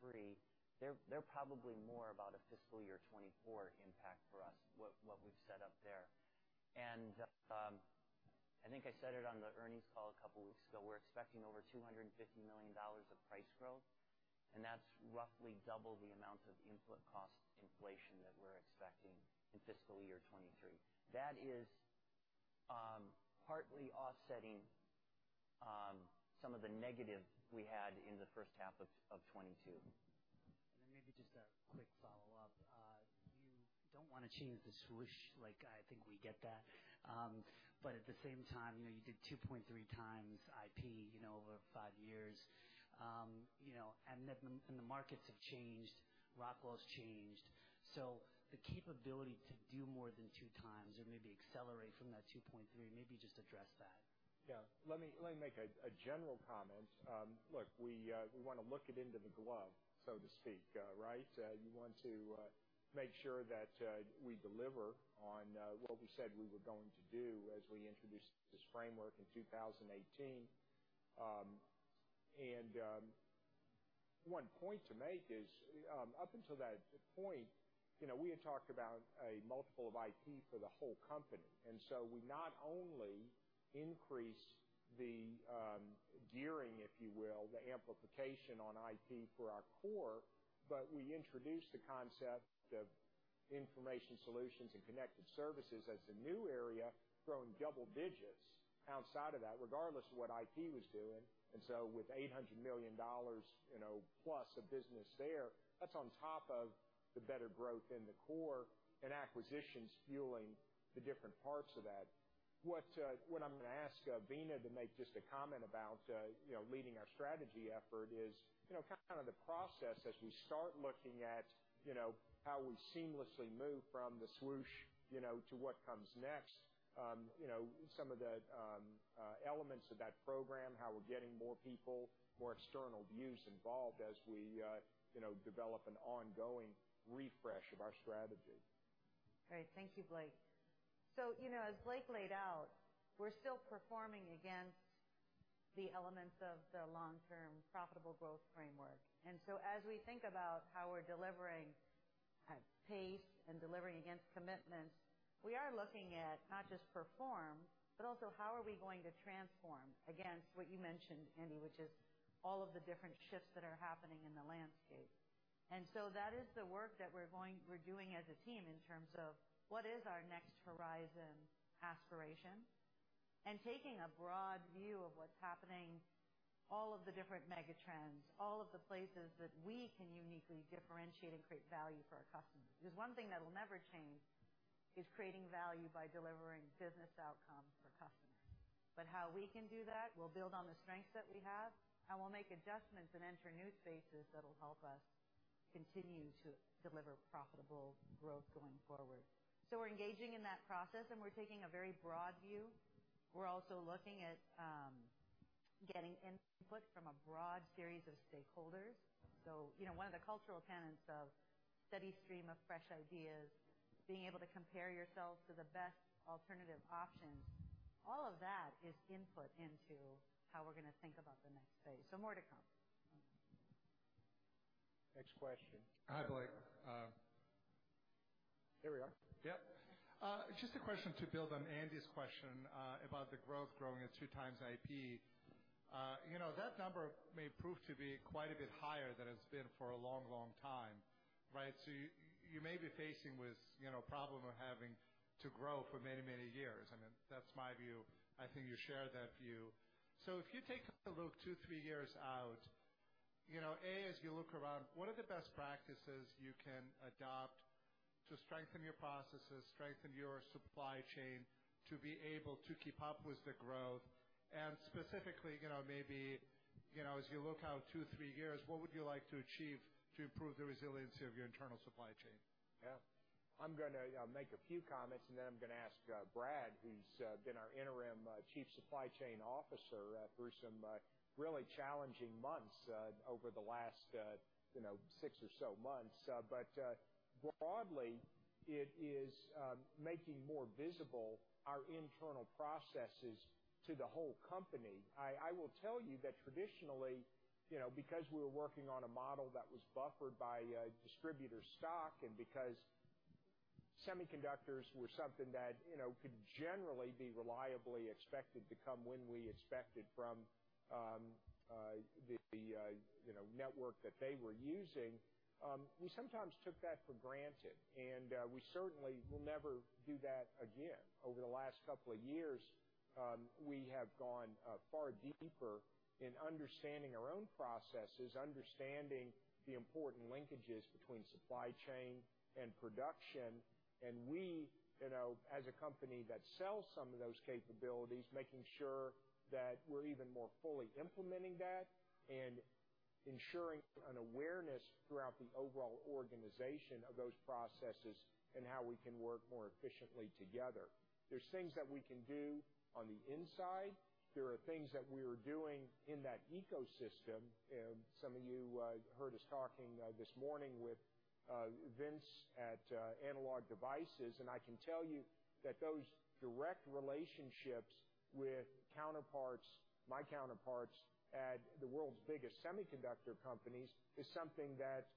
Speaker 12: 2023. They're probably more about a fiscal year 2024 impact for us, what we've set up there. I think I said it on the earnings call a couple weeks ago, we're expecting over $250 million of price growth, and that's roughly double the amount of input cost inflation that we're expecting in fiscal year 2023. That is partly offsetting some of the negative we had in the first half of 2022.
Speaker 14: Want to change the swoosh, like I think we get that. But at the same time, you know, you did 2.3 times IP, you know, over 5 years. You know, and the markets have changed, Rockwell's changed. The capability to do more than 2 times or maybe accelerate from that 2.3, maybe just address that.
Speaker 3: Yeah. Let me make a general comment. Look, we want to look into the globe, so to speak. Right? You want to make sure that we deliver on what we said we were going to do as we introduced this framework in 2018. One point to make is, up until that point, you know, we had talked about a multiple of IP for the whole company, and so we not only increase the gearing, if you will, the amplification on IP for our core, but we introduced the concept of Information Solutions and Connected Services as a new area, growing double digits outside of that, regardless of what IP was doing. With $800 million, you know, plus of business there, that's on top of the better growth in the core and acquisitions fueling the different parts of that. What I'm gonna ask Veena to make just a comment about, you know, leading our strategy effort is, you know, kind of the process as we start looking at, you know, how we seamlessly move from the swoosh, you know, to what comes next. Some of the elements of that program, how we're getting more people, more external views involved as we, you know, develop an ongoing refresh of our strategy.
Speaker 8: Great. Thank you, Blake. You know, as Blake laid out, we're still performing against the elements of the long-term profitable growth framework. As we think about how we're delivering, pace and delivering against commitments, we are looking at not just perform, but also how are we going to transform against what you mentioned, Andy, which is all of the different shifts that are happening in the landscape. That is the work that we're doing as a team in terms of what is our next horizon aspiration, and taking a broad view of what's happening, all of the different mega trends, all of the places that we can uniquely differentiate and create value for our customers. Because one thing that'll never change is creating value by delivering business outcomes for customers.
Speaker 15: how we can do that, we'll build on the strengths that we have, and we'll make adjustments and enter new spaces that'll help us continue to deliver profitable growth going forward. We're engaging in that process, and we're taking a very broad view. We're also looking at getting input from a broad series of stakeholders. You know, one of the cultural tenets of steady stream of fresh ideas, being able to compare yourself to the best alternative options, all of that is input into how we're gonna think about the next phase. More to come.
Speaker 3: Next question.
Speaker 16: Hi, Blake.
Speaker 3: Here we are.
Speaker 14: Yep. Just a question to build on Andy's question, about the growth at 2 times IP. You know, that number may prove to be quite a bit higher than it's been for a long, long time, right? You may be facing with, you know, a problem of having to grow for many, many years. I mean, that's my view. I think you share that view. If you take a look 2, 3 years out, you know, A, as you look around, what are the best practices you can adopt to strengthen your processes, strengthen your supply chain to be able to keep up with the growth? And specifically, you know, maybe, you know, as you look out 2, 3 years, what would you like to achieve to improve the resiliency of your internal supply chain?
Speaker 3: Yeah. I'm gonna make a few comments, and then I'm gonna ask Brad, who's been our Interim Chief Supply Chain Officer through some really challenging months over the last you know six or so months. Broadly, it is making more visible our internal processes to the whole company. I will tell you that traditionally, you know, because we were working on a model that was buffered by distributor stock and because semiconductors were something that, you know, could generally be reliably expected to come when we expected from the you know network that they were using, we sometimes took that for granted, and we certainly will never do that again. Over the last couple of years, we have gone far deeper in understanding our own processes, understanding the important linkages between supply chain and production. We, you know, as a company that sells some of those capabilities, making sure that we're even more fully implementing that and ensuring an awareness throughout the overall organization of those processes and how we can work more efficiently together. There's things that we can do on the inside. There are things that we are doing in that ecosystem. Some of you heard us talking this morning with Vince at Analog Devices, and I can tell you that those direct relationships with counterparts, my counterparts at the world's biggest semiconductor companies, is something that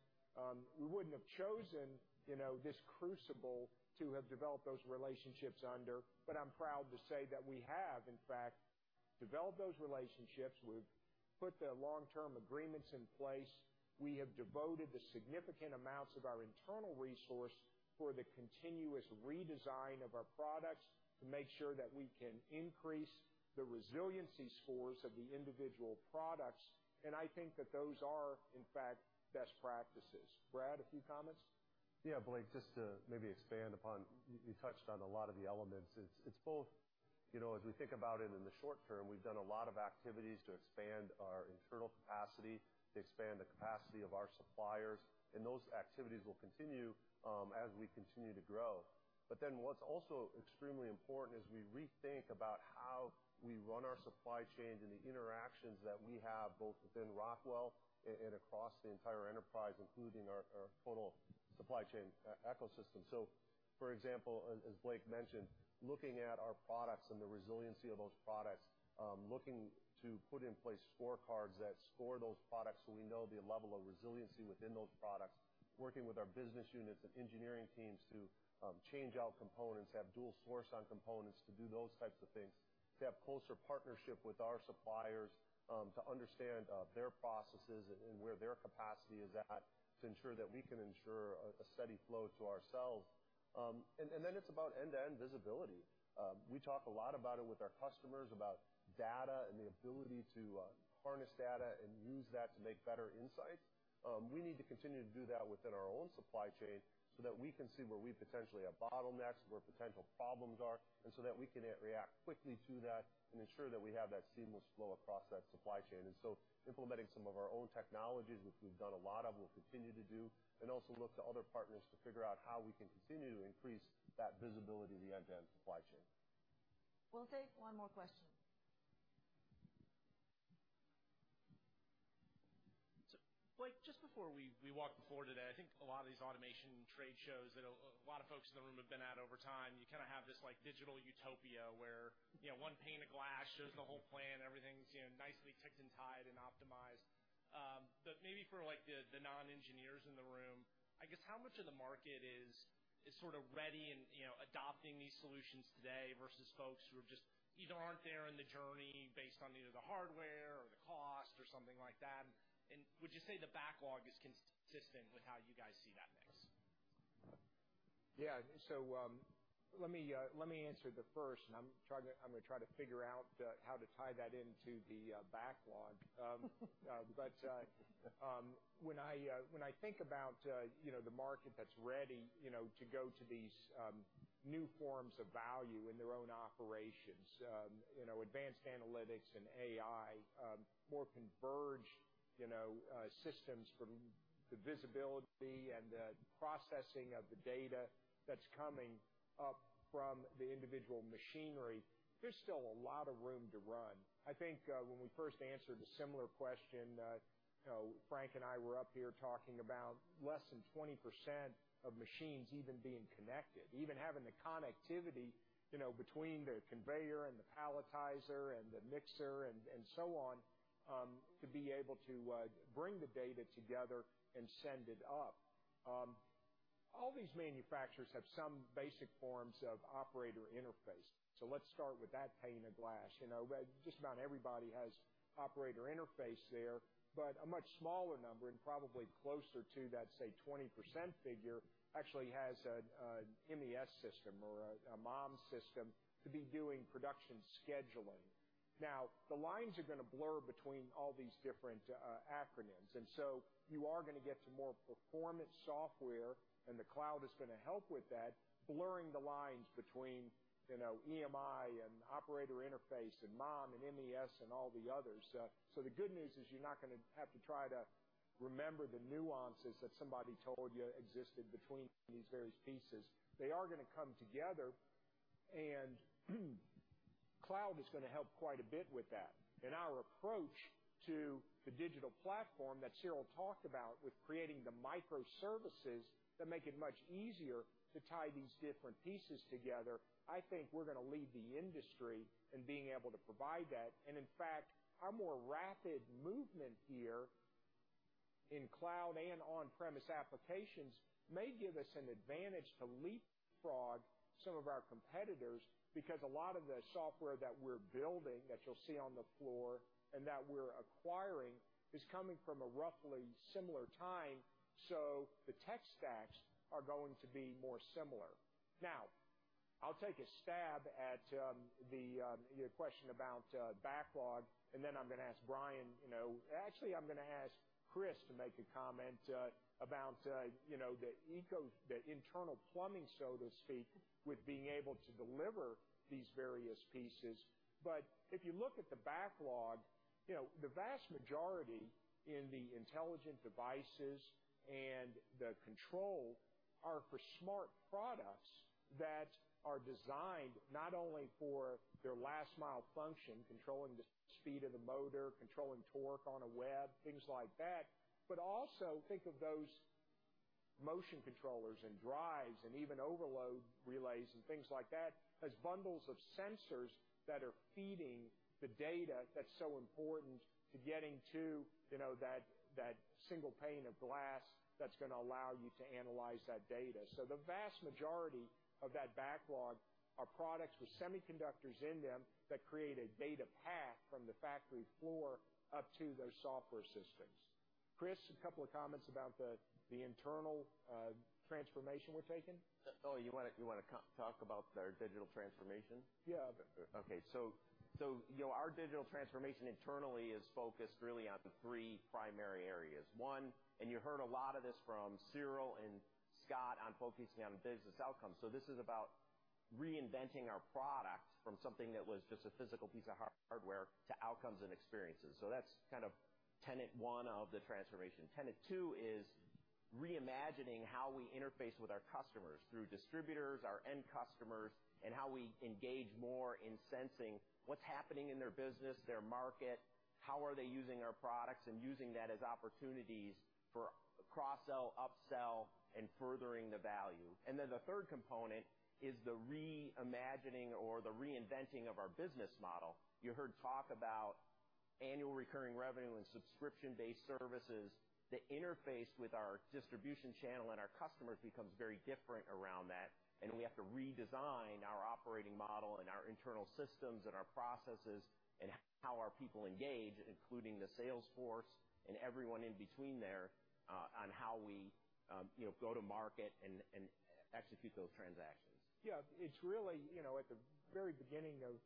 Speaker 3: we wouldn't have chosen, you know, this crucible to have developed those relationships under. I'm proud to say that we have, in fact, developed those relationships. We've put the long-term agreements in place. We have devoted the significant amounts of our internal resource for the continuous redesign of our products to make sure that we can increase the resiliency scores of the individual products. I think that those are, in fact, best practices. Brad, a few comments?
Speaker 17: Yeah, Blake, just to maybe expand upon, you touched on a lot of the elements. It's both. You know, as we think about it in the short term, we've done a lot of activities to expand our internal capacity, to expand the capacity of our suppliers, and those activities will continue, as we continue to grow. What's also extremely important as we rethink about how we run our supply chains and the interactions that we have both within Rockwell and across the entire enterprise, including our total supply chain ecosystem. For example, as Blake mentioned, looking at our products and the resiliency of those products, looking to put in place scorecards that score those products so we know the level of resiliency within those products, working with our business units and engineering teams to change out components, have dual source on components to do those types of things, to have closer partnership with our suppliers to understand their processes and where their capacity is at to ensure that we can ensure a steady flow to ourselves. Then it's about end-to-end visibility. We talk a lot about it with our customers about data and the ability to harness data and use that to make better insights. We need to continue to do that within our own supply chain so that we can see where we potentially have bottlenecks, where potential problems are, and so that we can react quickly to that and ensure that we have that seamless flow across that supply chain. Implementing some of our own technologies, which we've done a lot of, we'll continue to do, and also look to other partners to figure out how we can continue to increase that visibility of the end-to-end supply chain.
Speaker 2: We'll take one more question.
Speaker 14: Blake, just before we walked the floor today, I think a lot of these automation trade shows that a lot of folks in the room have been at over time, you kind of have this like digital utopia where, you know, one pane of glass shows the whole plan. Everything's, you know, nicely ticked and tied and optimized. Maybe for like the non-engineers in the room, I guess how much of the market is sort of ready and, you know, adopting these solutions today versus folks who are just either aren't there in the journey based on either the hardware or the cost or something like that. Would you say the backlog is consistent with how you guys see that mix?
Speaker 3: Yeah. Let me answer the first and I'm gonna try to figure out how to tie that into the backlog. When I think about, you know, the market that's ready, you know, to go to these new forms of value in their own operations, you know, advanced analytics and AI, more converged, you know, systems from the visibility and the processing of the data that's coming up from the individual machinery, there's still a lot of room to run. I think, when we first answered a similar question, you know, Frank and I were up here talking about less than 20% of machines even being connected. Even having the connectivity, you know, between the conveyor and the palletizer and the mixer and so on, to be able to bring the data together and send it up. All these manufacturers have some basic forms of operator interface, so let's start with that pane of glass. You know, just about everybody has operator interface there, but a much smaller number and probably closer to that, say, 20% figure actually has an MES system or a MOM system to be doing production scheduling. Now, the lines are gonna blur between all these different acronyms, and so you are gonna get to more performance software, and the cloud is gonna help with that, blurring the lines between, you know, EMI and operator interface and MOM and MES and all the others. The good news is you're not gonna have to try to remember the nuances that somebody told you existed between these various pieces. They are gonna come together, and cloud is gonna help quite a bit with that. Our approach to the digital platform that Cyril talked about with creating the microservices that make it much easier to tie these different pieces together, I think we're gonna lead the industry in being able to provide that. In fact, our more rapid movement here in cloud and on-premise applications may give us an advantage to leapfrog some of our competitors because a lot of the software that we're building, that you'll see on the floor and that we're acquiring, is coming from a roughly similar time, so the tech stacks are going to be more similar. Now, I'll take a stab at your question about backlog, and then I'm gonna ask Brian. Actually, I'm gonna ask Chris to make a comment about you know, the internal plumbing, so to speak, with being able to deliver these various pieces. But if you look at the backlog, you know, the vast majority in the Intelligent Devices and the Control are for smart products that are designed not only for their last mile function, controlling the speed of the motor, controlling torque on a web, things like that, but also think of those motion controllers and drives and even overload relays and things like that as bundles of sensors that are feeding the data that's so important to getting to that single pane of glass that's gonna allow you to analyze that data. The vast majority of that backlog are products with semiconductors in them that create a data path from the factory floor up to those software systems. Chris, a couple of comments about the internal transformation we're taking.
Speaker 18: Oh, you wanna talk about our digital transformation?
Speaker 3: Yeah.
Speaker 14: Our digital transformation internally is focused really on three primary areas. You know, one, you heard a lot of this from Cyril and Scott on focusing on business outcomes. This is about reinventing our product from something that was just a physical piece of hardware to outcomes and experiences. That's kind of tenet one of the transformation. Tenet two is reimagining how we interface with our customers through distributors, our end customers, and how we engage more in sensing what's happening in their business, their market, how are they using our products, and using that as opportunities for cross-sell, upsell, and furthering the value. Then the third component is the reimagining or the reinventing of our business model. You heard talk about annual recurring revenue and subscription-based services. The interface with our distribution channel and our customers becomes very different around that, and we have to redesign our operating model and our internal systems and our processes and how our people engage, including the sales force and everyone in between there, on how we, you know, go to market and execute those transactions.
Speaker 3: Yeah, it's really, you know, at the very beginning of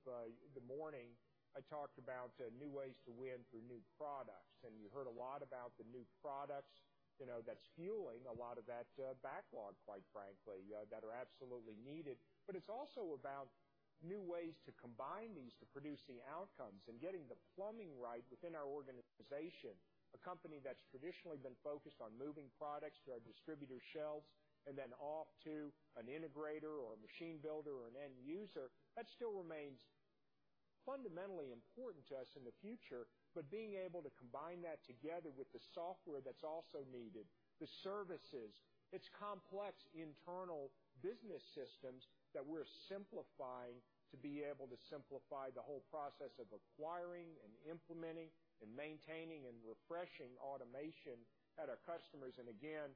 Speaker 3: the morning, I talked about new ways to win through new products. You heard a lot about the new products, you know, that's fueling a lot of that backlog, quite frankly, that are absolutely needed. It's also about new ways to combine these to producing outcomes and getting the plumbing right within our organization, a company that's traditionally been focused on moving products to our distributor shelves and then off to an integrator or a machine builder or an end user. That still remains fundamentally important to us in the future, but being able to combine that together with the software that's also needed, the services, it's complex internal business systems that we're simplifying to be able to simplify the whole process of acquiring and implementing and maintaining and refreshing automation at our customers. Again,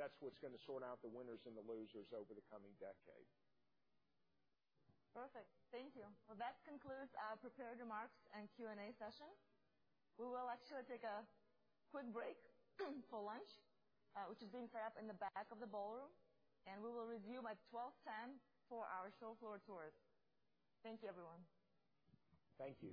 Speaker 3: that's what's gonna sort out the winners and the losers over the coming decade.
Speaker 14: Perfect. Thank you. Well, that concludes our prepared remarks and Q&A session. We will actually take a quick break for lunch, which is being prepped in the back of the ballroom, and we will resume at 12:10 for our show floor tours. Thank you, everyone.
Speaker 3: Thank you.